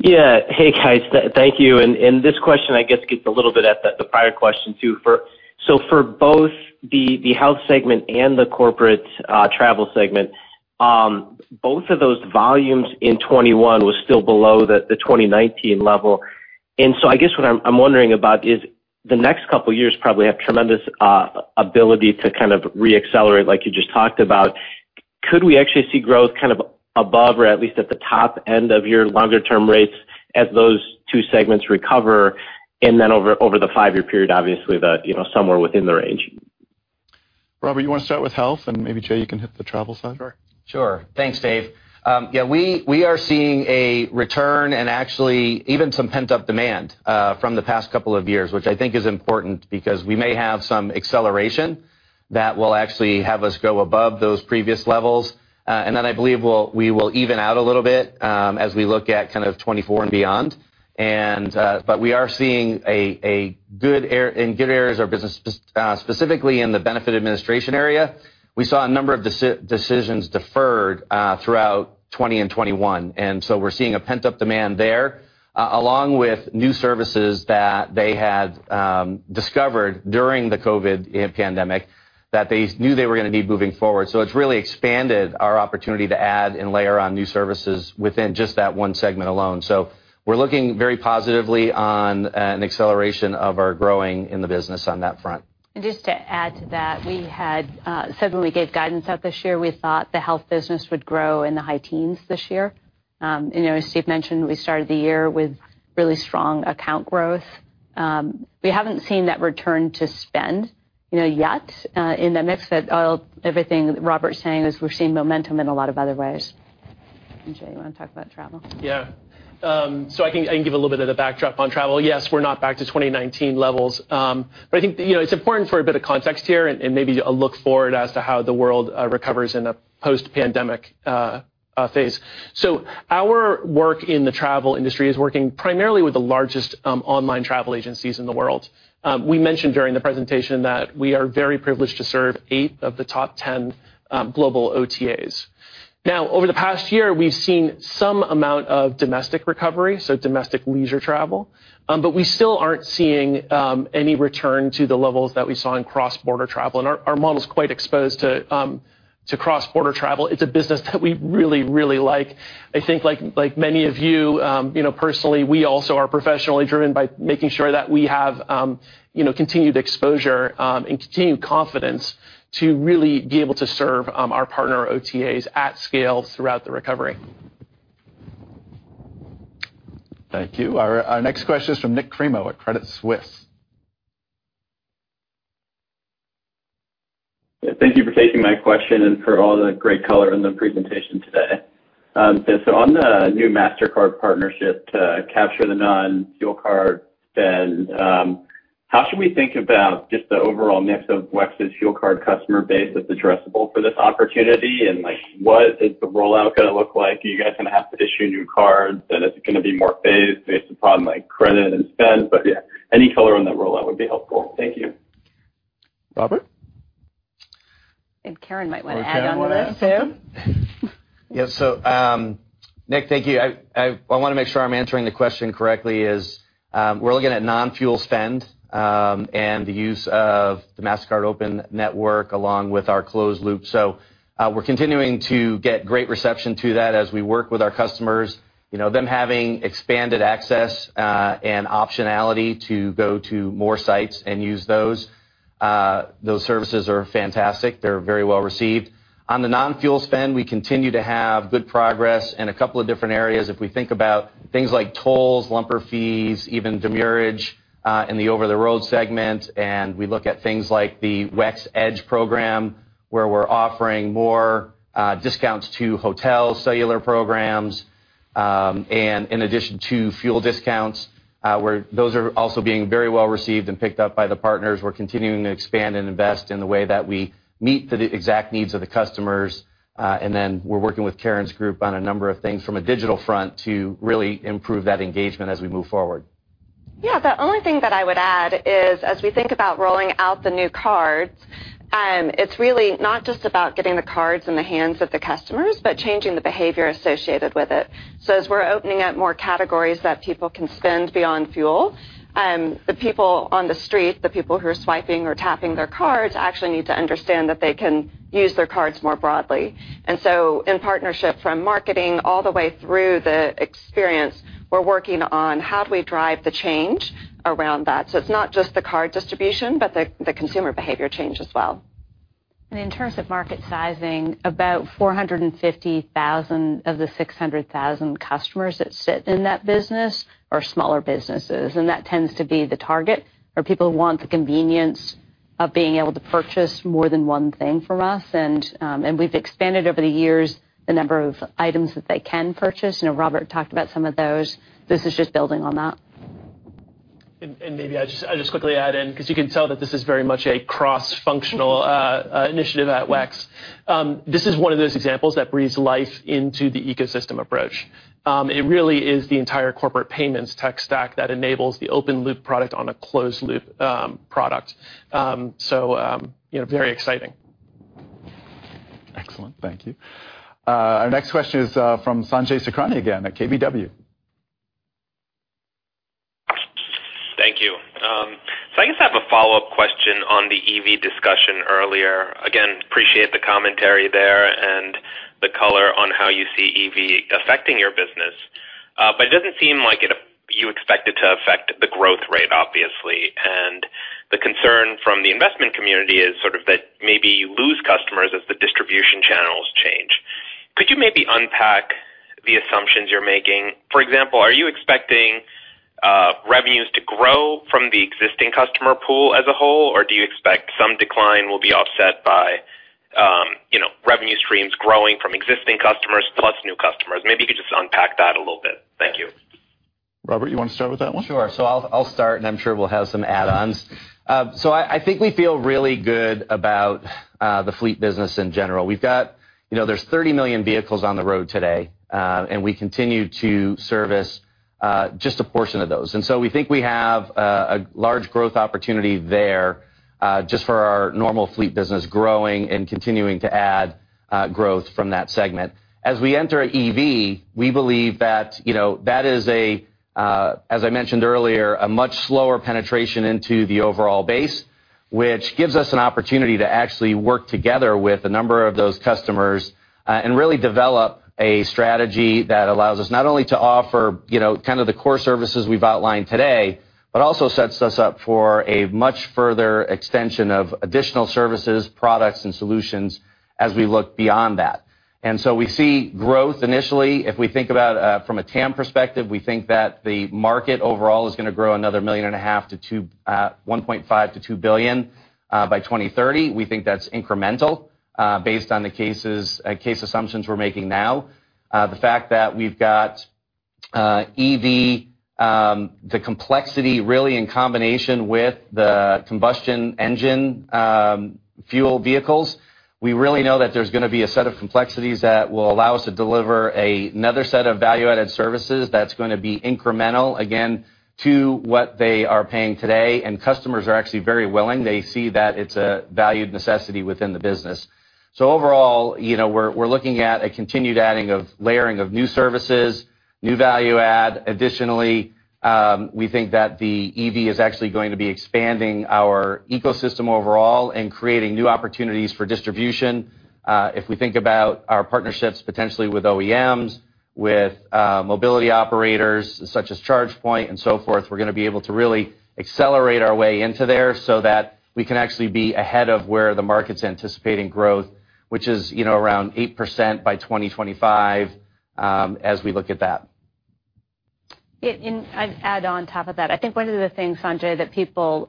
Yeah. Hey, guys. Thank you, and this question I guess gets a little bit at the prior question too. For both the health segment and the corporate travel segment, both of those volumes in 2021 was still below the 2019 level. I guess what I'm wondering about is the next couple years probably have tremendous ability to kind of re-accelerate like you just talked about. Could we actually see growth kind of above or at least at the top end of your longer term rates as those two segments recover and then over the 5-year period, obviously the, you know, somewhere within the range? Robert, you wanna start with health, and maybe Jay, you can hit the travel side? Sure. Thanks, Dave. Yeah, we are seeing a return and actually even some pent-up demand from the past couple of years, which I think is important because we may have some acceleration that will actually have us go above those previous levels. I believe we will even out a little bit as we look at kind of 2024 and beyond. We are seeing a good arc in good areas of our business, specifically in the benefit administration area. We saw a number of decisions deferred throughout 2020 and 2021, and so we're seeing a pent-up demand there, along with new services that they had discovered during the COVID pandemic that they knew they were gonna need moving forward. It's really expanded our opportunity to add and layer on new services within just that one segment alone. We're looking very positively on an acceleration of our growth in the business on that front. Just to add to that, we had said when we gave guidance out this year, we thought the health business would grow in the high teens this year. You know, as Steve mentioned, we started the year with really strong account growth. We haven't seen that return to spend, you know, yet, in the mix that everything Robert's saying is we're seeing momentum in a lot of other ways. Jay, you wanna talk about travel? I can give a little bit of the backdrop on travel. Yes, we're not back to 2019 levels. I think, you know, it's important for a bit of context here and maybe a look forward as to how the world recovers in a post-pandemic phase. Our work in the travel industry is working primarily with the largest online travel agencies in the world. We mentioned during the presentation that we are very privileged to serve eight of the top 10 global OTAs. Now over the past year, we've seen some amount of domestic recovery, so domestic leisure travel. But we still aren't seeing any return to the levels that we saw in cross-border travel, and our model's quite exposed to cross-border travel. It's a business that we really like. I think like many of you know, personally, we also are professionally driven by making sure that we have, you know, continued exposure and continued confidence to really be able to serve our partner OTAs at scale throughout the recovery. Thank you. Our next question is from Nik Cremo at Credit Suisse. Thank you for taking my question and for all the great color in the presentation today. On the new Mastercard partnership to capture the non-fuel card spend, how should we think about just the overall mix of WEX's fuel card customer base that's addressable for this opportunity? Like, what is the rollout gonna look like? Are you guys gonna have to issue new cards, and is it gonna be more phased based upon, like, credit and spend? Yeah, any color on that rollout would be helpful. Thank you. Robert? I think Karen might want to add on to this too. Karen, wanna add? Yes. Nik, thank you. I wanna make sure I'm answering the question correctly. We're looking at non-fuel spend, and the use of the Mastercard open network along with our closed loop. We're continuing to get great reception to that as we work with our customers. You know, them having expanded access and optionality to go to more sites and use those services are fantastic. They're very well-received. On the non-fuel spend, we continue to have good progress in a couple of different areas. If we think about things like tolls, lumper fees, even demurrage, in the over-the-road segment, and we look at things like the WEX EDGE program, where we're offering more, discounts to hotels, cellular programs, and in addition to fuel discounts, where those are also being very well-received and picked up by the partners. We're continuing to expand and invest in the way that we meet the exact needs of the customers. We're working with Karen's group on a number of things from a digital front to really improve that engagement as we move forward. Yeah. The only thing that I would add is as we think about rolling out the new cards, it's really not just about getting the cards in the hands of the customers, but changing the behavior associated with it. As we're opening up more categories that people can spend beyond fuel, the people on the street, the people who are swiping or tapping their cards actually need to understand that they can use their cards more broadly. In partnership from marketing all the way through the experience, we're working on how do we drive the change around that. It's not just the card distribution, but the consumer behavior change as well. In terms of market sizing, about 450,000 of the 600,000 customers that sit in that business are smaller businesses, and that tends to be the target are people who want the convenience of being able to purchase more than one thing from us. We've expanded over the years the number of items that they can purchase. You know, Robert talked about some of those. This is just building on that. Maybe I'll just quickly add in 'cause you can tell that this is very much a cross-functional initiative at WEX. This is one of those examples that breathes life into the ecosystem approach. It really is the entire corporate payments tech stack that enables the open-loop product on a closed-loop product. Very exciting. Excellent. Thank you. Our next question is from Sanjay Sakhrani again at KBW. Thank you. I guess I have a follow-up question on the EV discussion earlier. Again, appreciate the commentary there and the color on how you see EV affecting your business. It doesn't seem like it. You expect it to affect the growth rate, obviously. The concern from the investment community is sort of that maybe you lose customers as the distribution channels change. Could you maybe unpack the assumptions you're making? For example, are you expecting revenues to grow from the existing customer pool as a whole, or do you expect some decline will be offset by, you know, revenue streams growing from existing customers plus new customers? Maybe you could just unpack that a little bit. Thank you. Robert, you wanna start with that one? Sure. I'll start, and I'm sure we'll have some add-ons. I think we feel really good about the fleet business in general. We've got. You know, there's 30 million vehicles on the road today, and we continue to service just a portion of those. We think we have a large growth opportunity there, just for our normal fleet business growing and continuing to add growth from that segment. As we enter EV, we believe that, you know, that is, as I mentioned earlier, a much slower penetration into the overall base, which gives us an opportunity to actually work together with a number of those customers and really develop a strategy that allows us not only to offer, you know, kind of the core services we've outlined today, but also sets us up for a much further extension of additional services, products, and solutions as we look beyond that. We see growth initially. If we think about from a TAM perspective, we think that the market overall is gonna grow another $1.5 billion-$2 billion by 2030. We think that's incremental based on the case assumptions we're making now. The fact that we've got EV, the complexity really in combination with the combustion engine fuel vehicles, we really know that there's gonna be a set of complexities that will allow us to deliver another set of value-added services that's gonna be incremental again to what they are paying today, and customers are actually very willing. They see that it's a valued necessity within the business. Overall, you know, we're looking at a continued adding of layering of new services, new value add. Additionally, we think that the EV is actually going to be expanding our ecosystem overall and creating new opportunities for distribution. If we think about our partnerships potentially with OEMs, with mobility operators such as ChargePoint and so forth, we're gonna be able to really accelerate our way into there so that we can actually be ahead of where the market's anticipating growth, which is, you know, around 8% by 2025, as we look at that. Yeah. I'd add on top of that, I think one of the things, Sanjay, that people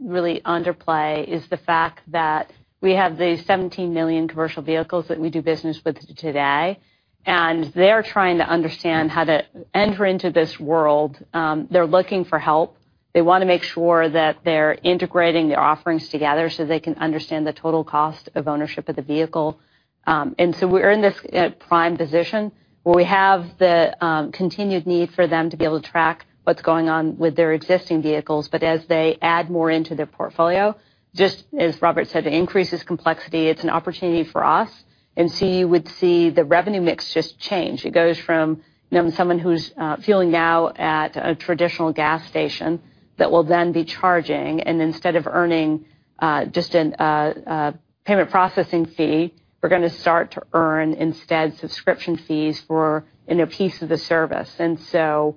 really underplay is the fact that we have the 17 million commercial vehicles that we do business with today, and they're trying to understand how to enter into this world. They're looking for help. They wanna make sure that they're integrating their offerings together so they can understand the total cost of ownership of the vehicle. We're in this prime position where we have the continued need for them to be able to track what's going on with their existing vehicles. As they add more into their portfolio, just as Robert said, it increases complexity. It's an opportunity for us, and so you would see the revenue mix just change. It goes from, you know, someone who's fueling now at a traditional gas station that will then be charging, and instead of earning just a payment processing fee, we're gonna start to earn instead subscription fees for, you know, piece of the service. You know,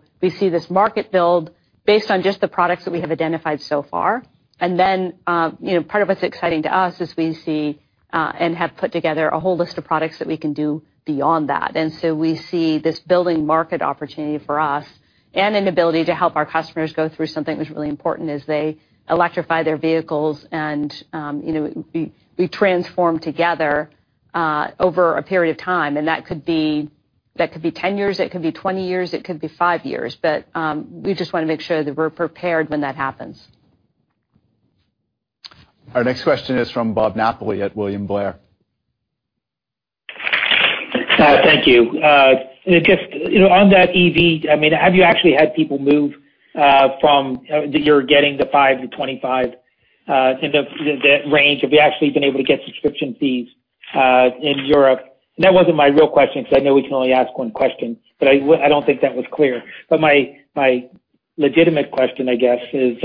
part of what's exciting to us is we see and have put together a whole list of products that we can do beyond that. We see this building market opportunity for us and an ability to help our customers go through something that's really important as they electrify their vehicles and, you know, we transform together over a period of time, and that could be 10 years, it could be 20 years, it could be five years. We just wanna make sure that we're prepared when that happens. Our next question is from Bob Napoli at William Blair. Thank you. Just, you know, on that EV, I mean, have you actually had people move from, you know, that you're getting the 5%-25 in the range? Have you actually been able to get subscription fees in Europe? That wasn't my real question, 'cause I know we can only ask one question, but I don't think that was clear. My legitimate question, I guess, is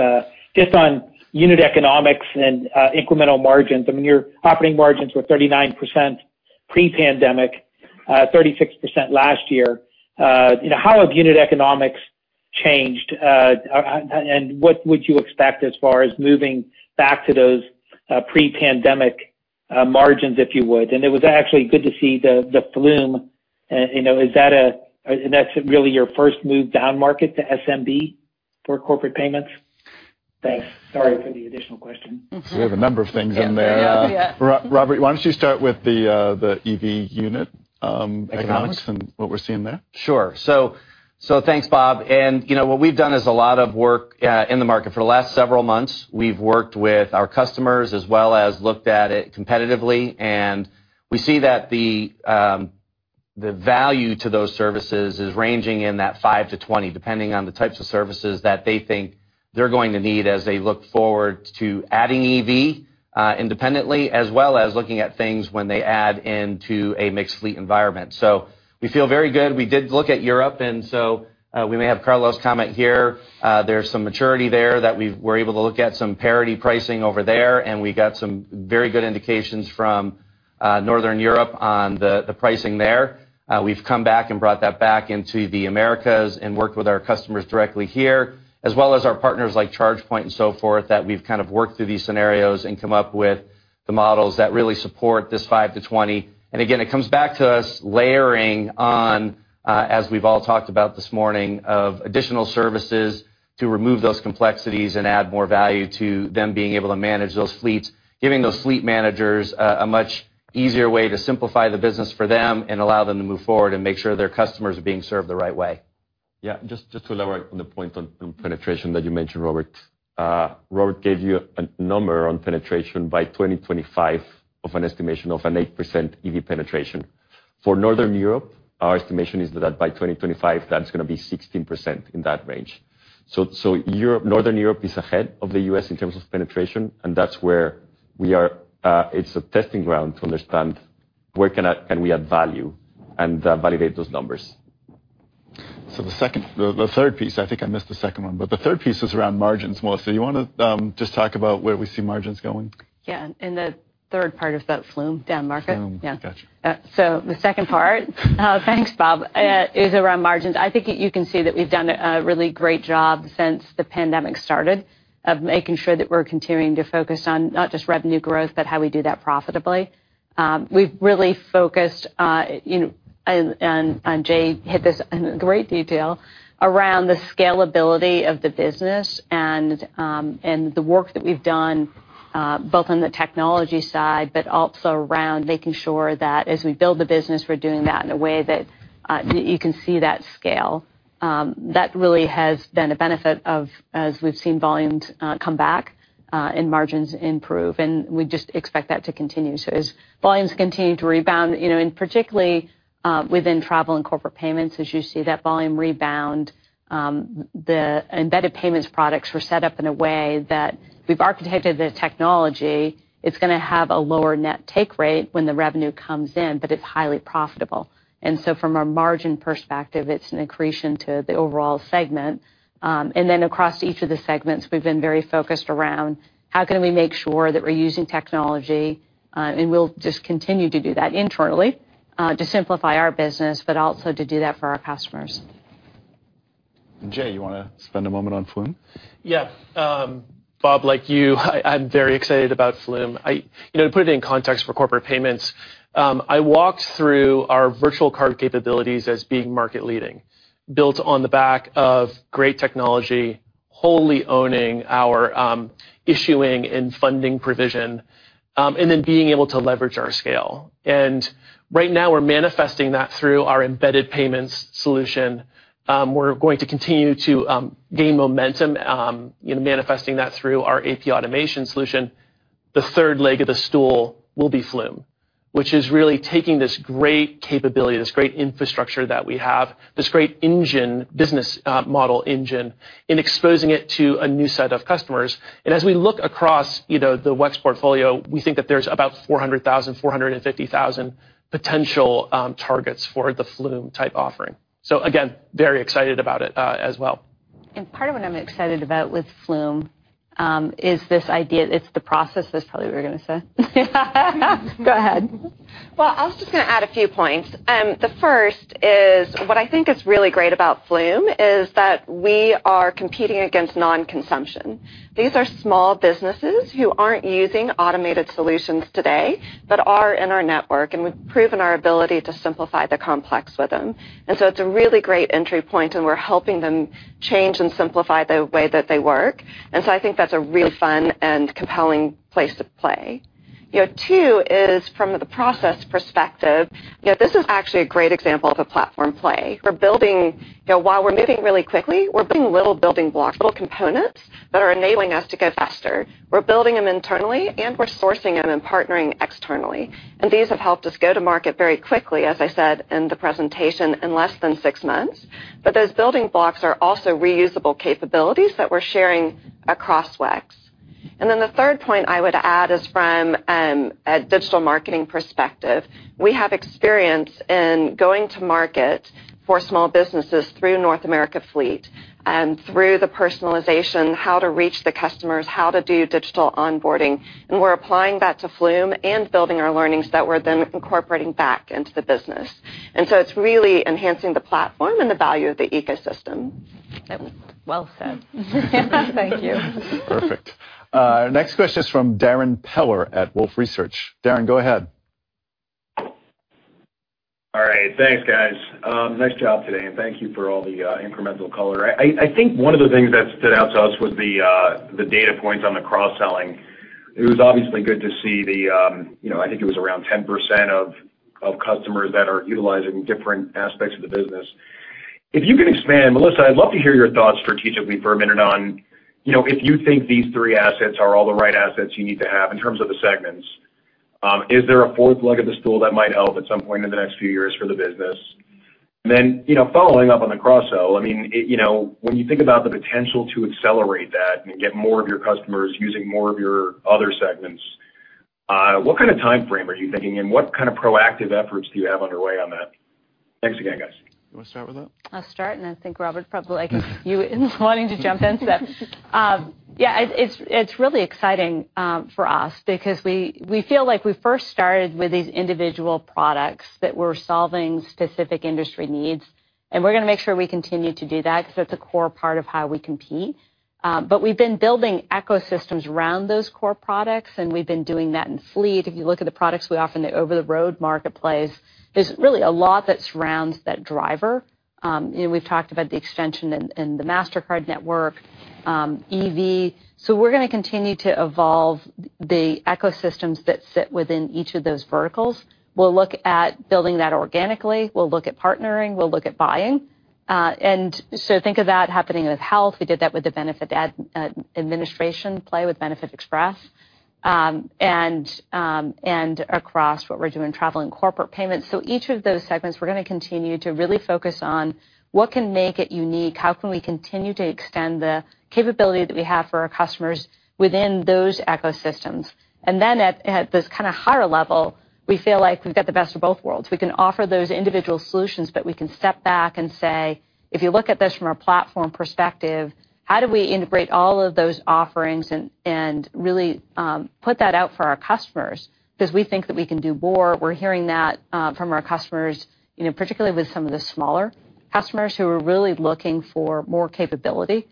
just on unit economics and incremental margins, I mean, your operating margins were 39% pre-pandemic, 36% last year. You know, how have unit economics changed? What would you expect as far as moving back to those pre-pandemic margins, if you would? It was actually good to see the Flume, you know, is that a... That's really your first move downmarket to SMB for corporate payments? Thanks. Sorry for the additional question. We have a number of things in there. Yeah. Robert, why don't you start with the EV unit economics and what we're seeing there? Sure. Thanks, Bob. You know, what we've done is a lot of work in the market. For the last several months, we've worked with our customers as well as looked at it competitively, and we see that the value to those services is ranging in that 5%-20%, depending on the types of services that they think they're going to need as they look forward to adding EV independently, as well as looking at things when they add into a mixed fleet environment. We feel very good. We did look at Europe, and we may have Carlos comment here. There's some maturity there that we're able to look at some parity pricing over there, and we got some very good indications from Northern Europe on the pricing there. We've come back and brought that back into the Americas and worked with our customers directly here, as well as our partners like ChargePoint and so forth, that we've kind of worked through these scenarios and come up with the models that really support this 5%-20%. Again, it comes back to us layering on, as we've all talked about this morning, of additional services to remove those complexities and add more value to them being able to manage those fleets, giving those fleet managers a much easier way to simplify the business for them and allow them to move forward and make sure their customers are being served the right way. Just to elaborate on the point on penetration that you mentioned, Robert. Robert gave you a number on penetration by 2025 of an estimation of an 8% EV penetration. For Northern Europe, our estimation is that by 2025, that's gonna be 16%, in that range. So, Northern Europe is ahead of the U.S. in terms of penetration, and that's where we are. It's a testing ground to understand where we can add value and validate those numbers. The third piece, I think I missed the second one, but the third piece is around margins. Melissa, you wanna just talk about where we see margins going? Yeah. The third part is that Flume downmarket? Flume. Yeah. Gotcha. The second part, thanks, Bob, is around margins. I think you can see that we've done a really great job since the pandemic started of making sure that we're continuing to focus on not just revenue growth, but how we do that profitably. We've really focused, you know, and Jay hit this in great detail around the scalability of the business and the work that we've done, both on the technology side, but also around making sure that as we build the business, we're doing that in a way that you can see that scale. That really has been a benefit of, as we've seen volumes come back and margins improve, and we just expect that to continue. As volumes continue to rebound, you know, and particularly within travel and corporate payments, as you see that volume rebound, the embedded payments products were set up in a way that we've architected the technology. It's gonna have a lower net take rate when the revenue comes in, but it's highly profitable. From a margin perspective, it's an accretion to the overall segment. Across each of the segments, we've been very focused around how can we make sure that we're using technology, and we'll just continue to do that internally to simplify our business, but also to do that for our customers. Jay, you wanna spend a moment on Flume? Yeah. Bob, like you, I'm very excited about Flume. You know, to put it in context for corporate payments, I walked through our virtual card capabilities as being market leading, built on the back of great technology, wholly owning our issuing and funding provision, and then being able to leverage our scale. Right now we're manifesting that through our embedded payments solution. We're going to continue to gain momentum, you know, manifesting that through our AP automation solution. The third leg of the stool will be Flume, which is really taking this great capability, this great infrastructure that we have, this great engine, business model engine, and exposing it to a new set of customers. As we look across, you know, the WEX portfolio, we think that there's about 400,000-450,000 potential targets for the Flume-type offering. Again, very excited about it, as well. Part of what I'm excited about with Flume is this idea. It's the process that's probably what you were gonna say. Go ahead. Well, I was just gonna add a few points. The first is what I think is really great about Flume is that we are competing against non-consumption. These are small businesses who aren't using automated solutions today, but are in our network, and we've proven our ability to simplify the complex with them. It's a really great entry point, and we're helping them change and simplify the way that they work. I think that's a real fun and compelling place to play. You know, two is from the process perspective, you know, this is actually a great example of a platform play. While we're moving really quickly, we're building little building blocks, little components that are enabling us to go faster. We're building them internally, and we're sourcing them and partnering externally. These have helped us go to market very quickly, as I said in the presentation, in less than six months. Those building blocks are also reusable capabilities that we're sharing across WEX. Then the third point I would add is from a digital marketing perspective. We have experience in going to market for small businesses through North America Fleet through the personalization, how to reach the customers, how to do digital onboarding, and we're applying that to Flume and building our learnings that we're then incorporating back into the business. It's really enhancing the platform and the value of the ecosystem. Well said. Thank you. Perfect. Our next question is from Darrin Peller at Wolfe Research. Darrin, go ahead. All right. Thanks, guys. Nice job today, and thank you for all the incremental color. I think one of the things that stood out to us was the data points on the cross-selling. It was obviously good to see the, you know, I think it was around 10% of customers that are utilizing different aspects of the business. If you can expand, Melissa, I'd love to hear your thoughts strategically for a minute on, you know, if you think these three assets are all the right assets you need to have in terms of the segments. Is there a fourth leg of the stool that might help at some point in the next few years for the business? You know, following up on the cross-sell, I mean, it, you know, when you think about the potential to accelerate that and get more of your customers using more of your other segments, what kind of timeframe are you thinking, and what kind of proactive efforts do you have underway on that? Thanks again, guys. You wanna start with that? I'll start. I think Robert probably like you is wanting to jump into that. Yeah, it's really exciting for us because we feel like we first started with these individual products that were solving specific industry needs, and we're gonna make sure we continue to do that 'cause that's a core part of how we compete. We've been building ecosystems around those core products, and we've been doing that in Fleet. If you look at the products we offer in the over-the-road marketplace, there's really a lot that surrounds that driver. You know, we've talked about the extension in the Mastercard network, EV. We're gonna continue to evolve the ecosystems that sit within each of those verticals. We'll look at building that organically. We'll look at partnering. We'll look at buying. Think of that happening with health. We did that with the benefit administration play with Benefit Express. Across what we're doing in travel and corporate payments, each of those segments, we're gonna continue to really focus on what can make it unique, how can we continue to extend the capability that we have for our customers within those ecosystems. At this kinda higher level, we feel like we've got the best of both worlds. We can offer those individual solutions, but we can step back and say, "If you look at this from a platform perspective, how do we integrate all of those offerings and really put that out for our customers?" 'Cause we think that we can do more. We're hearing that from our customers, you know, particularly with some of the smaller customers who are really looking for more capability.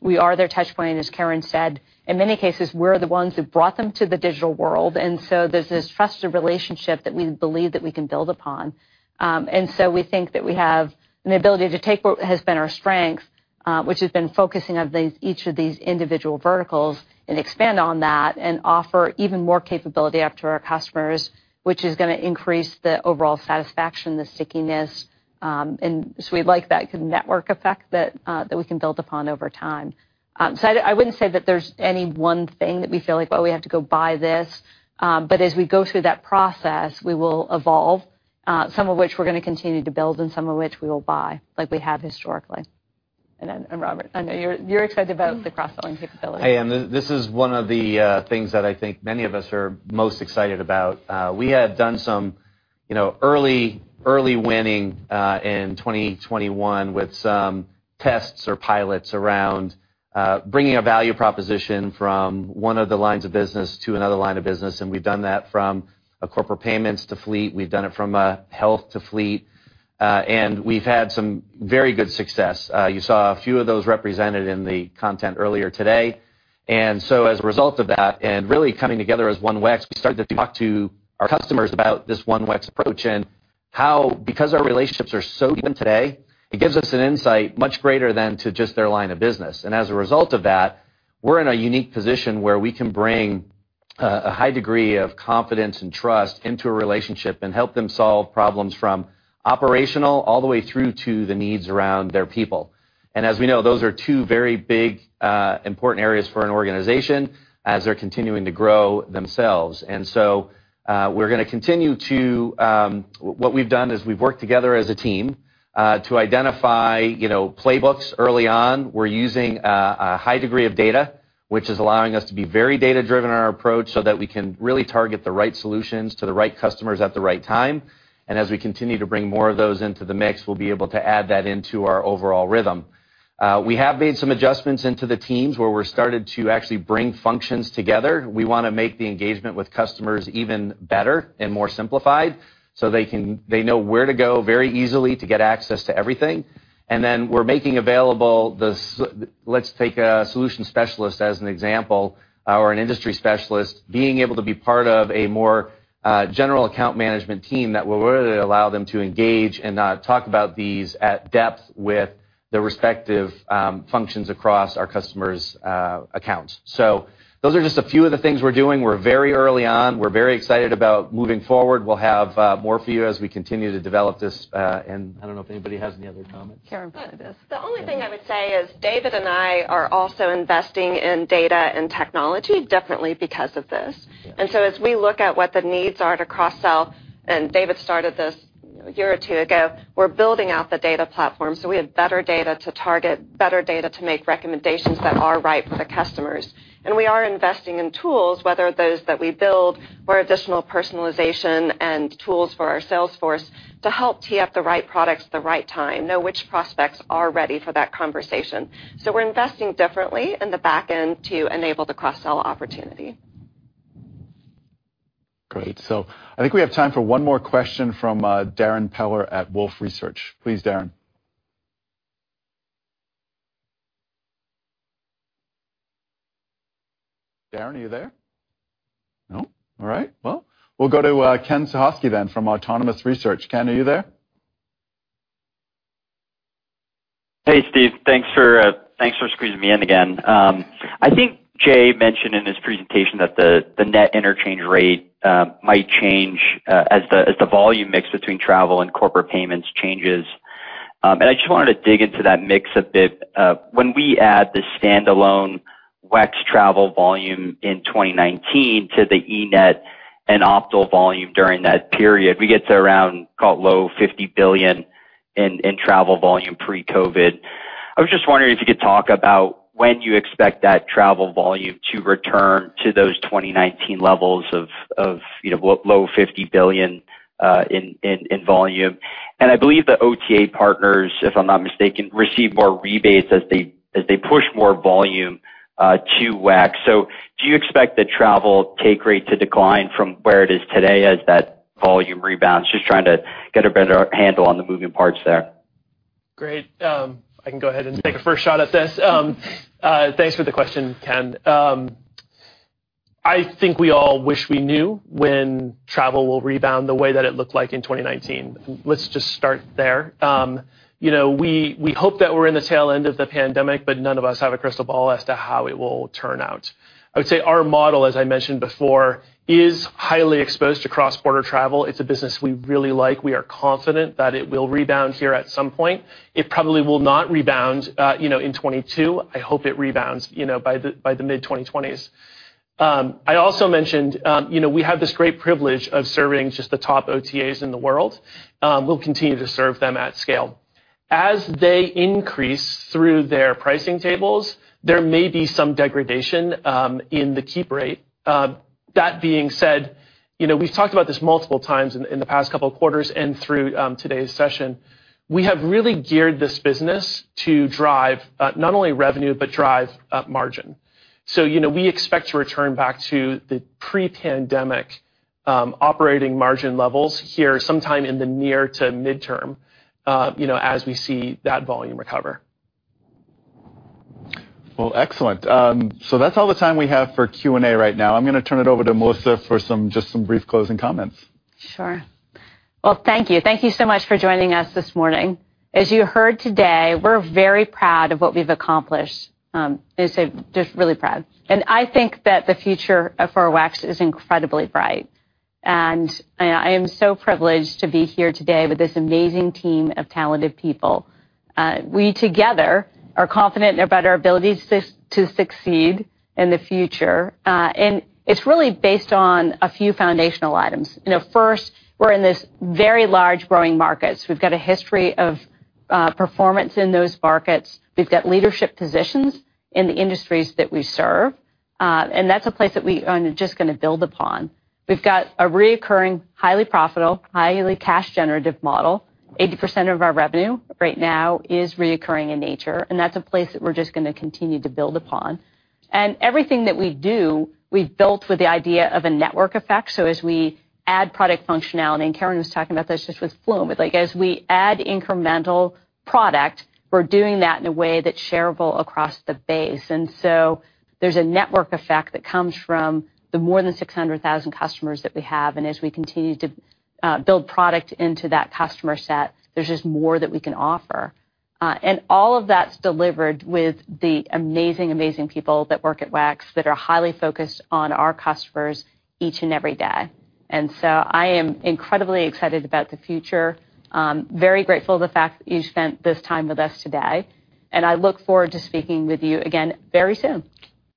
We are their touchpoint, and as Karen said, in many cases, we're the ones who've brought them to the digital world. There's this trusted relationship that we believe that we can build upon. We think that we have an ability to take what has been our strength, which has been focusing on each of these individual verticals and expand on that and offer even more capability out to our customers, which is gonna increase the overall satisfaction, the stickiness, and we'd like that network effect that we can build upon over time. I wouldn't say that there's any one thing that we feel like, oh, we have to go buy this. As we go through that process, we will evolve, some of which we're gonna continue to build and some of which we will buy like we have historically. Robert, I know you're excited about the cross-selling capability. I am. This is one of the things that I think many of us are most excited about. We had done some, you know, early winning in 2021 with some tests or pilots around bringing a value proposition from one of the lines of business to another line of business, and we've done that from a corporate payments to fleet. We've done it from a health to fleet, and we've had some very good success. You saw a few of those represented in the content earlier today. As a result of that, and really coming together as one WEX, we started to talk to our customers about this one WEX approach and how because our relationships are so deep today, it gives us an insight much greater than to just their line of business. As a result of that, we're in a unique position where we can bring a high degree of confidence and trust into a relationship and help them solve problems from operational all the way through to the needs around their people. As we know, those are two very big important areas for an organization as they're continuing to grow themselves. What we've done is we've worked together as a team to identify, you know, playbooks early on. We're using a high degree of data, which is allowing us to be very data-driven in our approach so that we can really target the right solutions to the right customers at the right time. As we continue to bring more of those into the mix, we'll be able to add that into our overall rhythm. We have made some adjustments into the teams where we've started to actually bring functions together. We wanna make the engagement with customers even better and more simplified so they know where to go very easily to get access to everything. We're making available. Let's take a solution specialist as an example or an industry specialist being able to be part of a more general account management team that will really allow them to engage and talk about these in depth with the respective functions across our customers' accounts. Those are just a few of the things we're doing. We're very early on. We're very excited about moving forward. We'll have more for you as we continue to develop this, and I don't know if anybody has any other comments. Karen, go ahead. The only thing I would say is David and I are also investing in data and technology definitely because of this. Yeah. As we look at what the needs are to cross-sell, and David started this, you know, a year or two ago, we're building out the data platform, so we have better data to target, better data to make recommendations that are right for the customers. We are investing in tools, whether those that we build or additional personalization and tools for our sales force to help tee up the right products at the right time, know which prospects are ready for that conversation. We're investing differently in the back end to enable the cross-sell opportunity. Great. I think we have time for one more question from Darrin Peller at Wolfe Research. Please, Darrin. Darrin, are you there? No? All right. Well, we'll go to Ken Suchoski then from Autonomous Research. Ken, are you there? Hey, Steve. Thanks for squeezing me in again. I think Jay mentioned in his presentation that the net interchange rate might change as the volume mix between travel and corporate payments changes. I just wanted to dig into that mix a bit. When we add the standalone WEX travel volume in 2019 to the eNett and Optal volume during that period, we get to around, call it, low $50 billion in travel volume pre-COVID. I was just wondering if you could talk about when you expect that travel volume to return to those 2019 levels of, you know, low $50 billion in volume. I believe the OTA partners, if I'm not mistaken, receive more rebates as they push more volume to WEX. Do you expect the travel take rate to decline from where it is today as that volume rebounds? Just trying to get a better handle on the moving parts there. Great. I can go ahead and take a first shot at this. Thanks for the question, Ken. I think we all wish we knew when travel will rebound the way that it looked like in 2019. Let's just start there. You know, we hope that we're in the tail end of the pandemic, but none of us have a crystal ball as to how it will turn out. I would say our model, as I mentioned before, is highly exposed to cross-border travel. It's a business we really like. We are confident that it will rebound here at some point. It probably will not rebound, you know, in 2022. I hope it rebounds, you know, by the mid-2020s. I also mentioned, you know, we have this great privilege of serving just the top OTAs in the world. We'll continue to serve them at scale. As they increase through their pricing tables, there may be some degradation in the keep rate. That being said, you know, we've talked about this multiple times in the past couple of quarters and through today's session. We have really geared this business to drive not only revenue, but drive margin. You know, we expect to return back to the pre-pandemic operating margin levels here sometime in the near to mid-term, you know, as we see that volume recover. Well, excellent. That's all the time we have for Q&A right now. I'm gonna turn it over to Melissa for some, just some brief closing comments. Sure. Well, thank you. Thank you so much for joining us this morning. As you heard today, we're very proud of what we've accomplished. As I said, just really proud. I think that the future for WEX is incredibly bright. I am so privileged to be here today with this amazing team of talented people. We together are confident about our ability to succeed in the future. It's really based on a few foundational items. You know, first, we're in this very large growing markets. We've got a history of performance in those markets. We've got leadership positions in the industries that we serve, and that's a place that we just gonna build upon. We've got a recurring, highly profitable, highly cash generative model. 80% of our revenue right now is recurring in nature, and that's a place that we're just gonna continue to build upon. Everything that we do, we've built with the idea of a network effect. As we add product functionality, and Karen was talking about this just with Flume, but like, as we add incremental product, we're doing that in a way that's shareable across the base. There's a network effect that comes from the more than 600,000 customers that we have, and as we continue to build product into that customer set, there's just more that we can offer. All of that's delivered with the amazing people that work at WEX that are highly focused on our customers each and every day. I am incredibly excited about the future. I'm very grateful for the fact that you spent this time with us today, and I look forward to speaking with you again very soon.